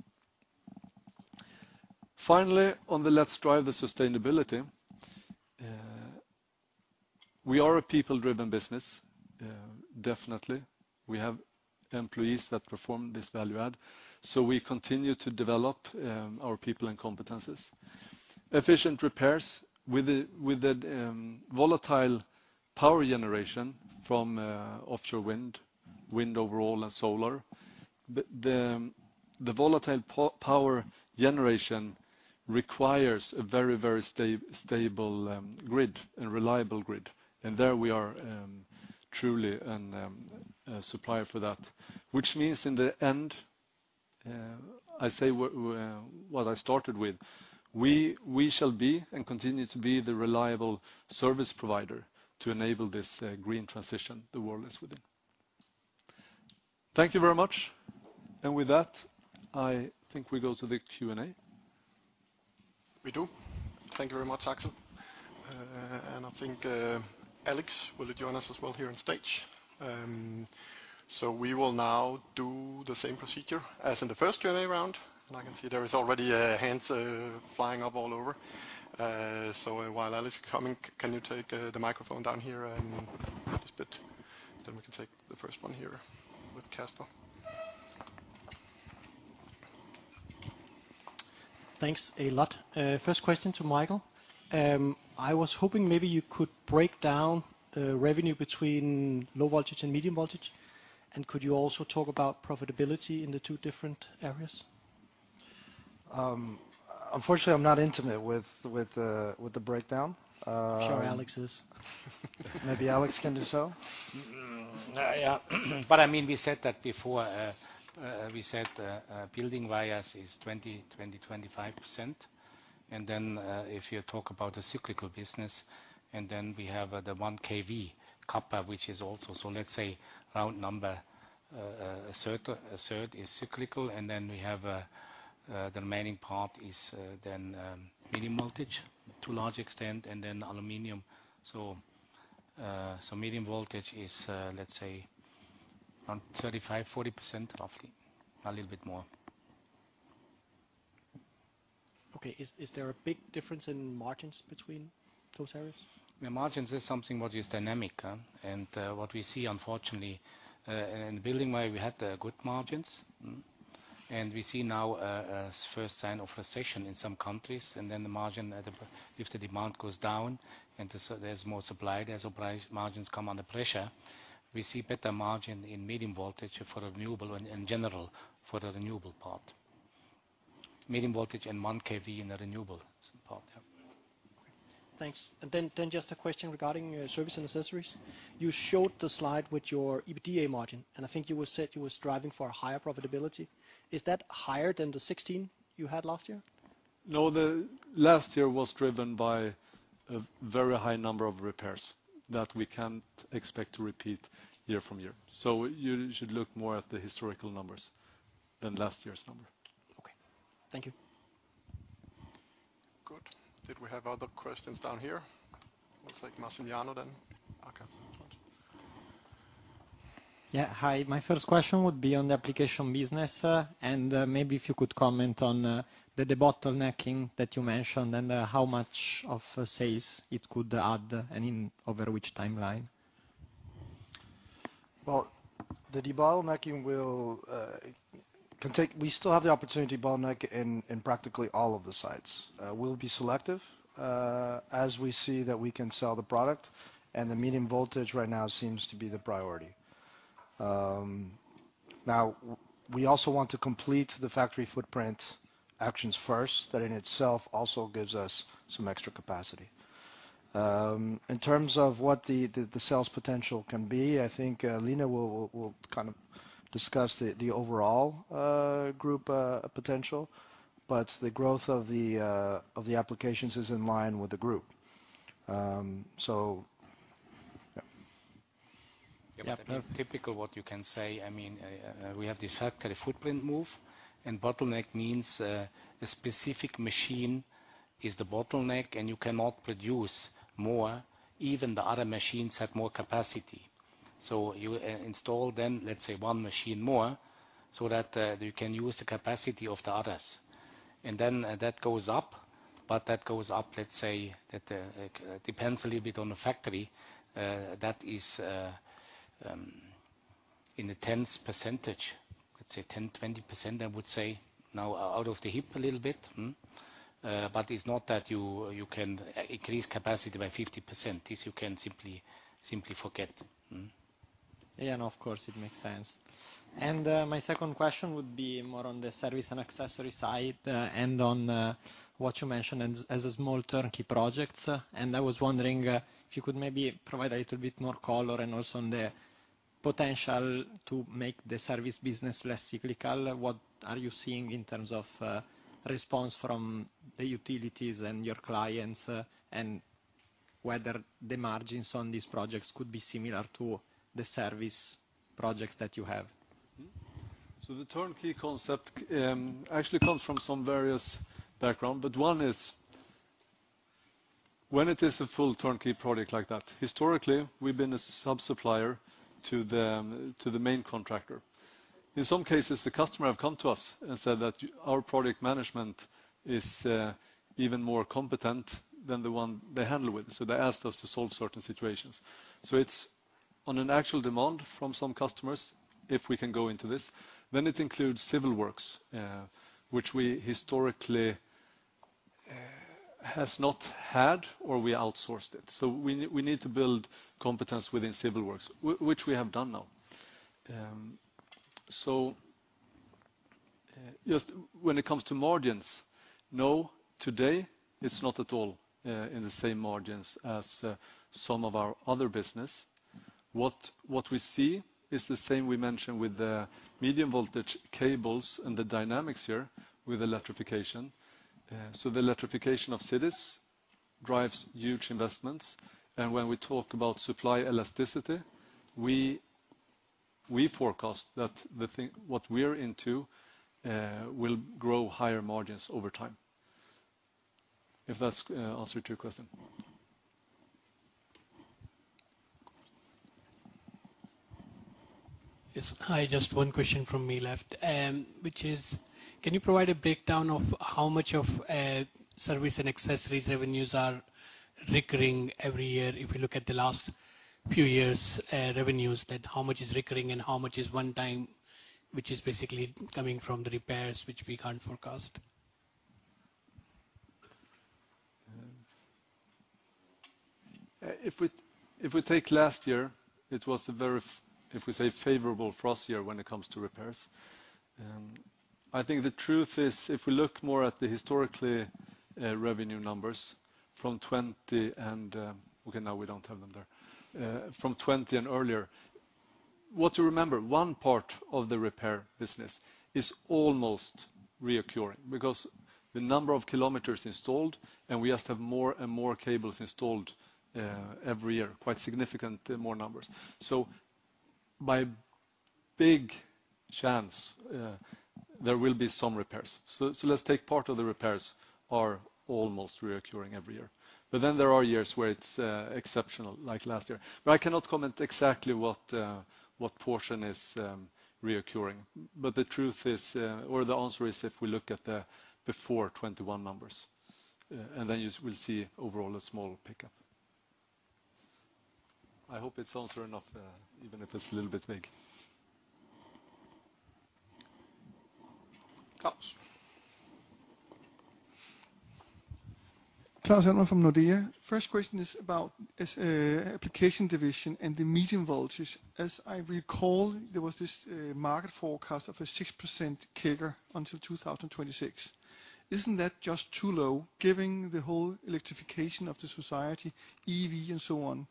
Finally, on the let's drive the sustainability, we are a people-driven business, definitely. We have employees that perform this value add, so we continue to develop, our people and competencies. Efficient repairs. With the volatile power generation from offshore wind overall and solar. The volatile power generation requires a very stable grid and reliable grid, and there we are truly a supplier for that. Which means in the end, I say what I started with, we shall be and continue to be the reliable service provider to enable this green transition the world is within. Thank you very much. With that, I think we go to the Q&A. We do. Thank you very much, Axel. I think, Alex, will you join us as well here on stage? We will now do the same procedure as in the first Q&A round. I can see there is already hands flying up all over. While Alex coming, can you take the microphone down here and this bit, then we can take the first one here with Casper. Thanks a lot. First question to Michael. I was hoping maybe you could break down the revenue between low voltage and medium voltage, and could you also talk about profitability in the two different areas? Unfortunately I'm not intimate with the breakdown. I'm sure Alex is. Maybe Alex can do so. I mean, we said that before, building wires is 25%. If you talk about the cyclical business, we have the 1 kV copper, which is also, so let's say round number, a third is cyclical, and then we have the remaining part is medium voltage to large extent, and then aluminum. Medium voltage is let's say around 35-40% roughly, a little bit more. Okay. Is there a big difference in margins between those areas? The margins is something what is dynamic, and what we see unfortunately in building wire, we had good margins. Mm-hmm. We see now a first sign of recession in some countries, and then the margin if the demand goes down, and so there's more supply, margins come under pressure. We see better margin in medium voltage for renewable and in general for the renewable part. Medium voltage and 1 kV in the renewable part, yeah. Thanks. Just a question regarding service and accessories. You showed the slide with your EBITDA margin, and I think you said you was striving for a higher profitability. Is that higher than the 16% you had last year? No, the last year was driven by a very high number of repairs that we can't expect to repeat year from year. You should look more at the historical numbers than last year's number. Okay. Thank you. Good. Did we have other questions down here? Looks like Massimiliano then. Yeah. Hi. My first question would be on the application business. Maybe if you could comment on the bottlenecking that you mentioned, and how much of sales it could add and in over which timeline? Well, we still have the opportunity bottleneck in practically all of the sites. We'll be selective as we see that we can sell the product, and the medium voltage right now seems to be the priority. Now we also want to complete the factory footprint actions first. That in itself also gives us some extra capacity. In terms of what the sales potential can be, I think Line will kind of discuss the overall group potential, but the growth of the applications is in line with the group. Typical what you can say, I mean, we have the factory footprint move, and bottleneck means a specific machine is the bottleneck, and you cannot produce more, even the other machines have more capacity. You install then, let's say, one machine more so that you can use the capacity of the others. Then that goes up, but that goes up, let's say it depends a little bit on the factory, that is in the tens percentage, let's say 10, 20%, I would say now off the hip a little bit. Mm-hmm. It's not that you can increase capacity by 50%. This you can simply forget. Mm-hmm. Of course, it makes sense. My second question would be more on the service and accessory side, and on what you mentioned as a small turnkey project. I was wondering if you could maybe provide a little bit more color and also on the potential to make the service business less cyclical. What are you seeing in terms of response from the utilities and your clients, and whether the margins on these projects could be similar to the service projects that you have? The turnkey concept actually comes from some various background, but one is when it is a full turnkey project like that. Historically, we've been a sub-supplier to the main contractor. In some cases, customers have come to us and said that our project management is even more competent than the one they handle with, so they asked us to solve certain situations. It's on an actual demand from some customers. If we can go into this, then it includes civil works, which we historically has not had or we outsourced it. We need to build competence within civil works, which we have done now. Just when it comes to margins, no. Today it's not at all in the same margins as some of our other business. What we see is the same we mentioned with the medium voltage cables and the dynamics here with electrification. The electrification of cities drives huge investments. When we talk about supply elasticity, we forecast that what we're into will grow higher margins over time, if that's answer to your question. Yes. Hi, just one question from me left, which is can you provide a breakdown of how much of service and accessories revenues are recurring every year? If you look at the last few years' revenues, that how much is recurring and how much is one time, which is basically coming from the repairs, which we can't forecast. If we take last year, it was a very favorable first year when it comes to repairs. I think the truth is, if we look more at the historical revenue numbers from 2020 and earlier, we have to remember, one part of the repair business is almost recurring because the number of kilometers installed, and we just have more and more cables installed every year, quite significant more numbers. Big chance there will be some repairs. Let's take part of the repairs are almost recurring every year. There are years where it is exceptional like last year. I cannot comment exactly what portion is recurring. The truth is, or the answer is if we look at the before 2021 numbers, and then you will see overall a small pickup. I hope it's answer enough, even if it's a little bit vague. Claus. Claus Almer from Nordea. First question is about this, application division and the medium voltages. As I recall, there was this, market forecast of a 6% CAGR until 2026. Isn't that just too low given the whole electrification of the society, EV and so on?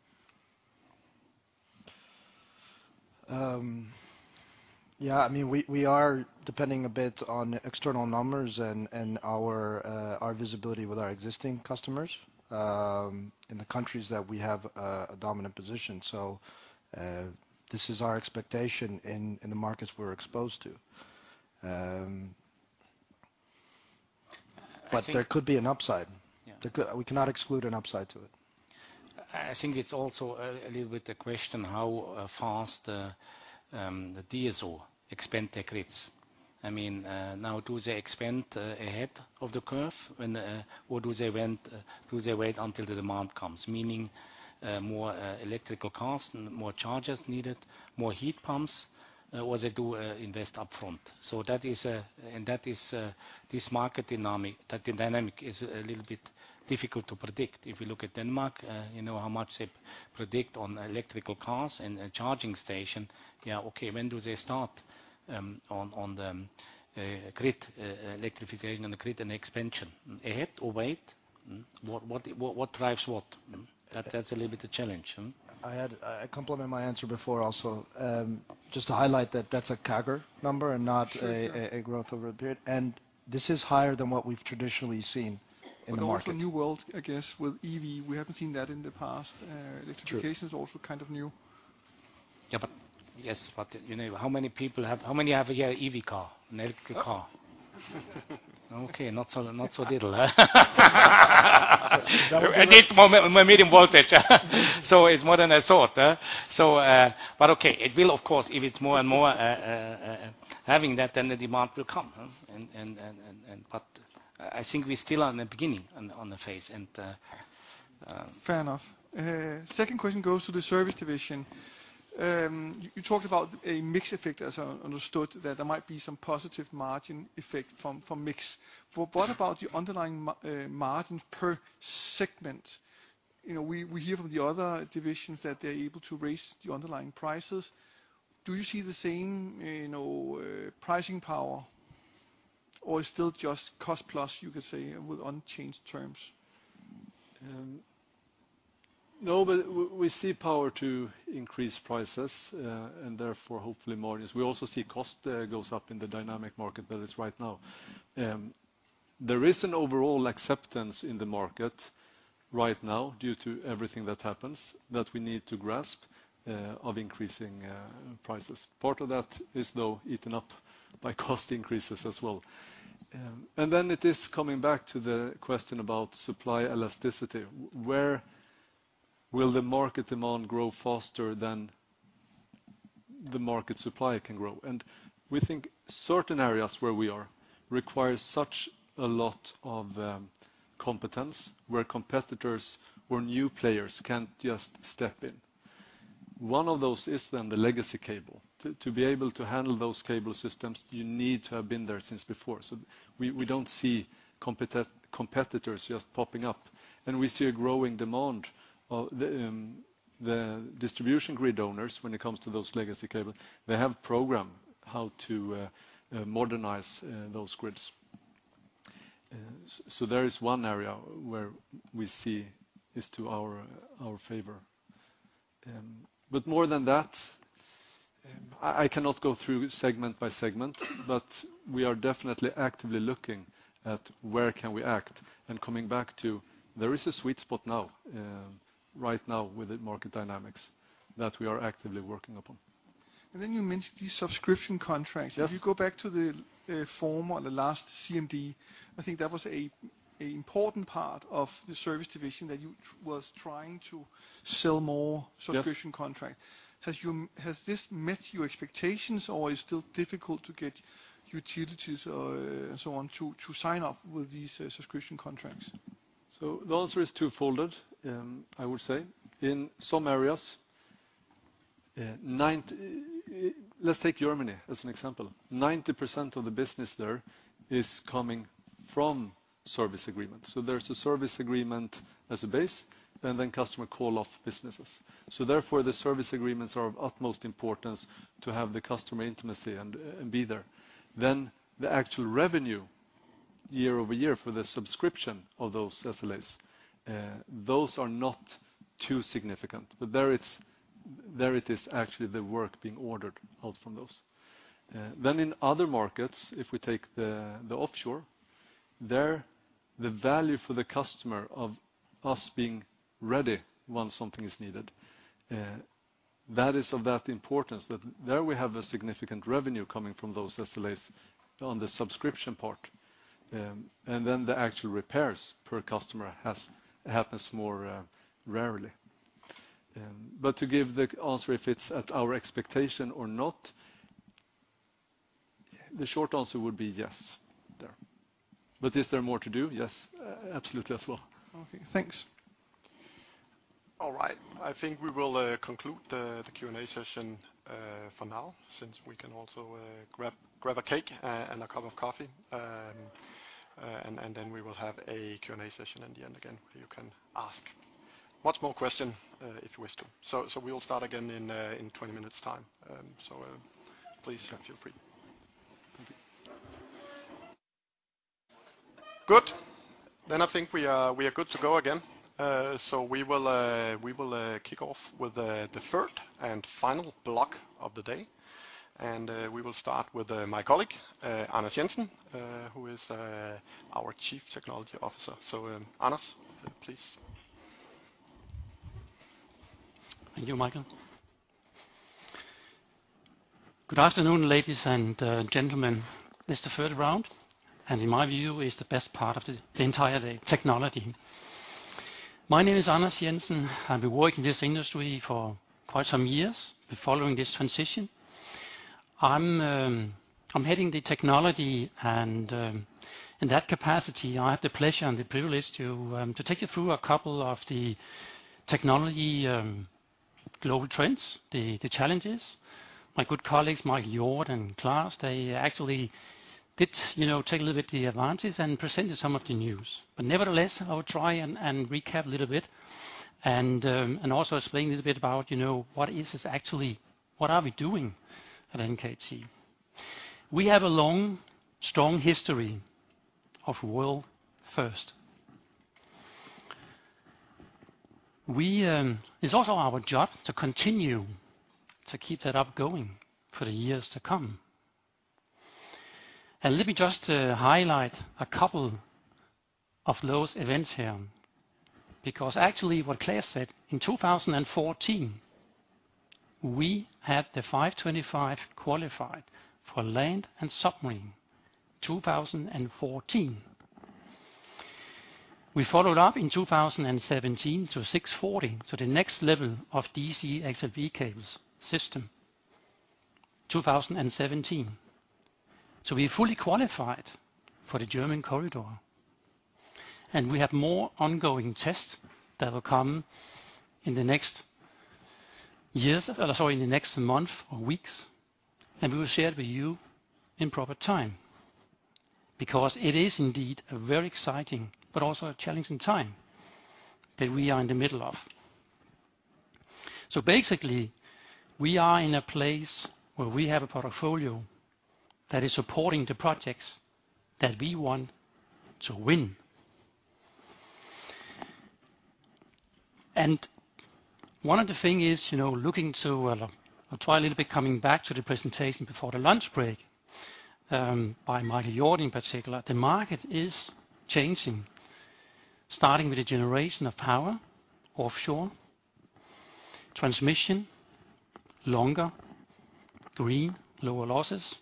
Yeah, I mean, we are depending a bit on external numbers and our visibility with our existing customers in the countries that we have a dominant position. This is our expectation in the markets we're exposed to. I see. There could be an upside. Yeah. We cannot exclude an upside to it. I think it's also a little bit a question how fast the DSOs expand their grids. I mean, now do they expand ahead of the curve or do they wait until the demand comes, meaning more electric cars and more chargers needed, more heat pumps, or do they invest upfront? That is this market dynamic. That dynamic is a little bit difficult to predict. If you look at Denmark, you know, how much they predict on electric cars and a charging station, when do they start on the grid electrification and grid expansion? Ahead or wait? Mm-hmm. What drives what? Mm-hmm. That's a little bit of a challenge. I complete my answer before also, just to highlight that that's a CAGR number and not a. Sure, sure. a growth over a period, and this is higher than what we've traditionally seen in the market. also a new world, I guess, with EV. We haven't seen that in the past. True Electrification is also kind of new. You know, how many have here EV car? An electric car? Oh. Okay. Not so little. We need more medium voltage. It's more than I thought, huh? But okay, it will of course, if it's more and more having that, then the demand will come, huh? But I think we still are in the beginning on the phase. Fair enough. Second question goes to the service division. You talked about a mix effect, as I understood, that there might be some positive margin effect from mix. What about the underlying margin per segment? You know, we hear from the other divisions that they're able to raise the underlying prices. Do you see the same, you know, pricing power or still just cost plus, you could say, with unchanged terms? No, we see power to increase prices, and therefore hopefully margins. We also see cost goes up in the dynamic market that is right now. There is an overall acceptance in the market right now due to everything that happens that we need to grasp of increasing prices. Part of that is though eaten up by cost increases as well. It is coming back to the question about supply elasticity. Where will the market demand grow faster than the market supply can grow? We think certain areas where we are require such a lot of competence, where competitors or new players can't just step in. One of those is then the legacy cable. To be able to handle those cable systems, you need to have been there since before. We don't see competitors just popping up, and we see a growing demand from the distribution grid owners when it comes to those legacy cables. They have programs how to modernize those grids. There is one area where we see it is to our favor. But more than that, I cannot go through segment by segment, but we are definitely actively looking at where we can act. Coming back, there is a sweet spot now, right now with the market dynamics that we are actively working upon. You mentioned these subscription contracts. Yes. If you go back to the former or the last CMD, I think that was an important part of the service division that you were trying to sell more Yes. Subscription contract. Has this met your expectations or is it still difficult to get utilities or so on to sign up with these subscription contracts? The answer is twofold, I would say. In some areas, let's take Germany as an example. 90% of the business there is coming from service agreements. There's a service agreement as a base, and then customer call off businesses. Therefore, the service agreements are of utmost importance to have the customer intimacy and be there. Then the actual revenue year-over-year for the subscription of those SLAs, those are not too significant, but there it is actually the work being ordered out from those. Then in other markets, if we take the offshore, there, the value for the customer of us being ready once something is needed, that is of that importance that there we have a significant revenue coming from those SLAs on the subscription part. The actual repairs per customer happens more rarely. To give the answer if it's at our expectation or not, the short answer would be yes, there. Is there more to do? Yes, absolutely as well. Okay. Thanks. All right. I think we will conclude the Q&A session for now, since we can also grab a cake and a cup of coffee. We will have a Q&A session in the end again, where you can ask many more questions if you wish to. We will start again in 20 minutes time. Please feel free. Thank you. Good. I think we are good to go again. We will kick off with the third and final block of the day. We will start with my colleague Anders Jensen, who is our Chief Technology Officer. Anders, please. Thank you, Michael. Good afternoon, ladies and gentlemen. It's the third round, and in my view, it's the best part of the entire day: technology. My name is Anders Jensen. I've been working in this industry for quite some years, been following this transition. I'm heading the technology and, in that capacity, I have the pleasure and the privilege to take you through a couple of the technology global trends, the challenges. My good colleagues, Michael Hjorth and Claes, they actually did, you know, take a little bit the advances and presented some of the news. Nevertheless, I will try and recap a little bit and also explain a little bit about, you know, what is this actually, what are we doing at NKT. We have a long, strong history of world first. It's also our job to continue to keep that up going for the years to come. Let me just highlight a couple of those events here, because actually what Claes said, in 2014, we had the 525 qualified for land and submarine, 2014. We followed up in 2017 to 640, so the next level of DC XLPE cable system, 2017. We fully qualified for the German Corridor. We have more ongoing tests that will come in the next month or weeks, and we will share it with you in proper time, because it is indeed a very exciting but also a challenging time that we are in the middle of. Basically, we are in a place where we have a portfolio that is supporting the projects that we want to win. One of the thing is, you know, looking, I'll try a little bit coming back to the presentation before the lunch break by Michael Hjorth in particular. The market is changing, starting with the generation of power offshore, transmission, longer, green, lower losses.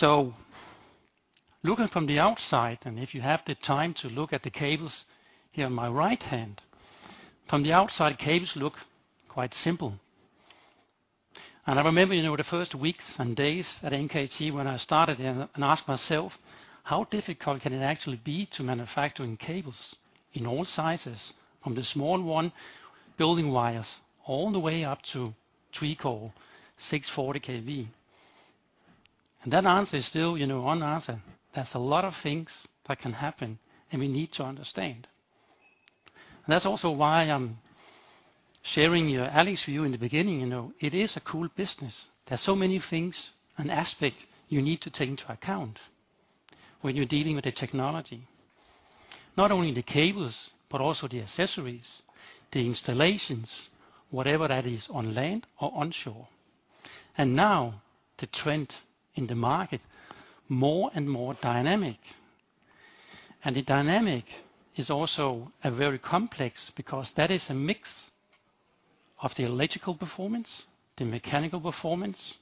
Looking from the outside, and if you have the time to look at the cables here on my right hand, from the outside, cables look quite simple. I remember, you know, the first weeks and days at NKT when I started there and asked myself: How difficult can it actually be to manufacturing cables in all sizes, from the small one building wires all the way up to three-core 640 kV? That answer is still, you know, unanswered. There's a lot of things that can happen, and we need to understand. That's also why I'm sharing your Alexander's view in the beginning. You know, it is a cool business. There are so many things and aspect you need to take into account when you're dealing with the technology. Not only the cables, but also the accessories, the installations, whatever that is, on land or onshore. Now the trend in the market, more and more dynamic. The dynamic is also a very complex because that is a mix of the electrical performance, the mechanical performance.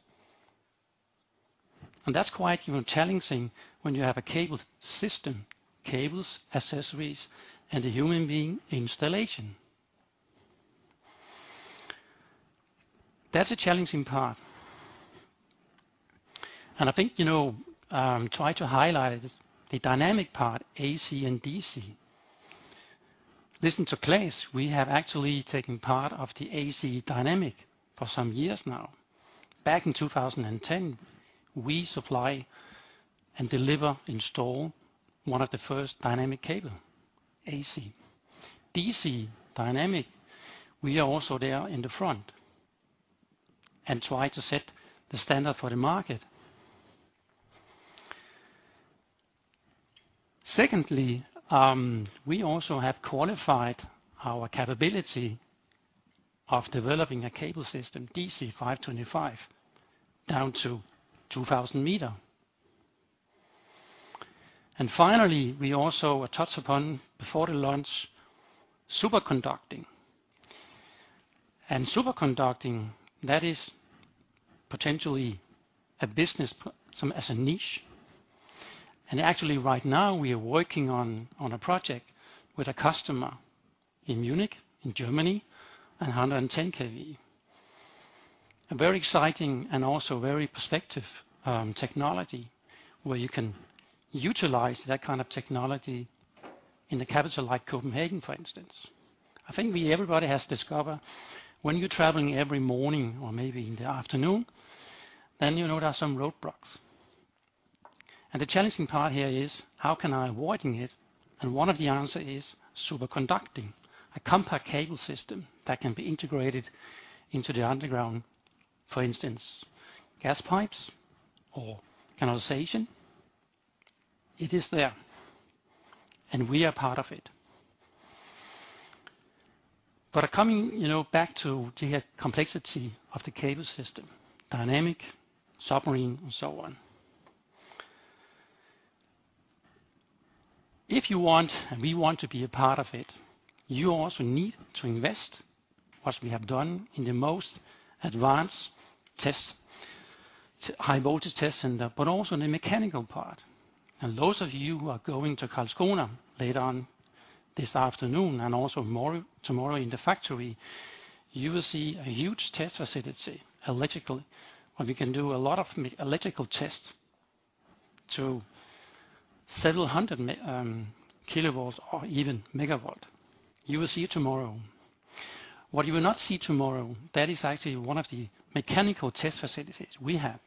That's quite even challenging when you have a cabled system, cables, accessories, and a human being installation. That's a challenging part. I think, you know, try to highlight the dynamic part, AC and DC. Listen to Claes. We have actually taken part of the AC dynamic for some years now. Back in 2010, we supply and deliver, install one of the first dynamic cable AC. DC dynamic, we are also there in the front and try to set the standard for the market. Secondly, we also have qualified our capability of developing a cable system DC 525 down to 2,000 meter. Finally, we also touch upon, before the launch, superconducting. Superconducting, that is potentially a business as a niche. Actually, right now we are working on a project with a customer in Munich, in Germany, 110 kV. A very exciting and also very prospective technology where you can utilize that kind of technology in a capital like Copenhagen, for instance. I think everybody has discovered when you're traveling every morning or maybe in the afternoon, then you know there are some roadblocks. The challenging part here is how can I avoid it? One of the answers is superconducting. A compact cable system that can be integrated into the underground, for instance, gas pipes or canalization. It is there, and we are part of it. Coming, you know, back to the complexity of the cable system, dynamic, submarine and so on. If you want, and we want to be a part of it, you also need to invest, which we have done in the most advanced test, high voltage test center, but also in the mechanical part. Those of you who are going to Karlskrona later on this afternoon and also more tomorrow in the factory, you will see a huge test facility, electrical, where we can do a lot of electrical tests to several hundred kilovolts or even megavolts. You will see it tomorrow. What you will not see tomorrow, that is actually one of the mechanical test facilities we have.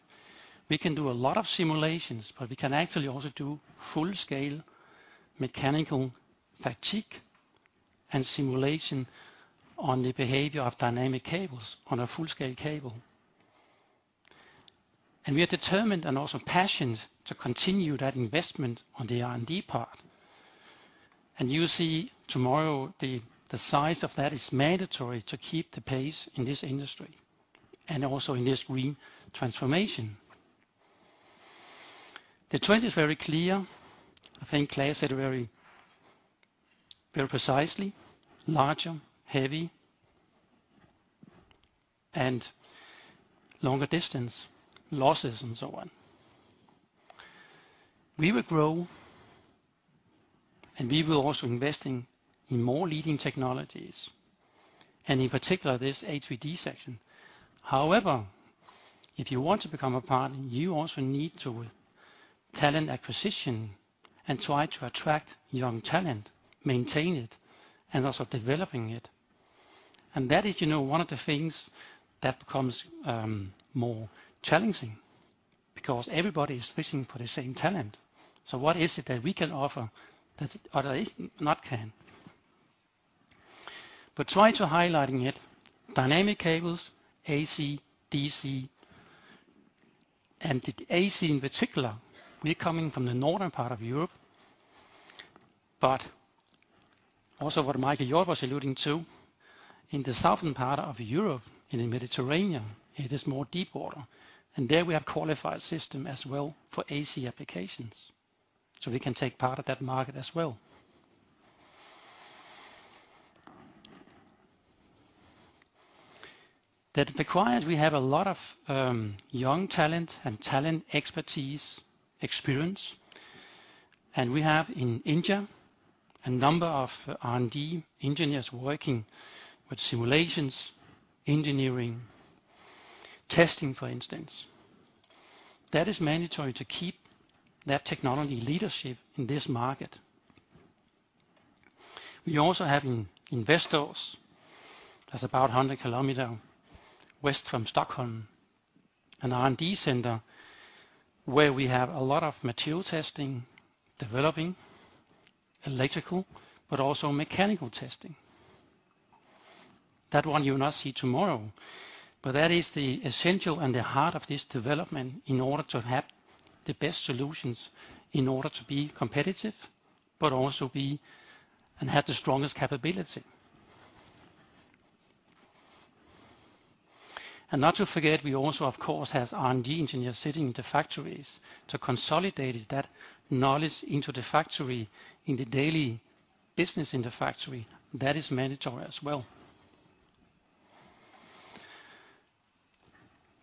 We can do a lot of simulations, but we can actually also do full scale mechanical fatigue and simulation on the behavior of dynamic cables on a full-scale cable. We are determined and also passionate to continue that investment on the R&D part. You see tomorrow the size of that is mandatory to keep the pace in this industry and also in this green transformation. The trend is very clear. I think Claes said very, very precisely. Larger, heavy and longer distance, losses and so on. We will grow, and we will also investing in more leading technologies, and in particular this HVDC section. However, if you want to become a partner, you also need to talent acquisition and try to attract young talent, maintain it, and also developing it. That is, you know, one of the things that becomes more challenging because everybody is fishing for the same talent. What is it that we can offer that other not can? Try to highlighting it, dynamic cables, AC, DC, and the AC in particular. We're coming from the northern part of Europe, but also what Michael Hjorth was alluding to, in the southern part of Europe, in the Mediterranean, it is more deep water. There we have qualified system as well for AC applications, so we can take part of that market as well. That requires we have a lot of young talent and expertise experience. We have in India a number of R&D engineers working with simulations, engineering, testing, for instance. That is mandatory to keep that technology leadership in this market. We also have in Västerås, that's about 100 kilometer west from Stockholm, an R&D center where we have a lot of material testing, developing electrical but also mechanical testing. That one you will not see tomorrow, but that is the essential and the heart of this development in order to have the best solutions, in order to be competitive, but also be and have the strongest capability. Not to forget, we also of course have R&D engineers sitting in the factories to consolidate that knowledge into the factory, in the daily business in the factory. That is mandatory as well.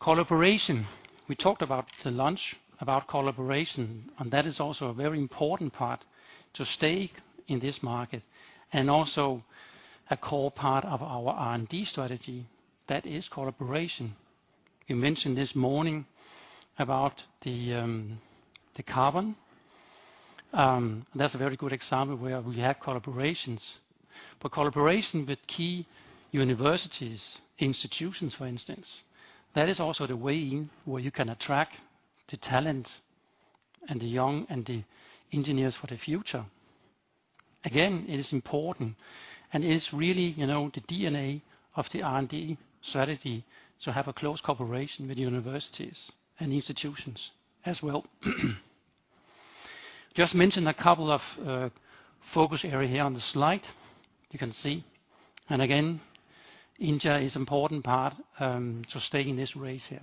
Collaboration. We talked about the launch, about collaboration, and that is also a very important part to stay in this market. That is also a core part of our R&D strategy. That is collaboration. You mentioned this morning about the carbon. That's a very good example where we have collaborations. Collaboration with key universities, institutions, for instance, that is also the way where you can attract the talent and the young, and the engineers for the future. Again, it is important and it is really, you know, the DNA of the R&D strategy to have a close cooperation with universities and institutions as well. Just mention a couple of focus area here on the slide, you can see. India is important part to stay in this race here.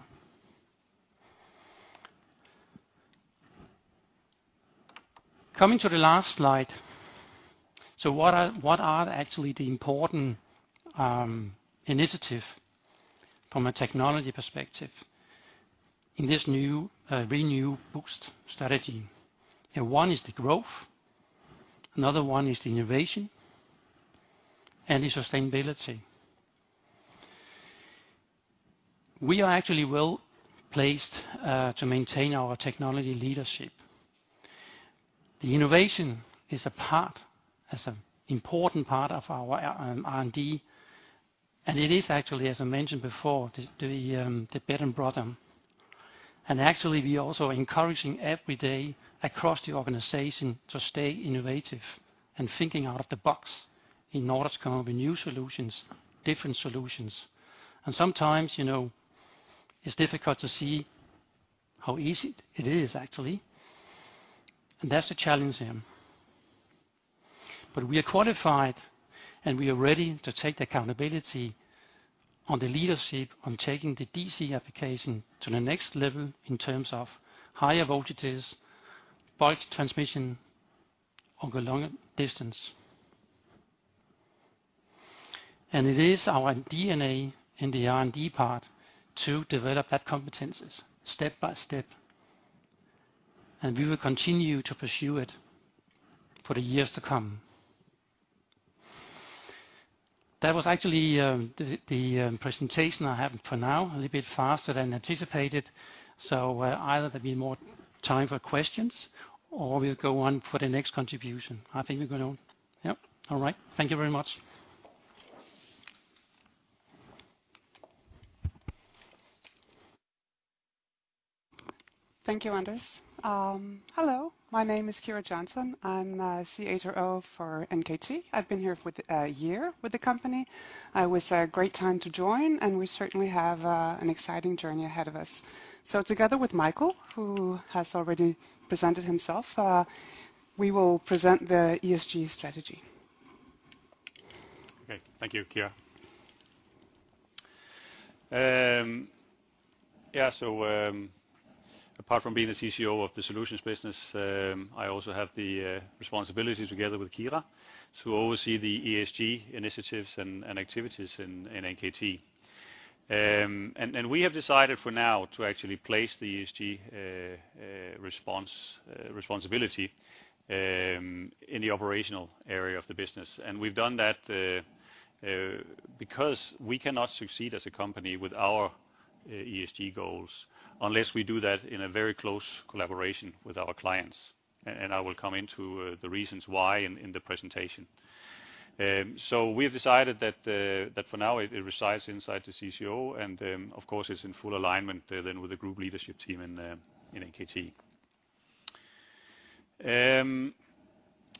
Coming to the last slide. What are actually the important initiative from a technology perspective in this new ReNew BOOST strategy? One is the growth, another one is the innovation, and the sustainability. We are actually well-placed to maintain our technology leadership. The innovation is a part, as an important part of our R&D, and it is actually, as I mentioned before, the bread and butter. Actually we also encouraging every day across the organization to stay innovative and thinking out of the box in order to come up with new solutions, different solutions. Sometimes, you know, it's difficult to see how easy it is actually, and that's the challenge here. We are qualified, and we are ready to take the accountability on the leadership on taking the DC application to the next level in terms of higher voltages, bulk transmission over long distance. It is our DNA in the R&D part to develop that competencies step by step, and we will continue to pursue it for the years to come. That was actually the presentation I have for now, a little bit faster than anticipated, so either there'll be more time for questions or we'll go on for the next contribution. I think we go on. Yep. All right. Thank you very much. Thank you, Anders. Hello, my name is Kira Johnson. I'm CHRO for NKT. I've been here for a year with the company. It was a great time to join, and we certainly have an exciting journey ahead of us. Together with Michael, who has already presented himself, we will present the ESG strategy. Okay. Thank you, Kira. Apart from being the CCO of the solutions business, I also have the responsibility together with Kira to oversee the ESG initiatives and activities in NKT. We have decided for now to actually place the ESG responsibility in the operational area of the business. We've done that because we cannot succeed as a company with our ESG goals unless we do that in a very close collaboration with our clients. I will come into the reasons why in the presentation. We have decided that for now it resides inside the CCO, and of course, it's in full alignment then with the group leadership team in NKT.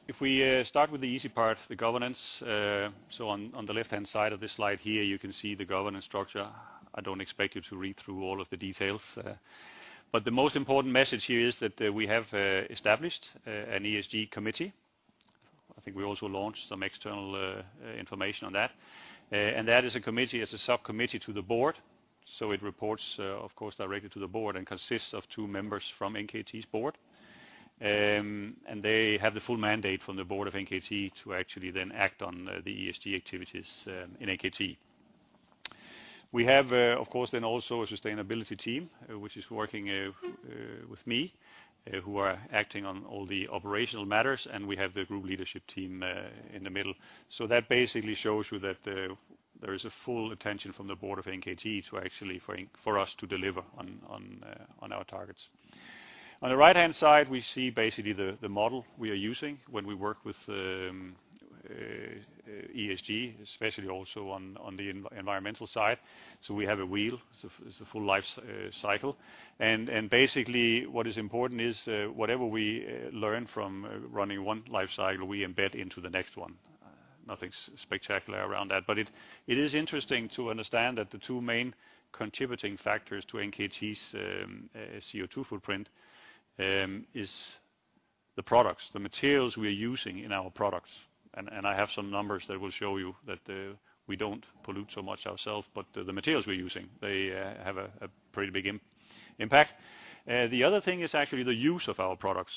If we start with the easy part, the governance. On the left-hand side of this slide here, you can see the governance structure. I don't expect you to read through all of the details, but the most important message here is that we have established an ESG committee. I think we also launched some external information on that. That is a committee, it's a subcommittee to the board, so it reports, of course, directly to the board, and consists of two members from NKT's board. They have the full mandate from the board of NKT to actually then act on the ESG activities in NKT. We have, of course then also a sustainability team, which is working with me, who are acting on all the operational matters, and we have the group leadership team in the middle. That basically shows you that there is a full attention from the board of NKT to actually ensure we deliver on our targets. On the right-hand side, we see basically the model we are using when we work with ESG, especially also on the environmental side. We have a wheel, it's a full life cycle. Basically, what is important is whatever we learn from running one life cycle, we embed into the next one. Nothing spectacular around that. It is interesting to understand that the two main contributing factors to NKT's CO2 footprint is the products, the materials we're using in our products. I have some numbers that will show you that we don't pollute so much ourselves, but the materials we're using, they have a pretty big impact. The other thing is actually the use of our products.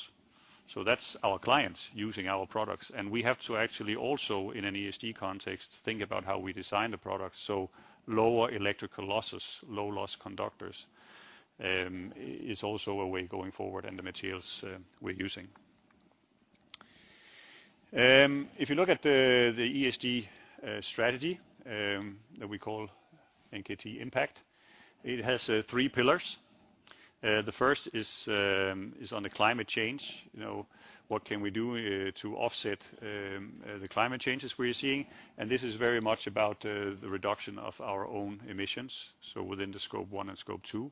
That's our clients using our products. We have to actually also, in an ESG context, think about how we design the products. Lower electrical losses, low loss conductors, is also a way going forward and the materials we're using. If you look at the ESG strategy that we call NKT ImpACT, it has three pillars. The first is on the climate change. You know, what can we do to offset the climate changes we're seeing? This is very much about the reduction of our own emissions, so within the Scope 1 and Scope 2.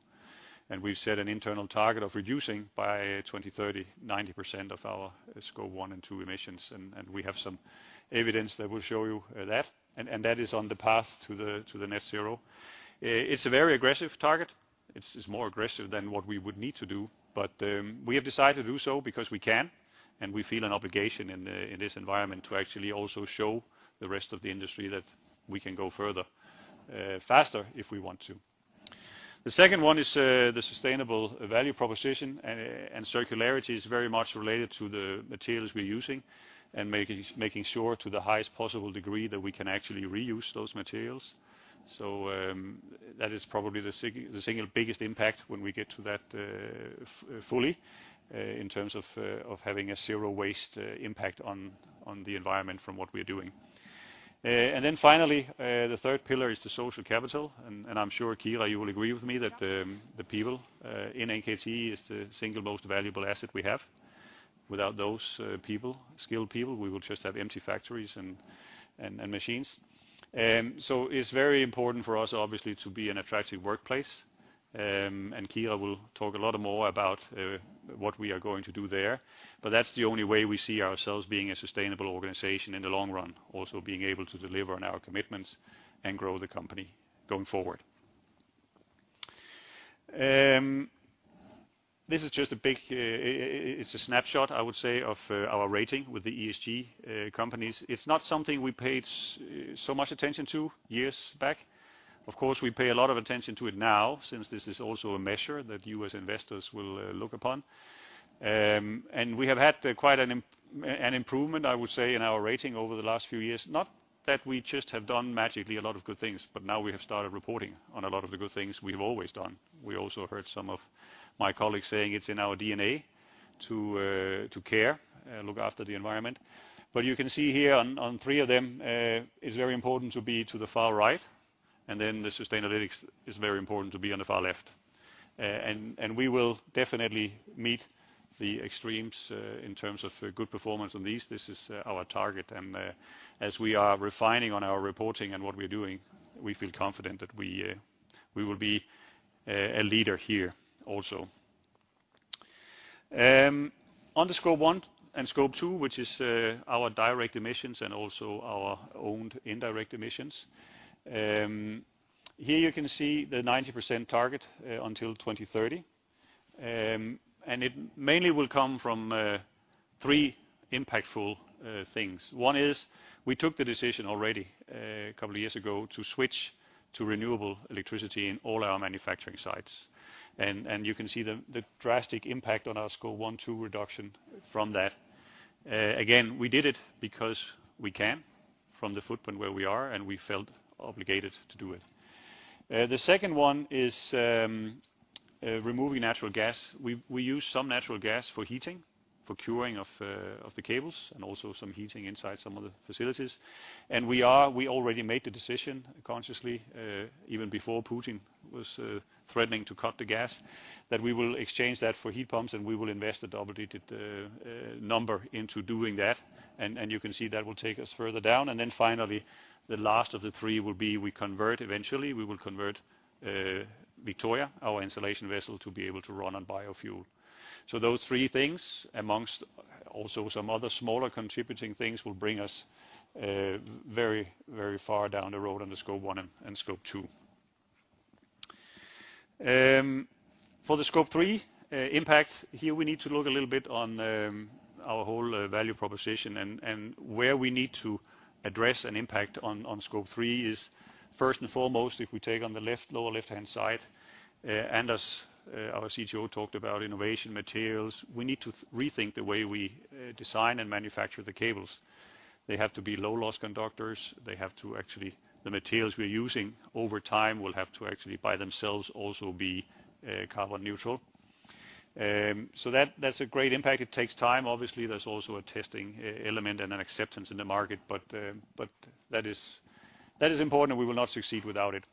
We've set an internal target of reducing by 2030, 90% of our Scope 1 and 2 emissions. We have some evidence that will show you that. That is on the path to the net zero. It's a very aggressive target. It's more aggressive than what we would need to do, but we have decided to do so because we can, and we feel an obligation in this environment to actually also show the rest of the industry that we can go further, faster if we want to. The second one is the sustainable value proposition, and circularity is very much related to the materials we're using and making sure to the highest possible degree that we can actually reuse those materials. That is probably the single biggest impact when we get to that fully, in terms of having a zero waste impact on the environment from what we're doing. Finally, the third pillar is the social capital. I'm sure, Kira, you will agree with me that the people in NKT is the single most valuable asset we have. Without those people, skilled people, we will just have empty factories and machines. It's very important for us, obviously, to be an attractive workplace. Kira will talk a lot more about what we are going to do there. That's the only way we see ourselves being a sustainable organization in the long run, also being able to deliver on our commitments and grow the company going forward. This is just a snapshot, I would say, of our rating with the ESG companies. It's not something we paid so much attention to years back. Of course, we pay a lot of attention to it now, since this is also a measure that you as investors will look upon. We have had quite an improvement, I would say, in our rating over the last few years. Not that we just have done magically a lot of good things, but now we have started reporting on a lot of the good things we have always done. We also heard some of my colleagues saying it's in our DNA to care, look after the environment. You can see here on three of them, it's very important to be to the far right, and then the Sustainalytics is very important to be on the far left. We will definitely meet the extremes in terms of good performance on these. This is our target. As we are refining on our reporting and what we're doing, we feel confident that we will be a leader here also. On the Scope 1 and Scope 2, which is our direct emissions and also our owned indirect emissions, here you can see the 90% target until 2030. It mainly will come from three impactful things. One is we took the decision already a couple of years ago to switch to renewable electricity in all our manufacturing sites. You can see the drastic impact on our Scope 1, 2 reduction from that. Again, we did it because we can from the footprint where we are, and we felt obligated to do it. The second one is removing natural gas. We use some natural gas for heating, for curing of the cables, and also some heating inside some of the facilities. We already made the decision consciously, even before Putin was threatening to cut the gas, that we will exchange that for heat pumps, and we will invest a double-digit number into doing that. You can see that will take us further down. Finally, the last of the three will be we convert eventually. We will convert Victoria, our insulation vessel, to be able to run on biofuel. Those three things, among also some other smaller contributing things, will bring us very, very far down the road on the Scope 1 and Scope 2. For the Scope 3 impact, here we need to look a little bit on our whole value proposition and where we need to address an impact on Scope 3 is first and foremost if we take on the left lower left-hand side. Anders Jensen, our CTO, talked about innovative materials. We need to rethink the way we design and manufacture the cables. They have to be low-loss conductors. The materials we're using over time will have to actually by themselves also be carbon-neutral. That's a great impact. It takes time. Obviously, there's also a testing element and an acceptance in the market, but that is important, and we will not succeed without it.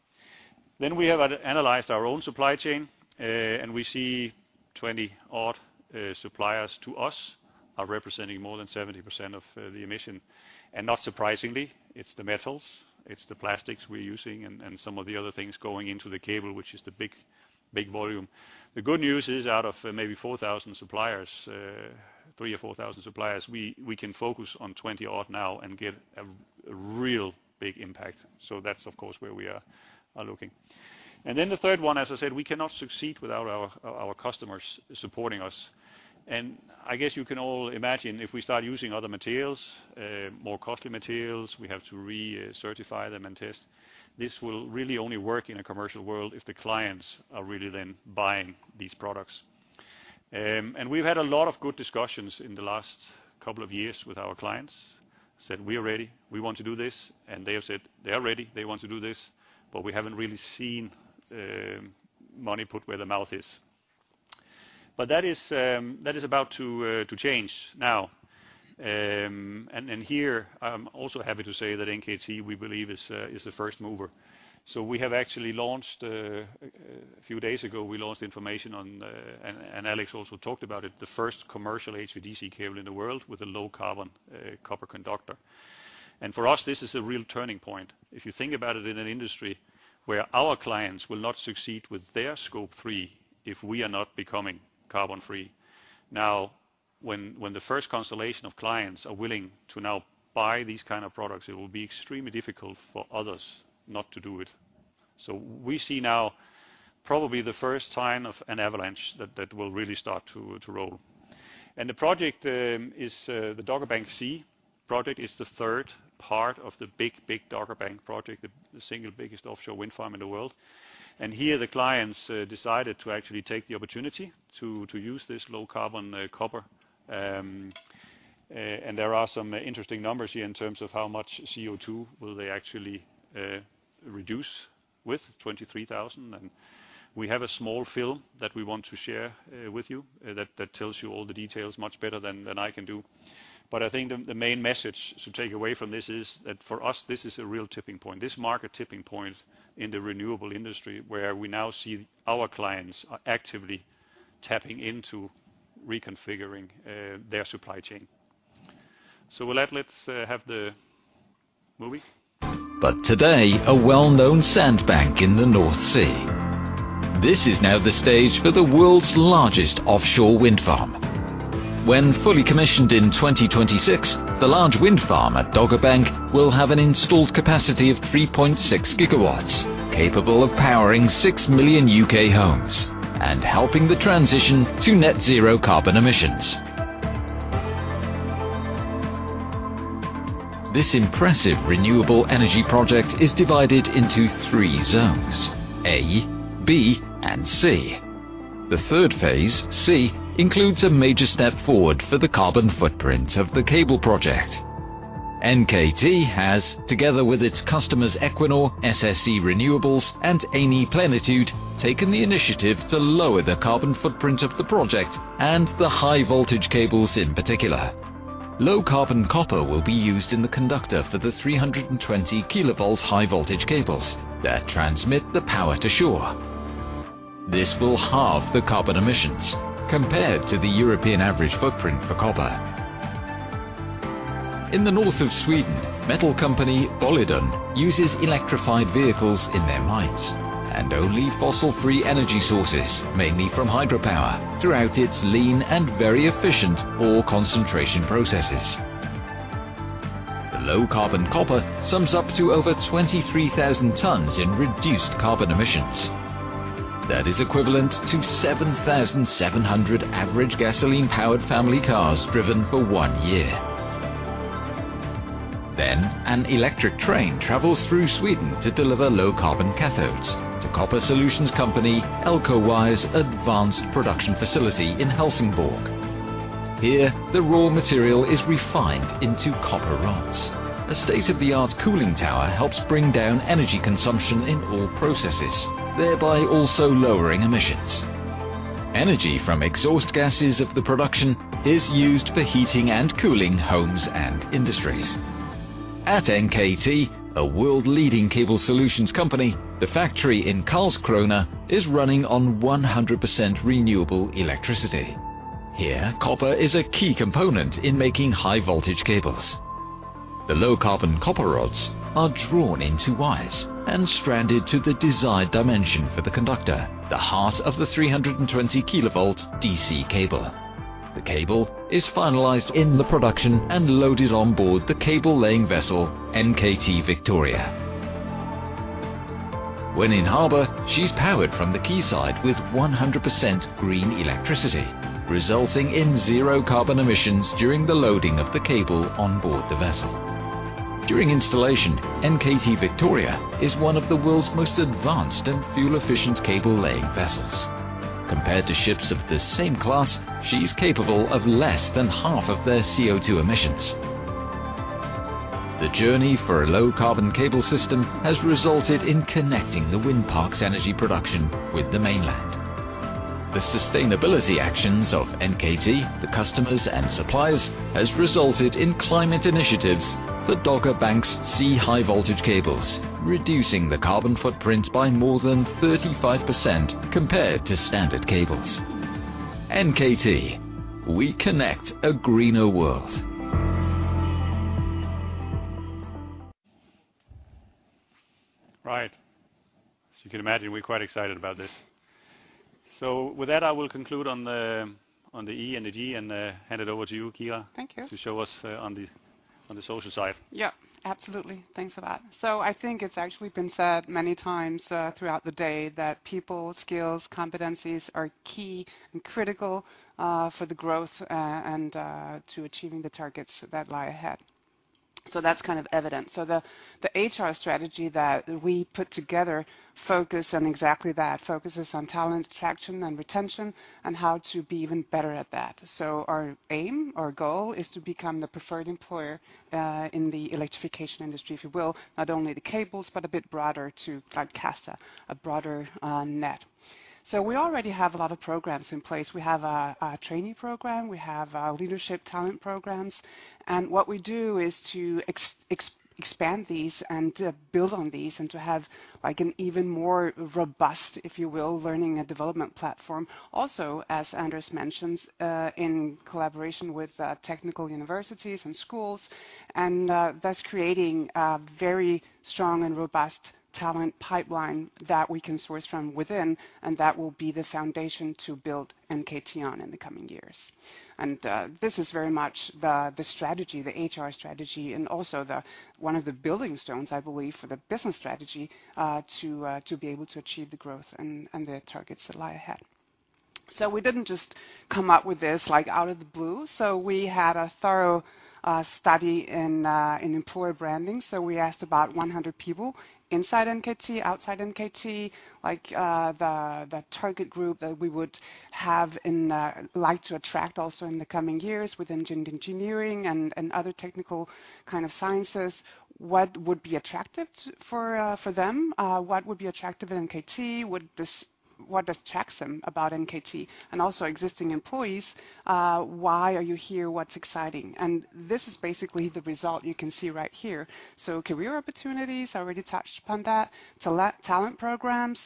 We have analyzed our own supply chain, and we see 20-odd suppliers to us are representing more than 70% of the emission. Not surprisingly, it's the metals, it's the plastics we're using, and some of the other things going into the cable, which is the big volume. The good news is out of maybe 4,000 suppliers, 3,000 or 4,000 suppliers, we can focus on 20-odd now and get a real big impact. That's of course where we are looking. Then the third one, as I said, we cannot succeed without our customers supporting us. I guess you can all imagine if we start using other materials, more costly materials, we have to recertify them and test. This will really only work in a commercial world if the clients are really then buying these products. We've had a lot of good discussions in the last couple of years with our clients said, "We are ready. We want to do this." They have said they are ready, they want to do this, but we haven't really seen money put where the mouth is. That is about to change now. Here, I'm also happy to say that NKT, we believe is the first mover. We have actually launched a few days ago. We launched information on, and Alex also talked about it, the first commercial HVDC cable in the world with a low-carbon copper conductor. For us, this is a real turning point. If you think about it in an industry where our clients will not succeed with their Scope 3 if we are not becoming carbon-free. Now, when the first constellation of clients are willing to now buy these kind of products, it will be extremely difficult for others not to do it. We see now probably the first sign of an avalanche that will really start to roll. The project is the Dogger Bank C project is the third part of the big, big Dogger Bank project, the single biggest offshore wind farm in the world. Here, the clients decided to actually take the opportunity to use this low-carbon copper. There are some interesting numbers here in terms of how much CO2 will they actually reduce with 23,000. We have a small film that we want to share with you that tells you all the details much better than I can do. I think the main message to take away from this is that for us, this is a real tipping point. This market tipping point in the renewable industry, where we now see our clients are actively tapping into reconfiguring their supply chain. With that, let's have the movie. Today, a well-known sandbank in the North Sea. This is now the stage for the world's largest offshore wind farm. When fully commissioned in 2026, the large wind farm at Dogger Bank will have an installed capacity of 3.6 GW, capable of powering 6 million UK homes and helping the transition to net zero carbon emissions. This impressive renewable energy project is divided into three zones, A, B, and C. The third phase, C, includes a major step forward for the carbon footprint of the cable project. NKT has, together with its customers, Equinor, SSE Renewables, and Eni Plenitude, taken the initiative to lower the carbon footprint of the project and the high voltage cables in particular. Low-carbon copper will be used in the conductor for the 320 kV high voltage cables that transmit the power to shore. This will halve the carbon emissions compared to the European average footprint for copper. In the north of Sweden, metal company Boliden uses electrified vehicles in their mines, and only fossil-free energy sources, mainly from hydropower, throughout its lean and very efficient ore concentration processes. The low-carbon copper sums up to over 23,000 tons in reduced carbon emissions. That is equivalent to 7,700 average gasoline-powered family cars driven for one year. An electric train travels through Sweden to deliver low-carbon cathodes to copper solutions company Elcowire Advanced Production Facility in Helsingborg. Here, the raw material is refined into copper rods. A state-of-the-art cooling tower helps bring down energy consumption in all processes, thereby also lowering emissions. Energy from exhaust gases of the production is used for heating and cooling homes and industries. At NKT, a world-leading cable solutions company, the factory in Karlskrona is running on 100% renewable electricity. Here, copper is a key component in making high voltage cables. The low-carbon copper rods are drawn into wires and stranded to the desired dimension for the conductor, the heart of the 320 kV DC cable. The cable is finalized in the production and loaded on board the cable laying vessel, NKT Victoria. When in harbor, she's powered from the quayside with 100% green electricity, resulting in 0 carbon emissions during the loading of the cable on board the vessel. During installation, NKT Victoria is one of the world's most advanced and fuel-efficient cable laying vessels. Compared to ships of the same class, she's capable of less than half of their CO2 emissions. The journey for a low carbon cable system has resulted in connecting the wind park's energy production with the mainland. The sustainability actions of NKT, the customers and suppliers, has resulted in climate initiatives, the Dogger Bank C high voltage cables, reducing the carbon footprint by more than 35% compared to standard cables. NKT, we connect a greener world. Right. As you can imagine, we're quite excited about this. With that, I will conclude on the E and the G and hand it over to you, Kira. Thank you. To show us on the social side. Yeah, absolutely. Thanks for that. I think it's actually been said many times throughout the day that people skills, competencies are key and critical for the growth and to achieving the targets that lie ahead. That's kind of evident. The HR strategy that we put together focuses on exactly that, talent attraction and retention and how to be even better at that. Our aim, our goal is to become the preferred employer in the electrification industry, if you will, not only the cables, but a bit broader to cast a broader net. We already have a lot of programs in place. We have a trainee program, we have leadership talent programs. What we do is to expand these and to build on these and to have like an even more robust, if you will, learning and development platform. Also, as Anders mentioned, in collaboration with technical universities and schools, thus creating a very strong and robust talent pipeline that we can source from within and that will be the foundation to build NKT on in the coming years. This is very much the strategy, the HR strategy, and also one of the building stones, I believe, for the business strategy, to be able to achieve the growth and the targets that lie ahead. We didn't just come up with this like out of the blue. We had a thorough study in employer branding. We asked about 100 people inside NKT, outside NKT, like, the target group that we would have and like to attract also in the coming years within engineering and other technical kind of sciences, what would be attractive for them, what would be attractive at NKT, what attracts them about NKT? Also existing employees, why are you here? What's exciting? This is basically the result you can see right here. Career opportunities, I already touched upon that. Talent programs,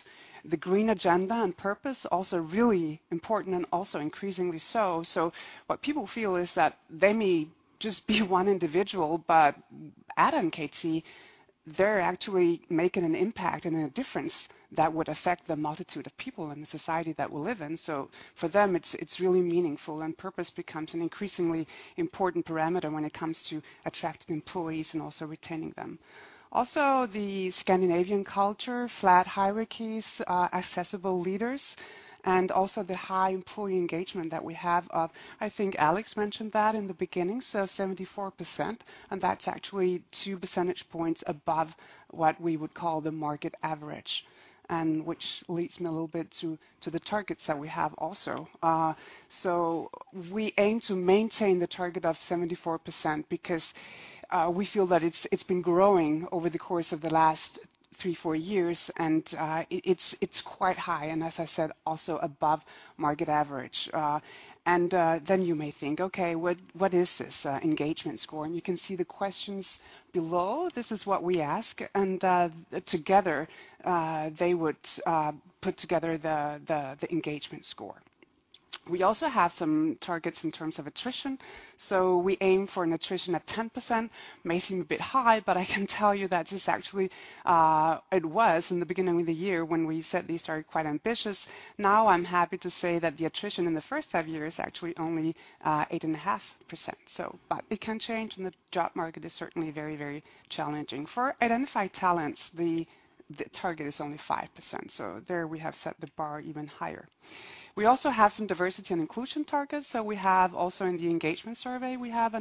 the green agenda and purpose, also really important and also increasingly so. What people feel is that they may just be one individual, but at NKT, they're actually making an impact and a difference that would affect the multitude of people in the society that we live in. For them, it's really meaningful, and purpose becomes an increasingly important parameter when it comes to attracting employees and also retaining them. Also, the Scandinavian culture, flat hierarchies, accessible leaders, and also the high employee engagement that we have. I think Alex mentioned that in the beginning, 74%, and that's actually two percentage points above what we would call the market average, and which leads me a little bit to the targets that we have also. We aim to maintain the target of 74% because we feel that it's been growing over the course of the last three, four years, and it's quite high, and as I said, also above market average. Then you may think, "Okay, what is this engagement score?" You can see the questions below. This is what we ask. Together, they would put together the engagement score. We also have some targets in terms of attrition. We aim for an attrition of 10%. May seem a bit high, but I can tell you that this actually, it was in the beginning of the year when we set these are quite ambitious. Now, I'm happy to say that the attrition in the first half year is actually only 8.5%. But it can change, and the job market is certainly very, very challenging. For identified talents, the target is only 5%. There we have set the bar even higher. We also have some diversity and inclusion targets. We have also in the engagement survey, we have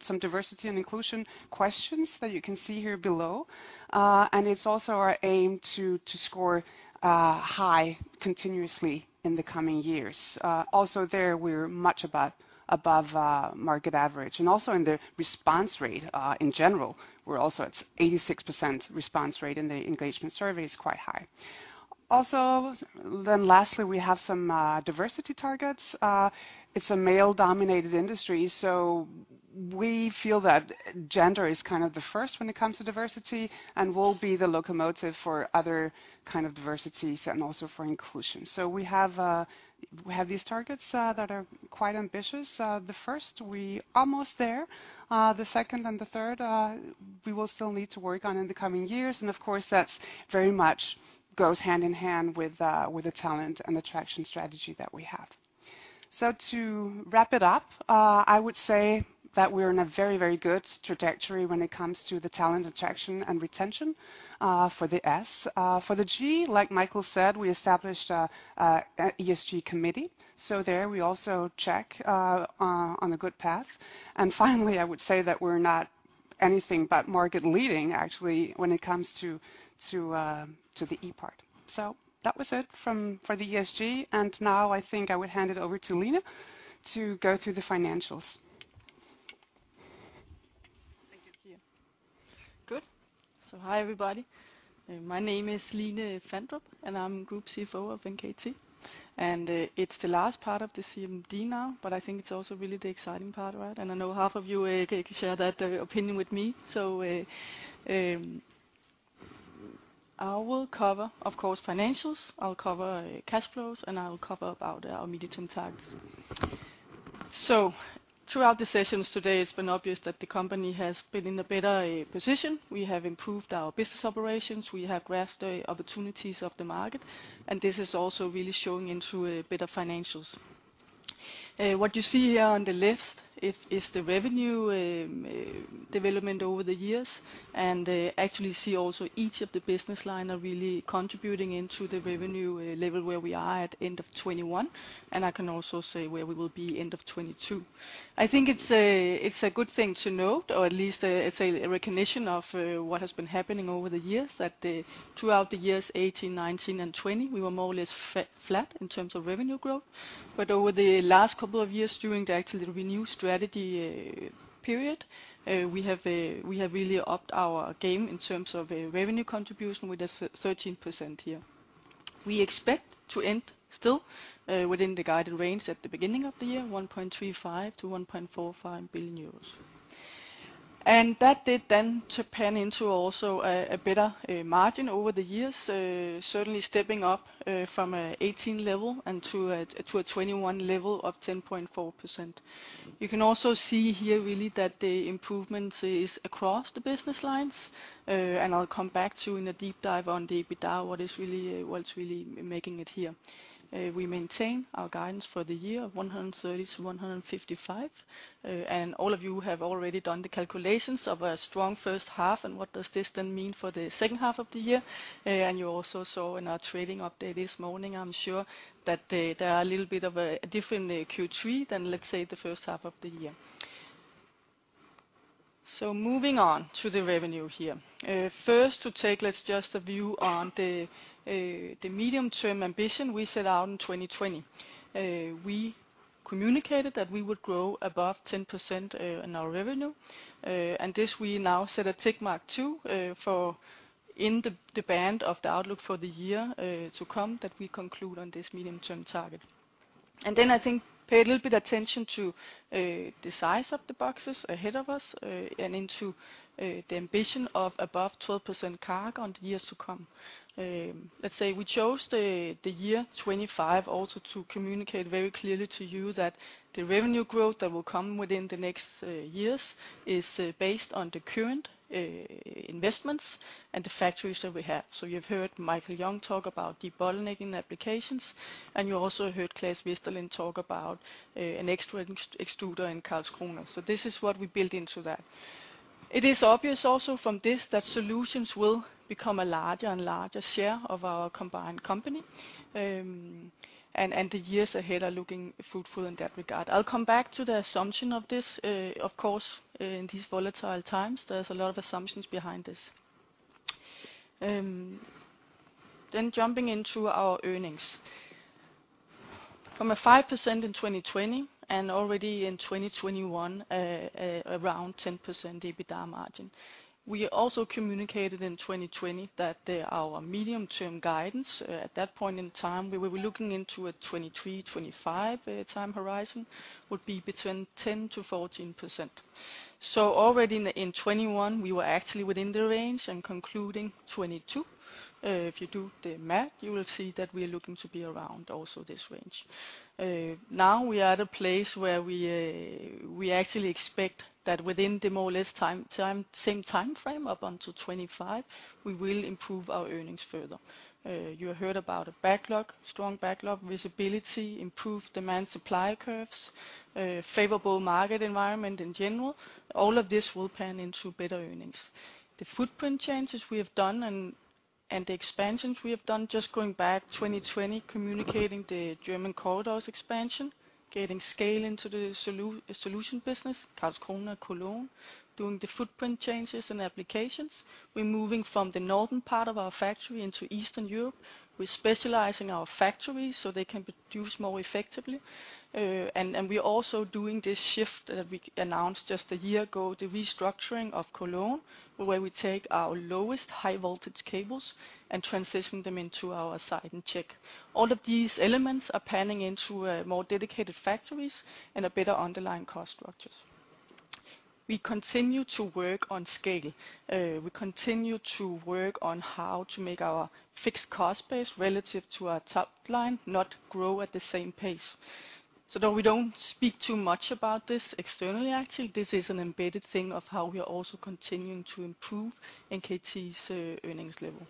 some diversity and inclusion questions that you can see here below. It's also our aim to score high continuously in the coming years. Also there we're much above market average. Also in the response rate, in general, we're also at 86% response rate in the engagement survey. It's quite high. Also, then lastly, we have some diversity targets. It's a male-dominated industry, so we feel that gender is kind of the first when it comes to diversity and will be the locomotive for other kind of diversities and also for inclusion. We have these targets that are quite ambitious. The first, we almost there. The second and the third, we will still need to work on in the coming years. Of course, that very much goes hand in hand with the talent and attraction strategy that we have. To wrap it up, I would say that we're in a very, very good trajectory when it comes to the talent attraction and retention for the S. For the G, like Michael said, we established an ESG committee. There we also are on the good path. Finally, I would say that we're nothing but market leading actually when it comes to the E part. That was it for the ESG. Now I think I would hand it over to Line to go through the financials. Thank you, Kira. Good. Hi, everybody. My name is Line Fandrup, and I'm Group CFO of NKT. It's the last part of this CMD now, but I think it's also really the exciting part, right? I know half of you can share that opinion with me. I will cover, of course, financials, I'll cover cash flows, and I'll cover about our medium-term targets. Throughout the sessions today, it's been obvious that the company has been in a better position. We have improved our business operations. We have grasped the opportunities of the market, and this is also really showing into a better financials. What you see here on the list is the revenue development over the years, and actually see also each of the business line are really contributing into the revenue level where we are at end of 2021, and I can also say where we will be end of 2022. I think it's a good thing to note, or at least it's a recognition of what has been happening over the years, that throughout the years 2018, 2019, and 2020, we were more or less flat in terms of revenue growth. Over the last couple of years during actually the ReNew strategy period, we have really upped our game in terms of a revenue contribution with a 13% here. We expect to end still within the guided range at the beginning of the year, 1.35 billion-1.45 billion euros. That then translates into also a better margin over the years, certainly stepping up from a 2018 level and to a 2021 level of 10.4%. You can also see here really that the improvement is across the business lines, and I'll come back to in a deep dive on the EBITDA, what's really making it here. We maintain our guidance for the year of 130 million-155 million, and all of you have already done the calculations of a strong first half and what does this then mean for the second half of the year. You also saw in our trading update this morning, I'm sure, that there are a little bit of a different Q3 than, let's say, the first half of the year. Moving on to the revenue here. First to take, let's just a view on the medium-term ambition we set out in 2020. We communicated that we would grow above 10% in our revenue, and this we now set a tick mark to, for in the band of the outlook for the year to come that we conclude on this medium-term target. I think pay a little bit attention to the size of the boxes ahead of us, and into the ambition of above 12% CAGR on the years to come. Let's say we chose the year 25 also to communicate very clearly to you that the revenue growth that will come within the next years is based on the current investments and the factories that we have. You've heard Michael Yong talk about debottlenecking applications, and you also heard Claes Westerlind talk about an extra extruder in Karlskrona. This is what we built into that. It is obvious also from this that solutions will become a larger and larger share of our combined company, and the years ahead are looking fruitful in that regard. I'll come back to the assumption of this. Of course, in these volatile times, there's a lot of assumptions behind this. Jumping into our earnings. From a 5% in 2020 and already in 2021, around 10% EBITDA margin. We also communicated in 2020 that, our medium-term guidance at that point in time, we were looking into a 2023-2025 time horizon, would be between 10%-14%. Already in 2021, we were actually within the range and concluding 2022. If you do the math, you will see that we are looking to be around also this range. Now we are at a place where we actually expect that within the more or less same time frame, up until 2025, we will improve our earnings further. You heard about a backlog, strong backlog, visibility, improved demand supply curves, favorable market environment in general. All of this will pan into better earnings. The footprint changes we have done and the expansions we have done just going back to 2020 communicating the German Corridor expansion, getting scale into the Solutions business, Karlskrona, Cologne, doing the footprint changes and applications. We're moving from the northern part of our factory into Eastern Europe. We're specializing our factories so they can produce more effectively. We're also doing this shift that we announced just a year ago, the restructuring of Cologne, where we take our low-voltage cables and transition them into our site in Czech. All of these elements are panning out into more dedicated factories and a better underlying cost structures. We continue to work on scale. We continue to work on how to make our fixed cost base relative to our top line not grow at the same pace. Though we don't speak too much about this externally, actually, this is an embedded thing of how we are also continuing to improve NKT's earnings level.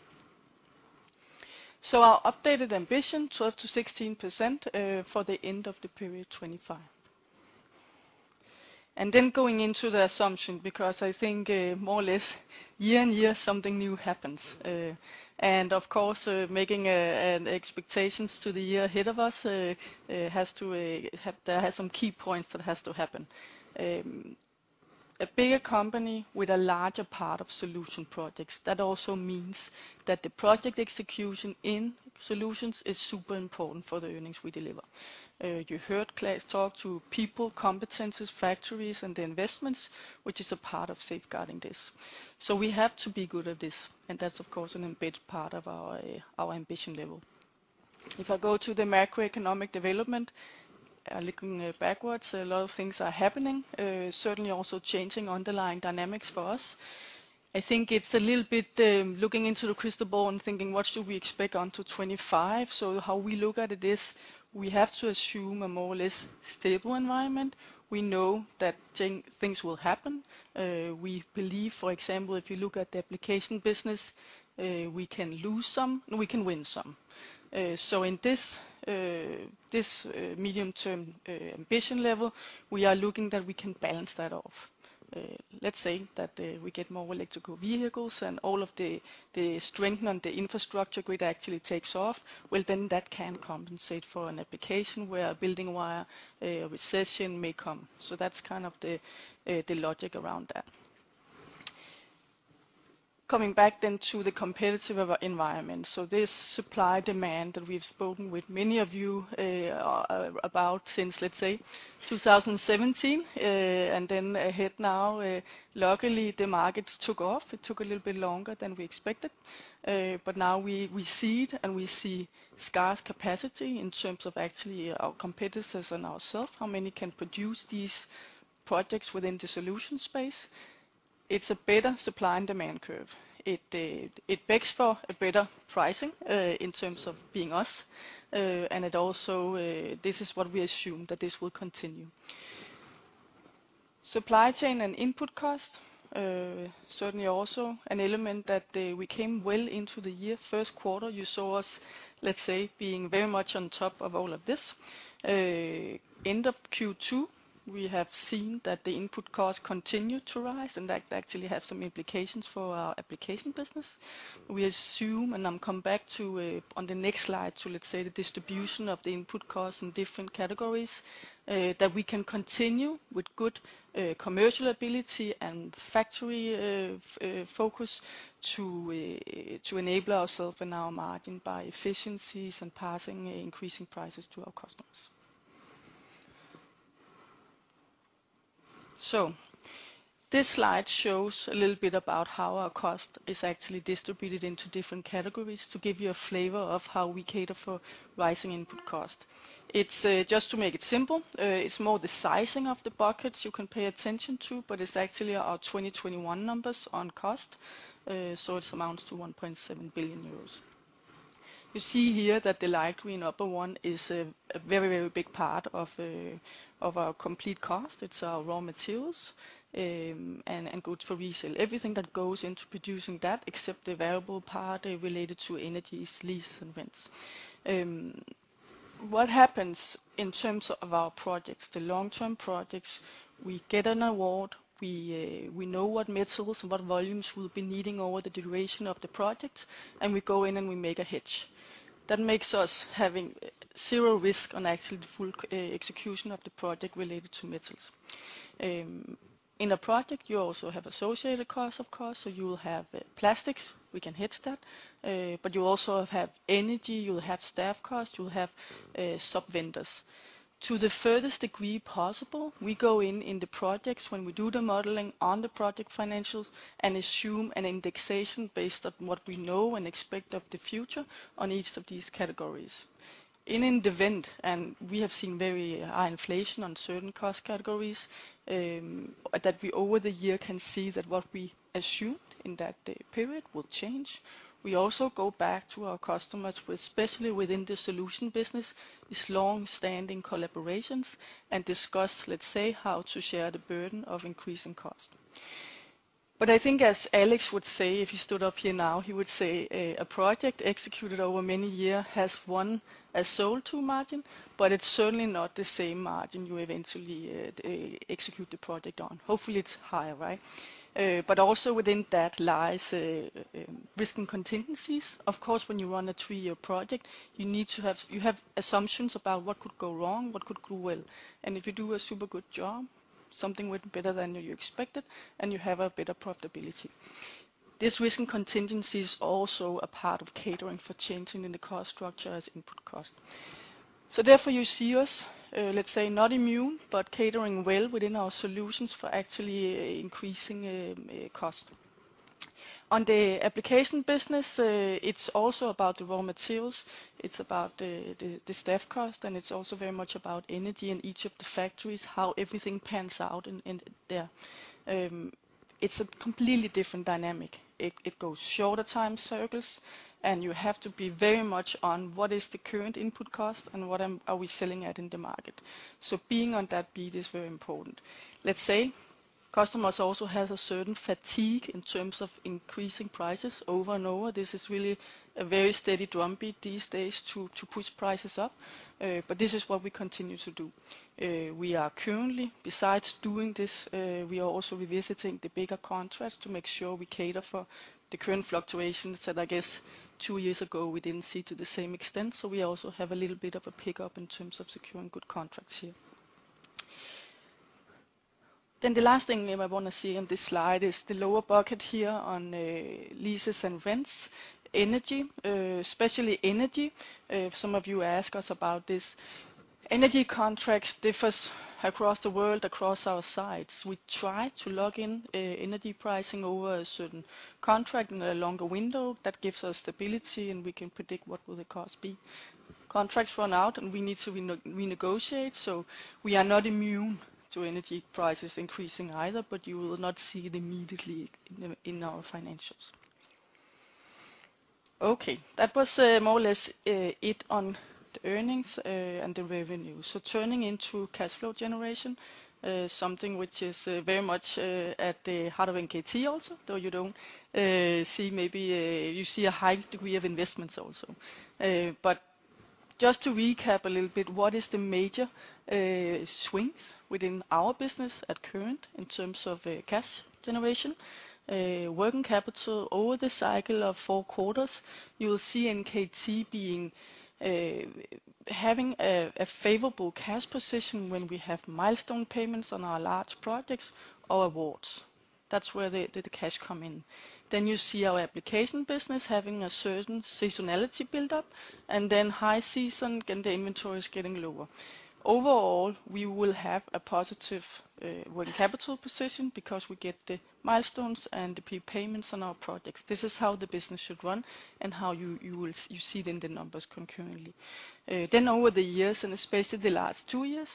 Our updated ambition, 12%-16%, for the end of the period 2025. Then going into the assumption, because I think, more or less year on year, something new happens. And of course, making expectations to the year ahead of us has to have, there are some key points that has to happen. A bigger company with a larger part of solution projects. That also means that the project execution in solutions is super important for the earnings we deliver. You heard Claes talk to people, competencies, factories, and the investments, which is a part of safeguarding this. We have to be good at this, and that's of course an embedded part of our ambition level. If I go to the macroeconomic development, looking backwards, a lot of things are happening. Certainly also changing underlying dynamics for us. I think it's a little bit looking into the crystal ball and thinking, what should we expect onto 2025? How we look at it is we have to assume a more or less stable environment. We know that things will happen. We believe, for example, if you look at the application business, we can lose some and we can win some. In this medium-term ambition level, we are looking that we can balance that off. Let's say that we get more electric vehicles and all of the strain on the infrastructure grid actually takes off. Well then that can compensate for an application where a building wire, a recession may come. That's kind of the logic around that. Coming back to the competitive environment. This supply-demand that we've spoken with many of you about since, let's say 2017, and then and now, luckily the markets took off. It took a little bit longer than we expected, but now we see it and we see scarce capacity in terms of actually our competitors and ourselves, how many can produce these projects within the solution space. It's a better supply and demand curve. It begs for a better pricing in terms of benefiting us. It also this is what we assume that this will continue. Supply chain and input cost certainly also an element that we came well into the year. First quarter, you saw us, let's say, being very much on top of all of this. End of Q2, we have seen that the input costs continue to rise, and that actually has some implications for our applications business. We assume, and I'll come back to, on the next slide to, let's say, the distribution of the input costs in different categories, that we can continue with good, commercial ability and factory focus to enable ourselves and our margins by efficiencies and passing increasing prices to our customers. This slide shows a little bit about how our cost is actually distributed into different categories to give you a flavor of how we cater for rising input cost. It's just to make it simple, it's more the sizing of the buckets you can pay attention to, but it's actually our 2021 numbers on cost. It amounts to 1.7 billion euros. You see here that the light green upper one is a very big part of our complete cost. It's our raw materials, and goods for resale. Everything that goes into producing that, except the variable part related to energy, lease, and rents. What happens in terms of our projects, the long-term projects, we get an award, we know what metals, what volumes we'll be needing over the duration of the project, and we go in and we make a hedge. That makes us having zero risk on actually the full execution of the project related to metals. In a project, you also have associated costs, of course, so you will have plastics, we can hedge that, but you also have energy, you'll have staff costs, you'll have sub-vendors. To the furthest degree possible, we go in the projects when we do the modeling on the project financials and assume an indexation based on what we know and expect of the future on each of these categories. In the event we have seen very high inflation on certain cost categories, that we over the year can see that what we assumed in that period will change. We also go back to our customers, especially within the solution business, these long-standing collaborations, and discuss, let's say, how to share the burden of increasing costs. I think as Alex would say, if he stood up here now, he would say a project executed over many years has one sold-to margin, but it's certainly not the same margin you eventually execute the project on. Hopefully, it's higher, right? But also within that lies risk and contingencies. Of course, when you run a three-year project, you have assumptions about what could go wrong, what could go well. If you do a super good job, something went better than you expected, and you have a better profitability. This risk and contingency is also a part of catering for changes in the cost structure as input cost. Therefore you see us, let's say not immune, but catering well within our solutions for actually increasing cost. On the application business, it's also about the raw materials, it's about the staff cost, and it's also very much about energy in each of the factories, how everything pans out in there. It's a completely different dynamic. It goes shorter time cycles, and you have to be very much on what is the current input cost and what are we selling at in the market. Being on that beat is very important. Let's say customers also have a certain fatigue in terms of increasing prices over and over. This is really a very steady drumbeat these days to push prices up. This is what we continue to do. We are currently, besides doing this, we are also revisiting the bigger contracts to make sure we cater for the current fluctuations that I guess two years ago, we didn't see to the same extent. We also have a little bit of a pickup in terms of securing good contracts here. The last thing you might wanna see in this slide is the lower bucket here on leases and rents. Energy, especially energy. Some of you ask us about this. Energy contracts differ across the world, across our sites. We try to lock in energy pricing over a certain contract in a longer window. That gives us stability, and we can predict what will the cost be. Contracts run out, and we need to renegotiate, so we are not immune to energy prices increasing either, but you will not see it immediately in our financials. Okay, that was more or less it on the earnings and the revenue. Turning into cash flow generation, something which is very much at the heart of NKT also, though you don't see maybe you see a high degree of investments also. Just to recap a little bit, what is the major swings within our business currently in terms of cash generation? Working capital over the cycle of four quarters, you will see NKT being, having a favorable cash position when we have milestone payments on our large projects or awards. That's where the cash come in. You see our application business having a certain seasonality buildup, and then high season and the inventory is getting lower. Overall, we will have a positive working capital position because we get the milestones and the prepayments on our projects. This is how the business should run and how you see it in the numbers concurrently. Over the years, and especially the last two years,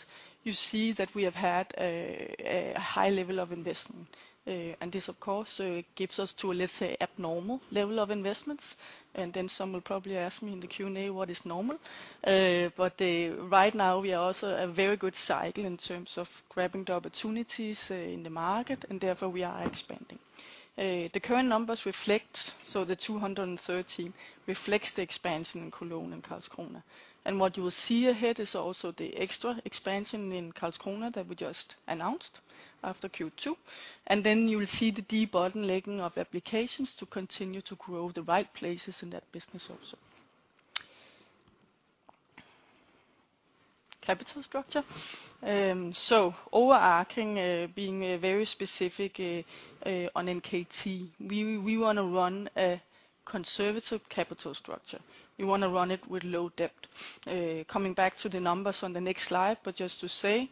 you see that we have had a high level of investment. This of course gives us a, let's say, abnormal level of investments, and then some will probably ask me in the Q&A what is normal. Right now we are also in a very good cycle in terms of grabbing the opportunities in the market, and therefore we are expanding. The current numbers reflect, so the 213 reflects the expansion in Cologne and Karlskrona. What you will see ahead is also the extra expansion in Karlskrona that we just announced after Q2. You will see the development of Applications to continue to grow in the right places in that business also. Capital structure. Overarching, being very specific on NKT, we wanna run a conservative capital structure. We wanna run it with low debt. Coming back to the numbers on the next slide, but just to say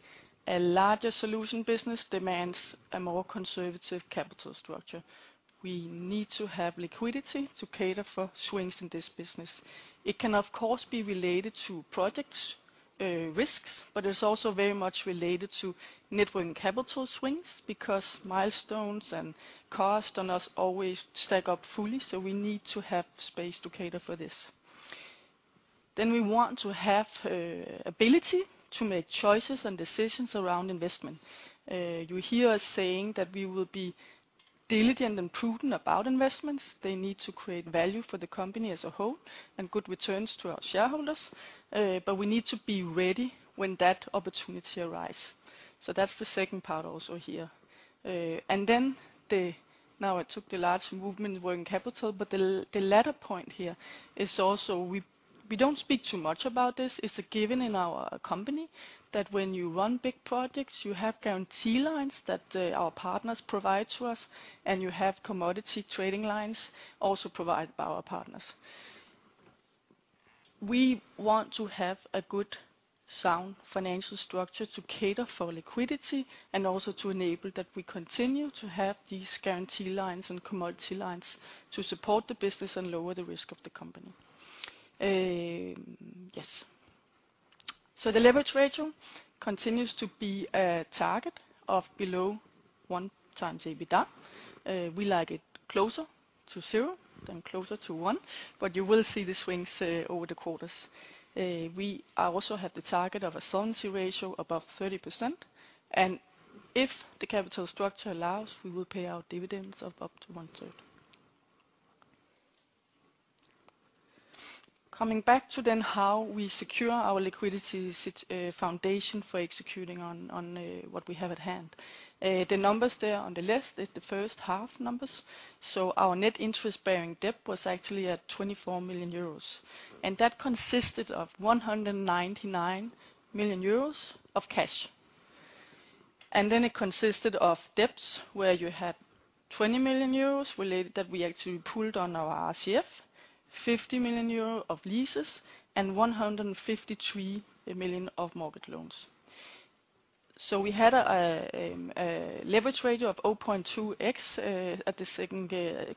a larger solution business demands a more conservative capital structure. We need to have liquidity to cater for swings in this business. It can of course be related to projects, risks, but it's also very much related to net working capital swings because milestones and costs on us always stack up fully, so we need to have space to cater for this. We want to have ability to make choices and decisions around investment. You hear us saying that we will be diligent and prudent about investments. They need to create value for the company as a whole and good returns to our shareholders, but we need to be ready when that opportunity arise. That's the second part also here. Now I took the large movement in working capital, but the latter point here is also we don't speak too much about this. It's a given in our company that when you run big projects, you have guarantee lines that our partners provide to us, and you have commodity trading lines also provided by our partners. We want to have a good, sound financial structure to cater for liquidity and also to enable that we continue to have these guarantee lines and commodity lines to support the business and lower the risk of the company. The leverage ratio continues to be a target of below 1x EBITDA. We like it closer to zero than closer to one, but you will see the swings over the quarters. We also have the target of a solvency ratio above 30%, and if the capital structure allows, we will pay out dividends of up to one-third. Coming back to then how we secure our liquidity foundation for executing on what we have at hand. The numbers there on the left is the first half numbers, so our net interest-bearing debt was actually at 24 million euros, and that consisted of 199 million euros of cash. It consisted of debts where you had 20 million euros related that we actually pulled on our RCF, 50 million euro of leases, and 153 million of market loans. We had a leverage ratio of 0.2x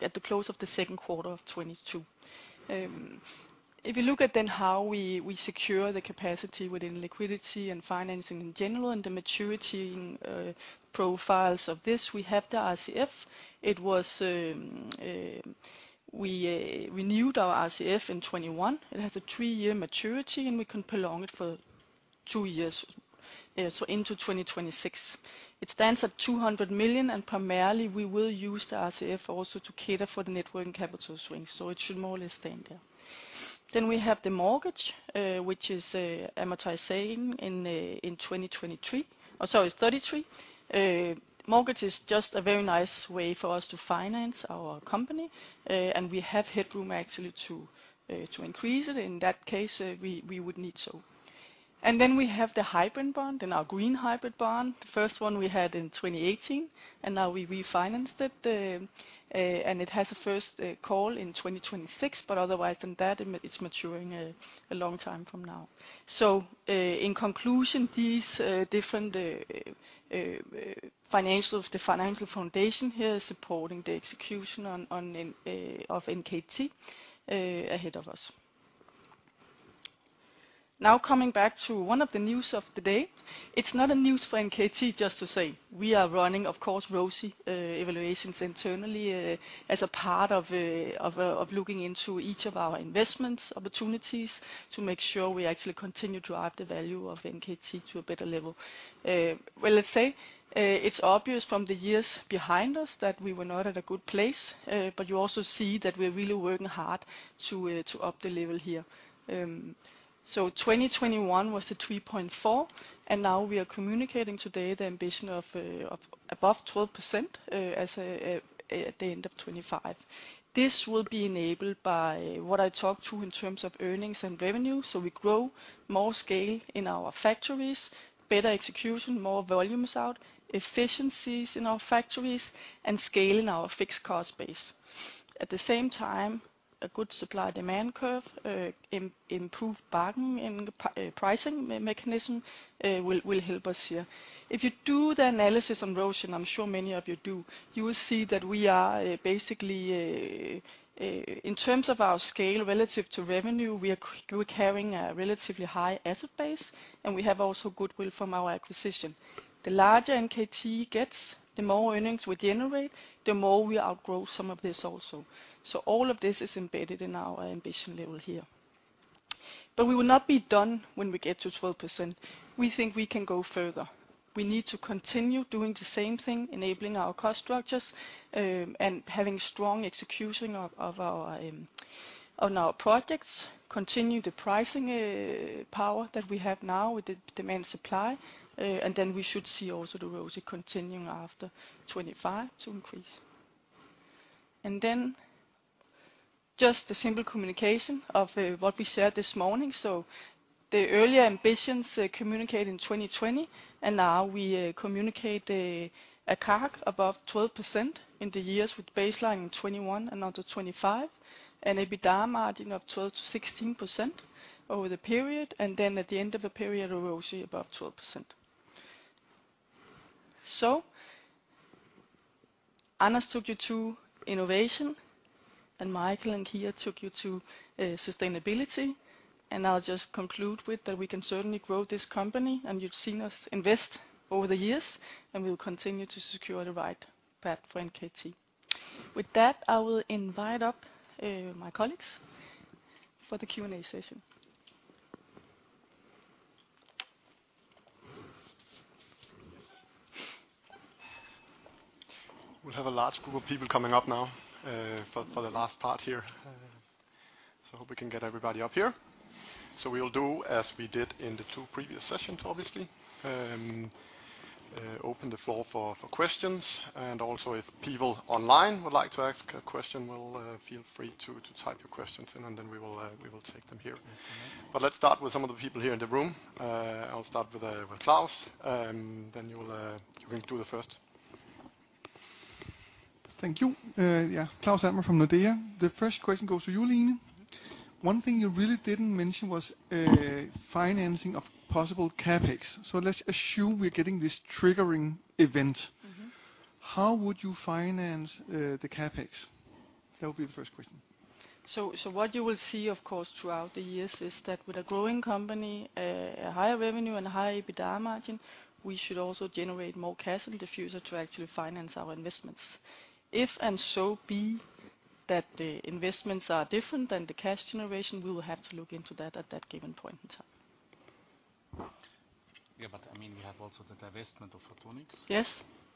at the close of the second quarter of 2022. If you look at then how we secure the capacity within liquidity and financing in general and the maturity profiles of this, we have the RCF. We renewed our RCF in 2021. It has a three-year maturity, and we can prolong it for two years, so into 2026. It stands at 200 million, and primarily we will use the RCF also to cater for the net working capital swings, so it should more or less stay in there. We have the mortgage, which is amortizing in 2023, or sorry, 2033. Mortgage is just a very nice way for us to finance our company, and we have headroom actually to increase it in that case, we would need so. We have the hybrid bond and our green hybrid bond. The first one we had in 2018, and now we refinanced it. It has a first call in 2026, but otherwise than that, it's maturing a long time from now. In conclusion, these different financials, the financial foundation here is supporting the execution of NKT ahead of us. Now coming back to one of the news of the day. It's not a news for NKT, just to say. We are running, of course, ROIC evaluations internally, as a part of looking into each of our investment opportunities to make sure we actually continue to add the value of NKT to a better level. Well, let's say, it's obvious from the years behind us that we were not at a good place, but you also see that we're really working hard to up the level here. 2021 was the 3.4%, and now we are communicating today the ambition of above 12% at the end of 2025. This will be enabled by what I talked about in terms of earnings and revenue, so we grow more scale in our factories, better execution, more volumes out, efficiencies in our factories, and scale in our fixed cost base. At the same time, a good supply-demand curve, improved bargaining in pricing mechanism, will help us here. If you do the analysis on ROIC, and I'm sure many of you do, you will see that we are basically in terms of our scale relative to revenue, we're carrying a relatively high asset base, and we have also goodwill from our acquisition. The larger NKT gets, the more earnings we generate, the more we outgrow some of this also. All of this is embedded in our ambition level here. We will not be done when we get to 12%. We think we can go further. We need to continue doing the same thing, enabling our cost structures, and having strong execution of our projects, continue the pricing power that we have now with the demand supply, and then we should see also the ROIC continuing after 2025 to increase. Then just the simple communication of what we shared this morning. The earlier ambitions communicate in 2020, and now we communicate a CAGR above 12% in the years with baseline in 2021 and onto 2025, and EBITDA margin of 12%-16% over the period, and then at the end of a period of ROIC above 12%. Anders took you to innovation, and Michael and Kira took you to sustainability. I'll just conclude with that we can certainly grow this company, and you've seen us invest over the years, and we will continue to secure the right path for NKT. With that, I will invite up my colleagues for the Q&A session. We have a large group of people coming up now, for the last part here. Hope we can get everybody up here. We will do as we did in the two previous sessions, obviously, open the floor for questions. If people online would like to ask a question, feel free to type your questions in, and then we will take them here. Let's start with some of the people here in the room. I'll start with Claus, and then you can do the first. Thank you. Claus Almer from Nordea. The first question goes to you, Line. One thing you really didn't mention was financing of possible CapEx. Let's assume we're getting this triggering event. Mm-hmm. How would you finance the CapEx? That would be the first question. What you will see, of course, throughout the years is that with a growing company, a higher revenue and a higher EBITDA margin, we should also generate more cash in the future to actually finance our investments. If and so be that the investments are different than the cash generation, we will have to look into that at that given point in time. Yeah, I mean, we have also the divestment of Photonics. Yes.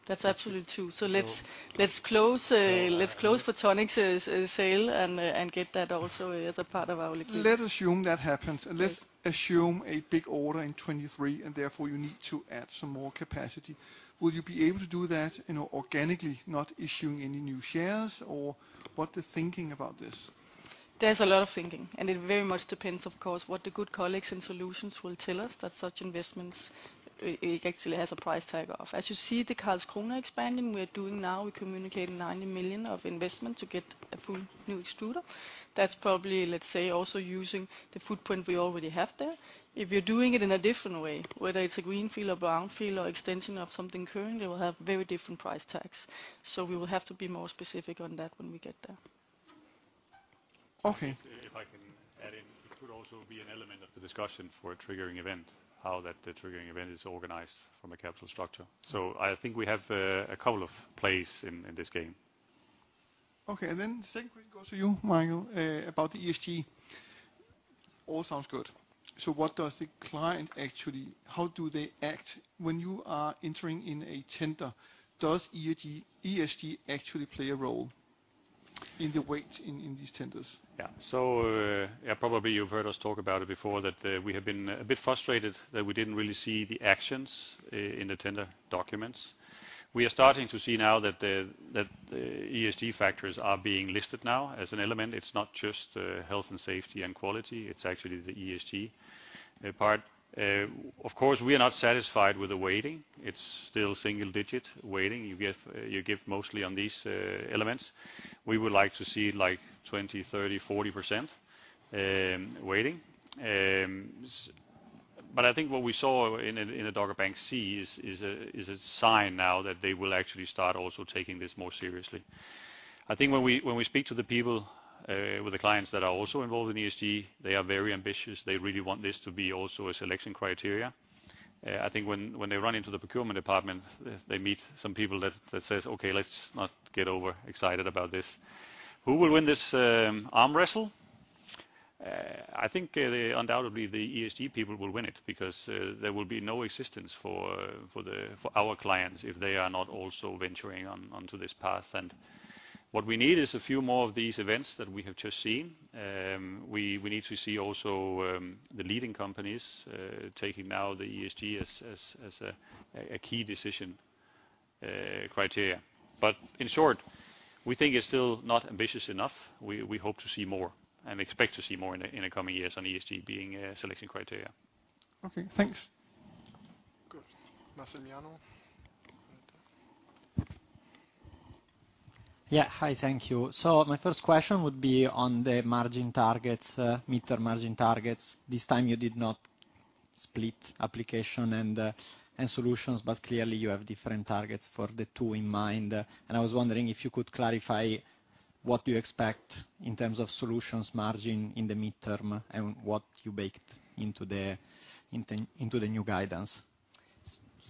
That's absolutely true. So- Let's close NKT Photonics's sale and get that also as a part of our liquidity. Let's assume that happens. Okay. Let's assume a big order in 2023, and therefore you need to add some more capacity. Will you be able to do that, you know, organically, not issuing any new shares, or what the thinking about this? There's a lot of thinking, and it very much depends, of course, what the good colleagues in solutions will tell us that such investments actually has a price tag of. As you see the Karlskrona expanding we are doing now, we communicate 90 million of investment to get a full new extruder. That's probably, let's say, also using the footprint we already have there. If you're doing it in a different way, whether it's a greenfield or brownfield or extension of something current, it will have very different price tags. We will have to be more specific on that when we get there. Okay. If I can add in, it could also be an element of the discussion for a triggering event, how that the triggering event is organized from a capital structure. I think we have a couple of plays in this game. Okay, second question goes to you, Michael, about the ESG. All sounds good. What does the client actually, how do they act when you are entering in a tender? Does ESG actually play a role? In these tenders. Probably you've heard us talk about it before that we have been a bit frustrated that we didn't really see the actions in the tender documents. We are starting to see now that the ESG factors are being listed now as an element. It's not just health and safety and quality, it's actually the ESG part. Of course, we are not satisfied with the weighting. It's still single digit weighting. You give mostly on these elements. We would like to see like 20%, 30%, 40% weighting. But I think what we saw in Dogger Bank C is a sign now that they will actually start also taking this more seriously. I think when we speak to the people with the clients that are also involved in ESG, they are very ambitious. They really want this to be also a selection criteria. I think when they run into the procurement department, they meet some people that says, "Okay, let's not get overexcited about this." Who will win this arm wrestle? I think undoubtedly the ESG people will win it because there will be no existence for our clients if they are not also venturing onto this path. What we need is a few more of these events that we have just seen. We need to see also the leading companies taking now the ESG as a key decision criteria. In short, we think it's still not ambitious enough. We hope to see more and expect to see more in the coming years on ESG being a selection criteria. Okay, thanks. Good. Massimiliano. Yeah. Hi. Thank you. My first question would be on the margin targets, midterm margin targets. This time you did not split application and solutions, but clearly you have different targets for the two in mind. I was wondering if you could clarify what you expect in terms of solutions margin in the midterm, and what you baked into the into the new guidance.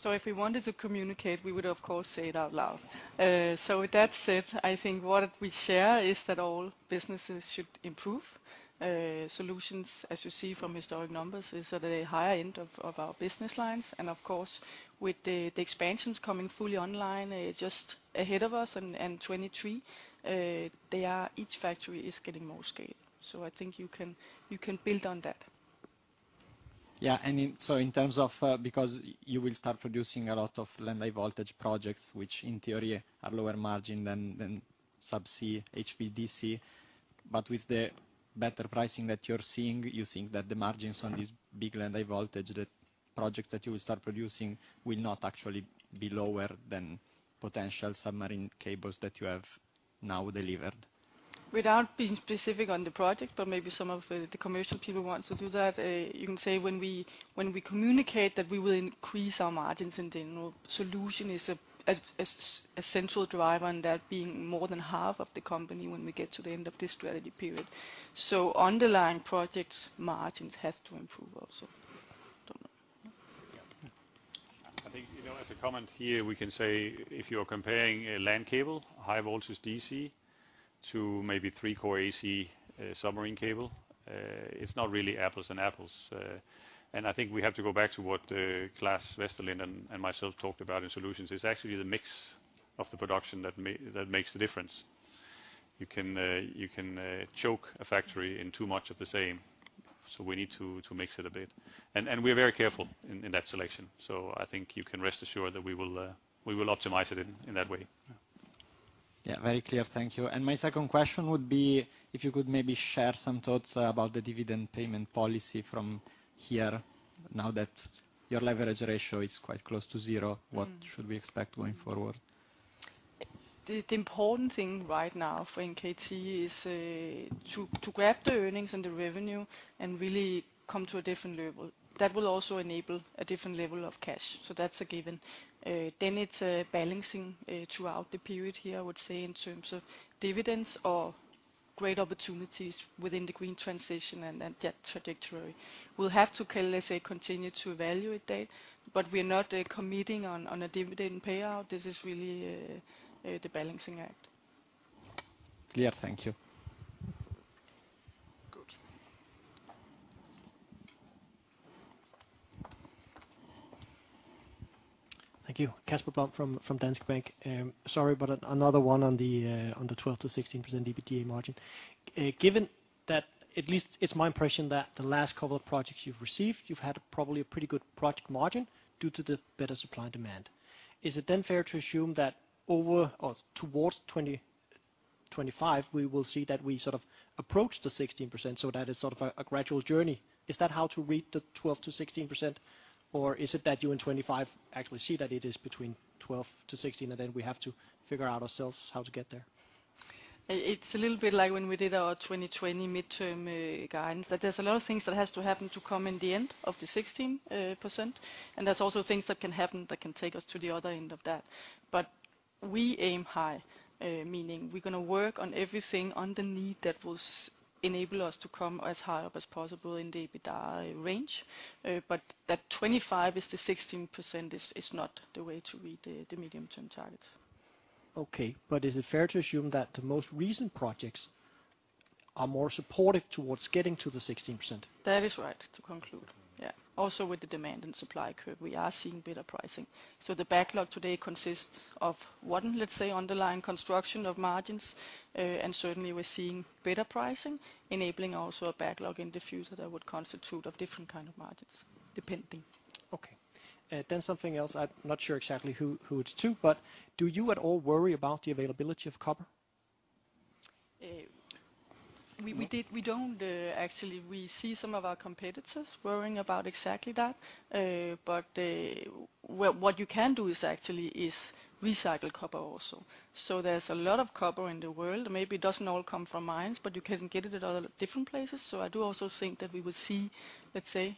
If we wanted to communicate, we would, of course, say it out loud. With that said, I think what we share is that all businesses should improve. Solutions, as you see from historic numbers, is at a higher end of our business lines. Of course, with the expansions coming fully online, just ahead of us in 2023, each factory is getting more scale. I think you can build on that. In terms of, because you will start producing a lot of land high voltage projects, which in theory are lower margin than subsea HVDC. With the better pricing that you're seeing, you think that the margins on these big land high voltage projects that you will start producing will not actually be lower than potential submarine cables that you have now delivered. Without being specific on the project, but maybe some of the commercial people want to do that. You can say when we communicate that we will increase our margins, and the general solution is a central driver in that being more than half of the company when we get to the end of this strategy period. Underlying projects margins has to improve also. Don't know. Yeah. Yeah. I think, you know, as a comment here, we can say if you're comparing a land cable, high voltage DC to maybe three-core AC submarine cable, it's not really apples and apples. I think we have to go back to what Claes Westerlind and myself talked about in solutions. It's actually the mix of the production that makes the difference. You can choke a factory in too much of the same, so we need to mix it a bit. We are very careful in that selection. I think you can rest assured that we will optimize it in that way. Yeah. Yeah. Very clear. Thank you. My second question would be if you could maybe share some thoughts about the dividend payment policy from here now that your leverage ratio is quite close to zero. Mm. What should we expect going forward? The important thing right now for NKT is to grab the earnings and the revenue and really come to a different level. That will also enable a different level of cash. That's a given. It's balancing throughout the period here, I would say, in terms of dividends or great opportunities within the green transition and then that trajectory. We'll have to, let's say, continue to evaluate that, but we're not committing on a dividend payout. This is really the balancing act. Clear. Thank you. Good. Thank you. Casper Blom from Danske Bank. Sorry, but another one on the 12%-16% EBITDA margin. Given that at least it's my impression that the last couple of projects you've received, you've had probably a pretty good project margin due to the better supply and demand. Is it then fair to assume that over or towards 2025, we will see that we sort of approach the 16%, so that is sort of a gradual journey? Is that how to read the 12%-16%, or is it that you in 2025 actually see that it is between 12%-16%, and then we have to figure out ourselves how to get there? It's a little bit like when we did our 2020 midterm guidance, that there's a lot of things that has to happen to come in the end of the 16%, and there's also things that can happen that can take us to the other end of that. We aim high, meaning we're gonna work on everything underneath that will enable us to come as high up as possible in the EBITDA range. That 25 is the 16% is not the way to read the medium-term targets. Okay. Is it fair to assume that the most recent projects are more supportive towards getting to the 16%? That is right, to conclude. Yeah. Also with the demand and supply curve, we are seeing better pricing. The backlog today consists of one, let's say, underlying construction of margins. Certainly we're seeing better pricing, enabling also a backlog in future that would constitute of different kind of margins, depending. Something else. I'm not sure exactly who it's to, but do you at all worry about the availability of copper? We don't actually. We see some of our competitors worrying about exactly that. What you can do is actually recycle copper also. There's a lot of copper in the world. Maybe it doesn't all come from mines, but you can get it at a lot of different places. I do also think that we will see, let's say,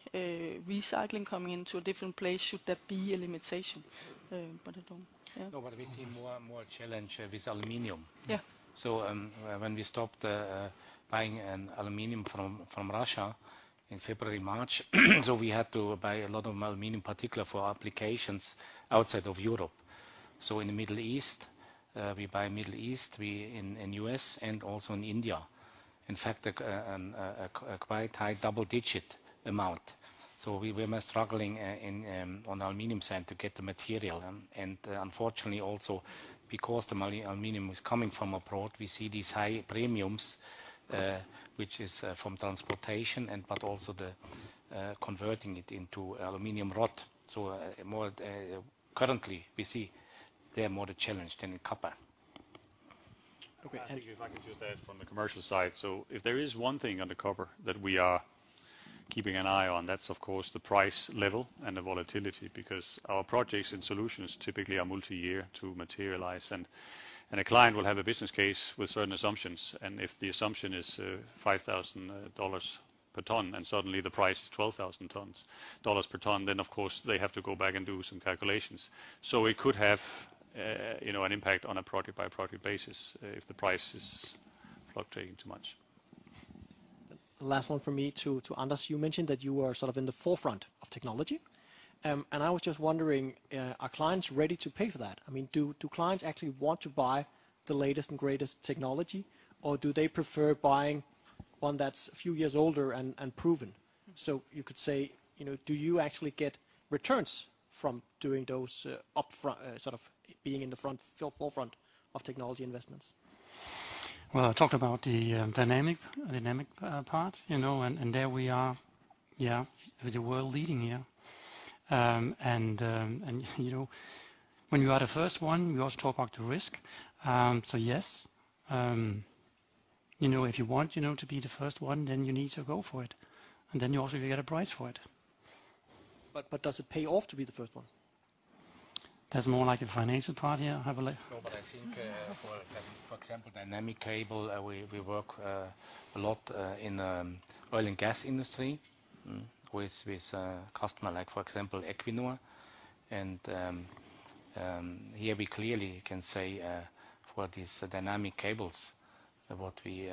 recycling coming into a different place should there be a limitation. No, we see more and more challenge with aluminum. Yeah. When we stopped buying aluminum from Russia in February, March, we had to buy a lot of aluminum, particularly for applications outside of Europe. In the Middle East, we buy in Middle East, in US and also in India. In fact, a quite high double-digit amount. We were struggling on aluminum side to get the material. Unfortunately also because the aluminum is coming from abroad, we see these high premiums, which is from transportation, but also the converting it into aluminum rod. Currently we see there more the challenge than in copper. Okay. I think if I could just add from the commercial side. If there is one thing on the copper that we are keeping an eye on, that's of course the price level and the volatility, because our projects and solutions typically are multi-year to materialize. A client will have a business case with certain assumptions. If the assumption is $5,000 per ton, and suddenly the price is $12,000 per ton, then of course they have to go back and do some calculations. It could have, you know, an impact on a project-by-project basis if the price is fluctuating too much. Last one from me to Anders. You mentioned that you are sort of in the forefront of technology. I was just wondering, are clients ready to pay for that? I mean, do clients actually want to buy the latest and greatest technology, or do they prefer buying one that's a few years older and proven? You could say, you know, do you actually get returns from doing those up front, sort of being in the forefront of technology investments? Well, I talked about the dynamic part, you know, and there we are, yeah, with the world leading here. You know, when you are the first one, you also talk about the risk. Yes, you know, if you want to be the first one, then you need to go for it, and then you also get a prize for it. Does it pay off to be the first one? That's more like a financial part here, I believe. No, but I think, for example, dynamic cable, we work a lot in oil and gas industry, with customer like, for example, Equinor. Here we clearly can say, for these dynamic cables, what we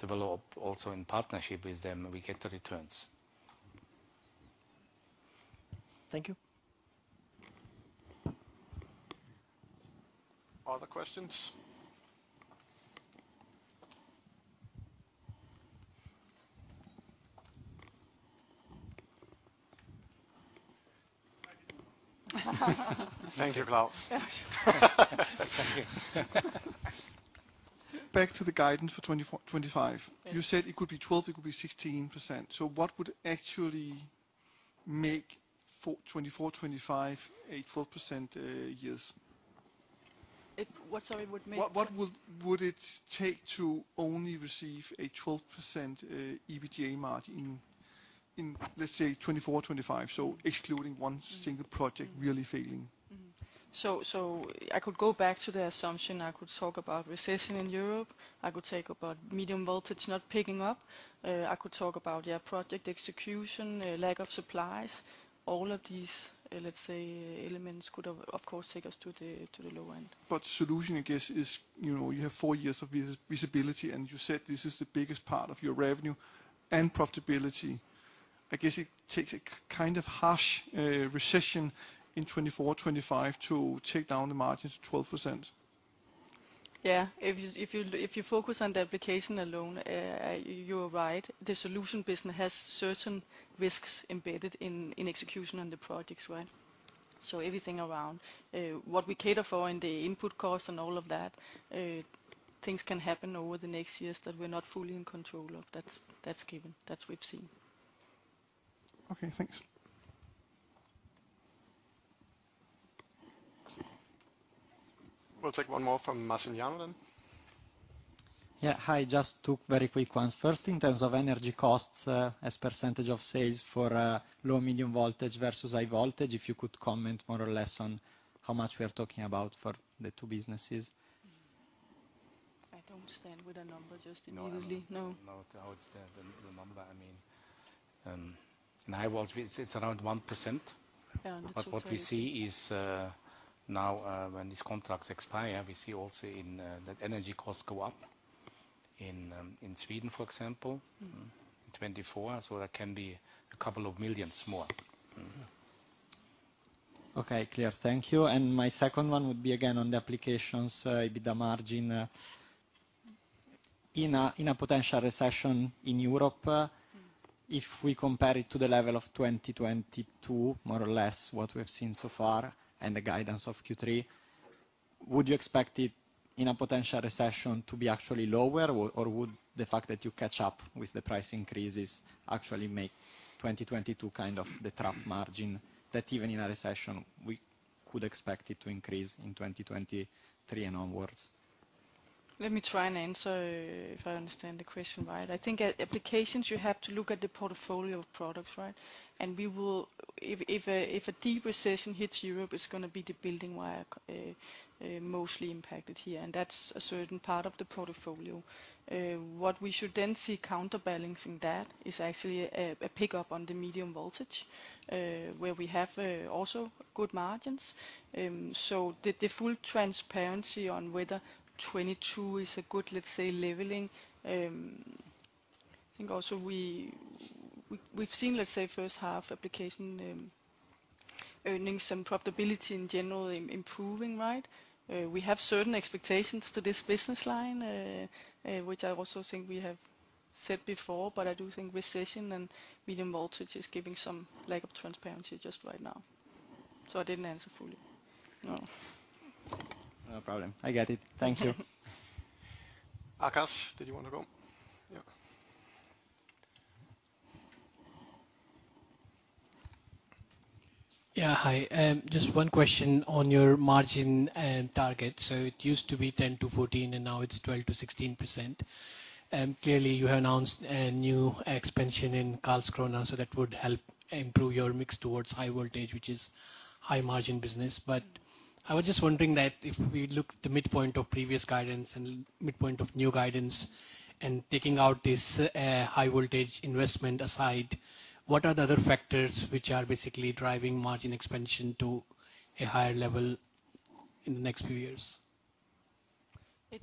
develop also in partnership with them, we get the returns. Thank you. Other questions? Thank you, Claus. Yeah. Thank you. Back to the guidance for 2024, 2025. Yes. You said it could be 12, it could be 16%. What would actually make 24-25 a 12% years? What, sorry, would make? What would it take to only receive a 12% EBITDA margin in let's say 2024, 2025, excluding one single project really failing? I could go back to the assumption. I could talk about recession in Europe. I could talk about medium voltage not picking up. I could talk about, yeah, project execution, lack of supplies. All of these, let's say, elements could, of course, take us to the low end. Solution, I guess is, you know, you have four years of visibility, and you said this is the biggest part of your revenue and profitability. I guess it takes a kind of harsh recession in 2024, 2025 to take down the margins 12%. Yeah. If you focus on the application alone, you are right. The solution business has certain risks embedded in execution on the projects, right? Everything around what we cater for in the input costs and all of that, things can happen over the next years that we're not fully in control of. That's given. That we've seen. Okay, thanks. We'll take one more from Massimilliano then. Yeah. Hi, just two very quick ones. First, in terms of energy costs, as percentage of sales for low medium voltage versus high voltage, if you could comment more or less on how much we are talking about for the two businesses? I don't stand with a number just immediately. No. No. I don't know how to understand the number. I mean, in high voltage, it's around 1%. Yeah. In the 2:30. What we see is, now, when these contracts expire, we see also in that energy costs go up in Sweden, for example. Mm-hmm. 24. That can be a couple of millions more. Mm-hmm. Okay, clear. Thank you. My second one would be again on the applications EBITDA margin. In a potential recession in Europe, if we compare it to the level of 2022, more or less what we have seen so far and the guidance of Q3, would you expect it in a potential recession to be actually lower or would the fact that you catch up with the price increases actually make 2022 kind of the trough margin that even in a recession we could expect it to increase in 2023 and onwards? Let me try and answer if I understand the question right. I think at applications, you have to look at the portfolio of products, right? We will if a deep recession hits Europe, it's gonna be the building wire mostly impacted here, and that's a certain part of the portfolio. What we should then see counterbalancing that is actually a pickup on the medium voltage, where we have also good margins. So the full transparency on whether 2022 is a good, let's say, leveling, I think also we've seen, let's say first half application earnings and profitability in general improving, right? We have certain expectations to this business line, which I also think we have said before, but I do think recession and medium voltage is giving some lack of transparency just right now. I didn't answer fully. No. No problem. I get it. Thank you. Akash, did you want to go? Yep. Yeah. Hi. Just one question on your margin and target. It used to be 10%-14%, and now it's 12%-16%. Clearly you have announced a new expansion in Karlskrona, so that would help improve your mix towards high voltage, which is high margin business. I was just wondering that if we look at the midpoint of previous guidance and midpoint of new guidance and taking out this, high voltage investment aside, what are the other factors which are basically driving margin expansion to a higher level in the next few years?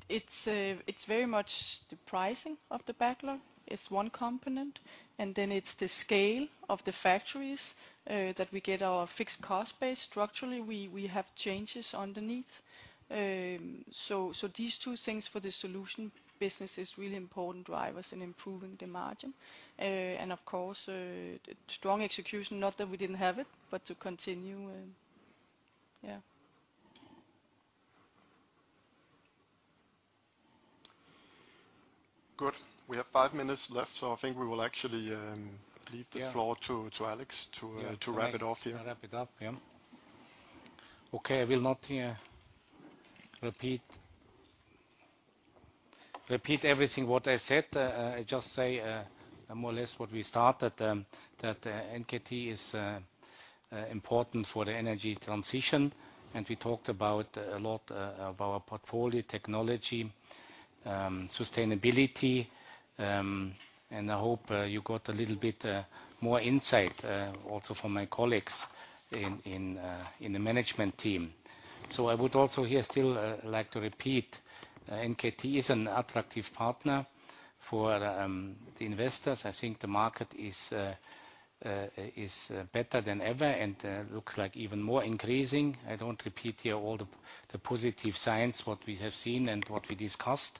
It's very much the pricing of the backlog is one component, and then it's the scale of the factories that we get our fixed cost base. Structurally, we have changes underneath. These two things for the solution business is really important drivers in improving the margin. And of course, strong execution, not that we didn't have it, but to continue. Good. We have five minutes left, so I think we will actually leave the floor to Alex to wrap it up here. Yeah. To wrap it up. Yeah. Okay. I will not repeat everything what I said. I just say more or less what we started, that NKT is important for the energy transition. We talked about a lot of our portfolio technology, sustainability, and I hope you got a little bit more insight also from my colleagues in the management team. I would also here still like to repeat NKT is an attractive partner for the investors. I think the market is better than ever and looks like even more increasing. I don't repeat here all the positive signs what we have seen and what we discussed.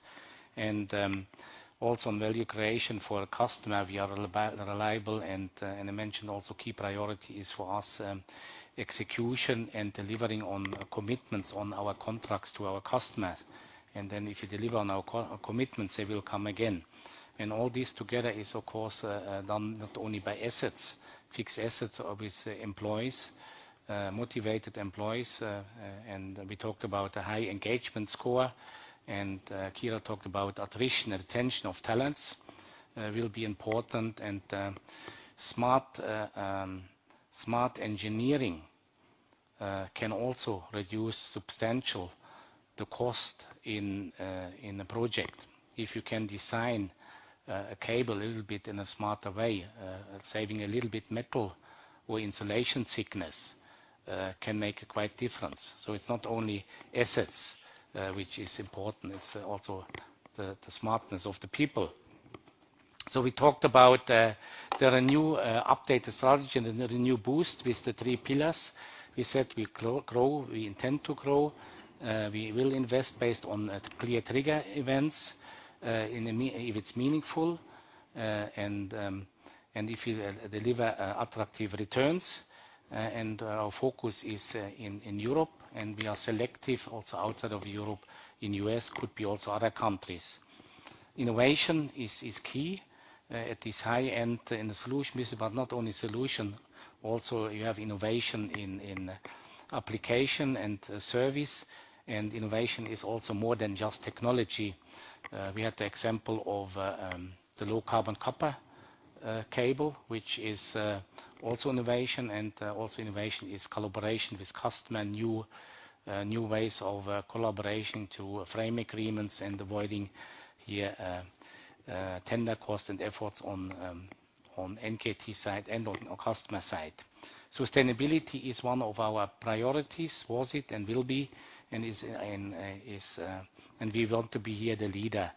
Also on value creation for a customer, we are reliable and I mentioned also key priorities for us, execution and delivering on commitments on our contracts to our customers. Then if you deliver on our commitments, they will come again. All this together is of course done not only by assets, fixed assets, obviously employees, motivated employees. We talked about a high engagement score, and Kira talked about attrition and retention of talents, will be important. Smart engineering can also reduce substantially the cost in a project. If you can design a cable a little bit in a smarter way, saving a little bit metal or insulation thickness, can make quite a difference. It's not only assets which is important, it's also the smartness of the people. We talked about the ReNew BOOST with the three pillars. We said we grow. We intend to grow. We will invest based on clear trigger events if it's meaningful, and if you deliver attractive returns. Our focus is in Europe, and we are selective also outside of Europe, in the U.S., could be also other countries. Innovation is key. It is high, and the solution is about not only solution, also you have innovation in application and service. Innovation is also more than just technology. We had the example of the low-carbon copper cable, which is also innovation. Also innovation is collaboration with customer, new ways of collaboration to frame agreements and avoiding tender cost and efforts on NKT side and on our customer side. Sustainability is one of our priorities. It was and will be, and is, and we want to be here the leader.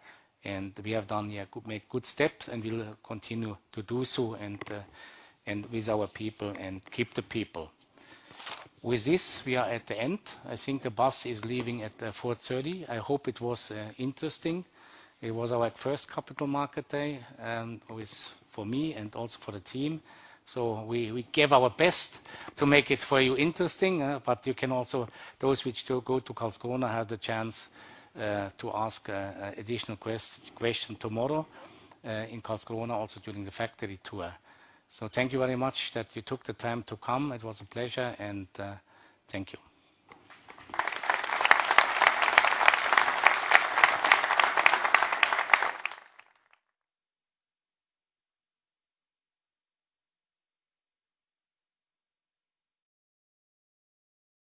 We have done here good, made good steps, and we'll continue to do so and with our people and keep the people. With this, we are at the end. I think the bus is leaving at 4:30 P.M. I hope it was interesting. It was our first Capital Markets Day, which for me and also for the team. We gave our best to make it interesting for you. You can also, those which still go to Karlskrona, have the chance to ask additional question tomorrow in Karlskrona, also during the factory tour. Thank you very much that you took the time to come. It was a pleasure and thank you.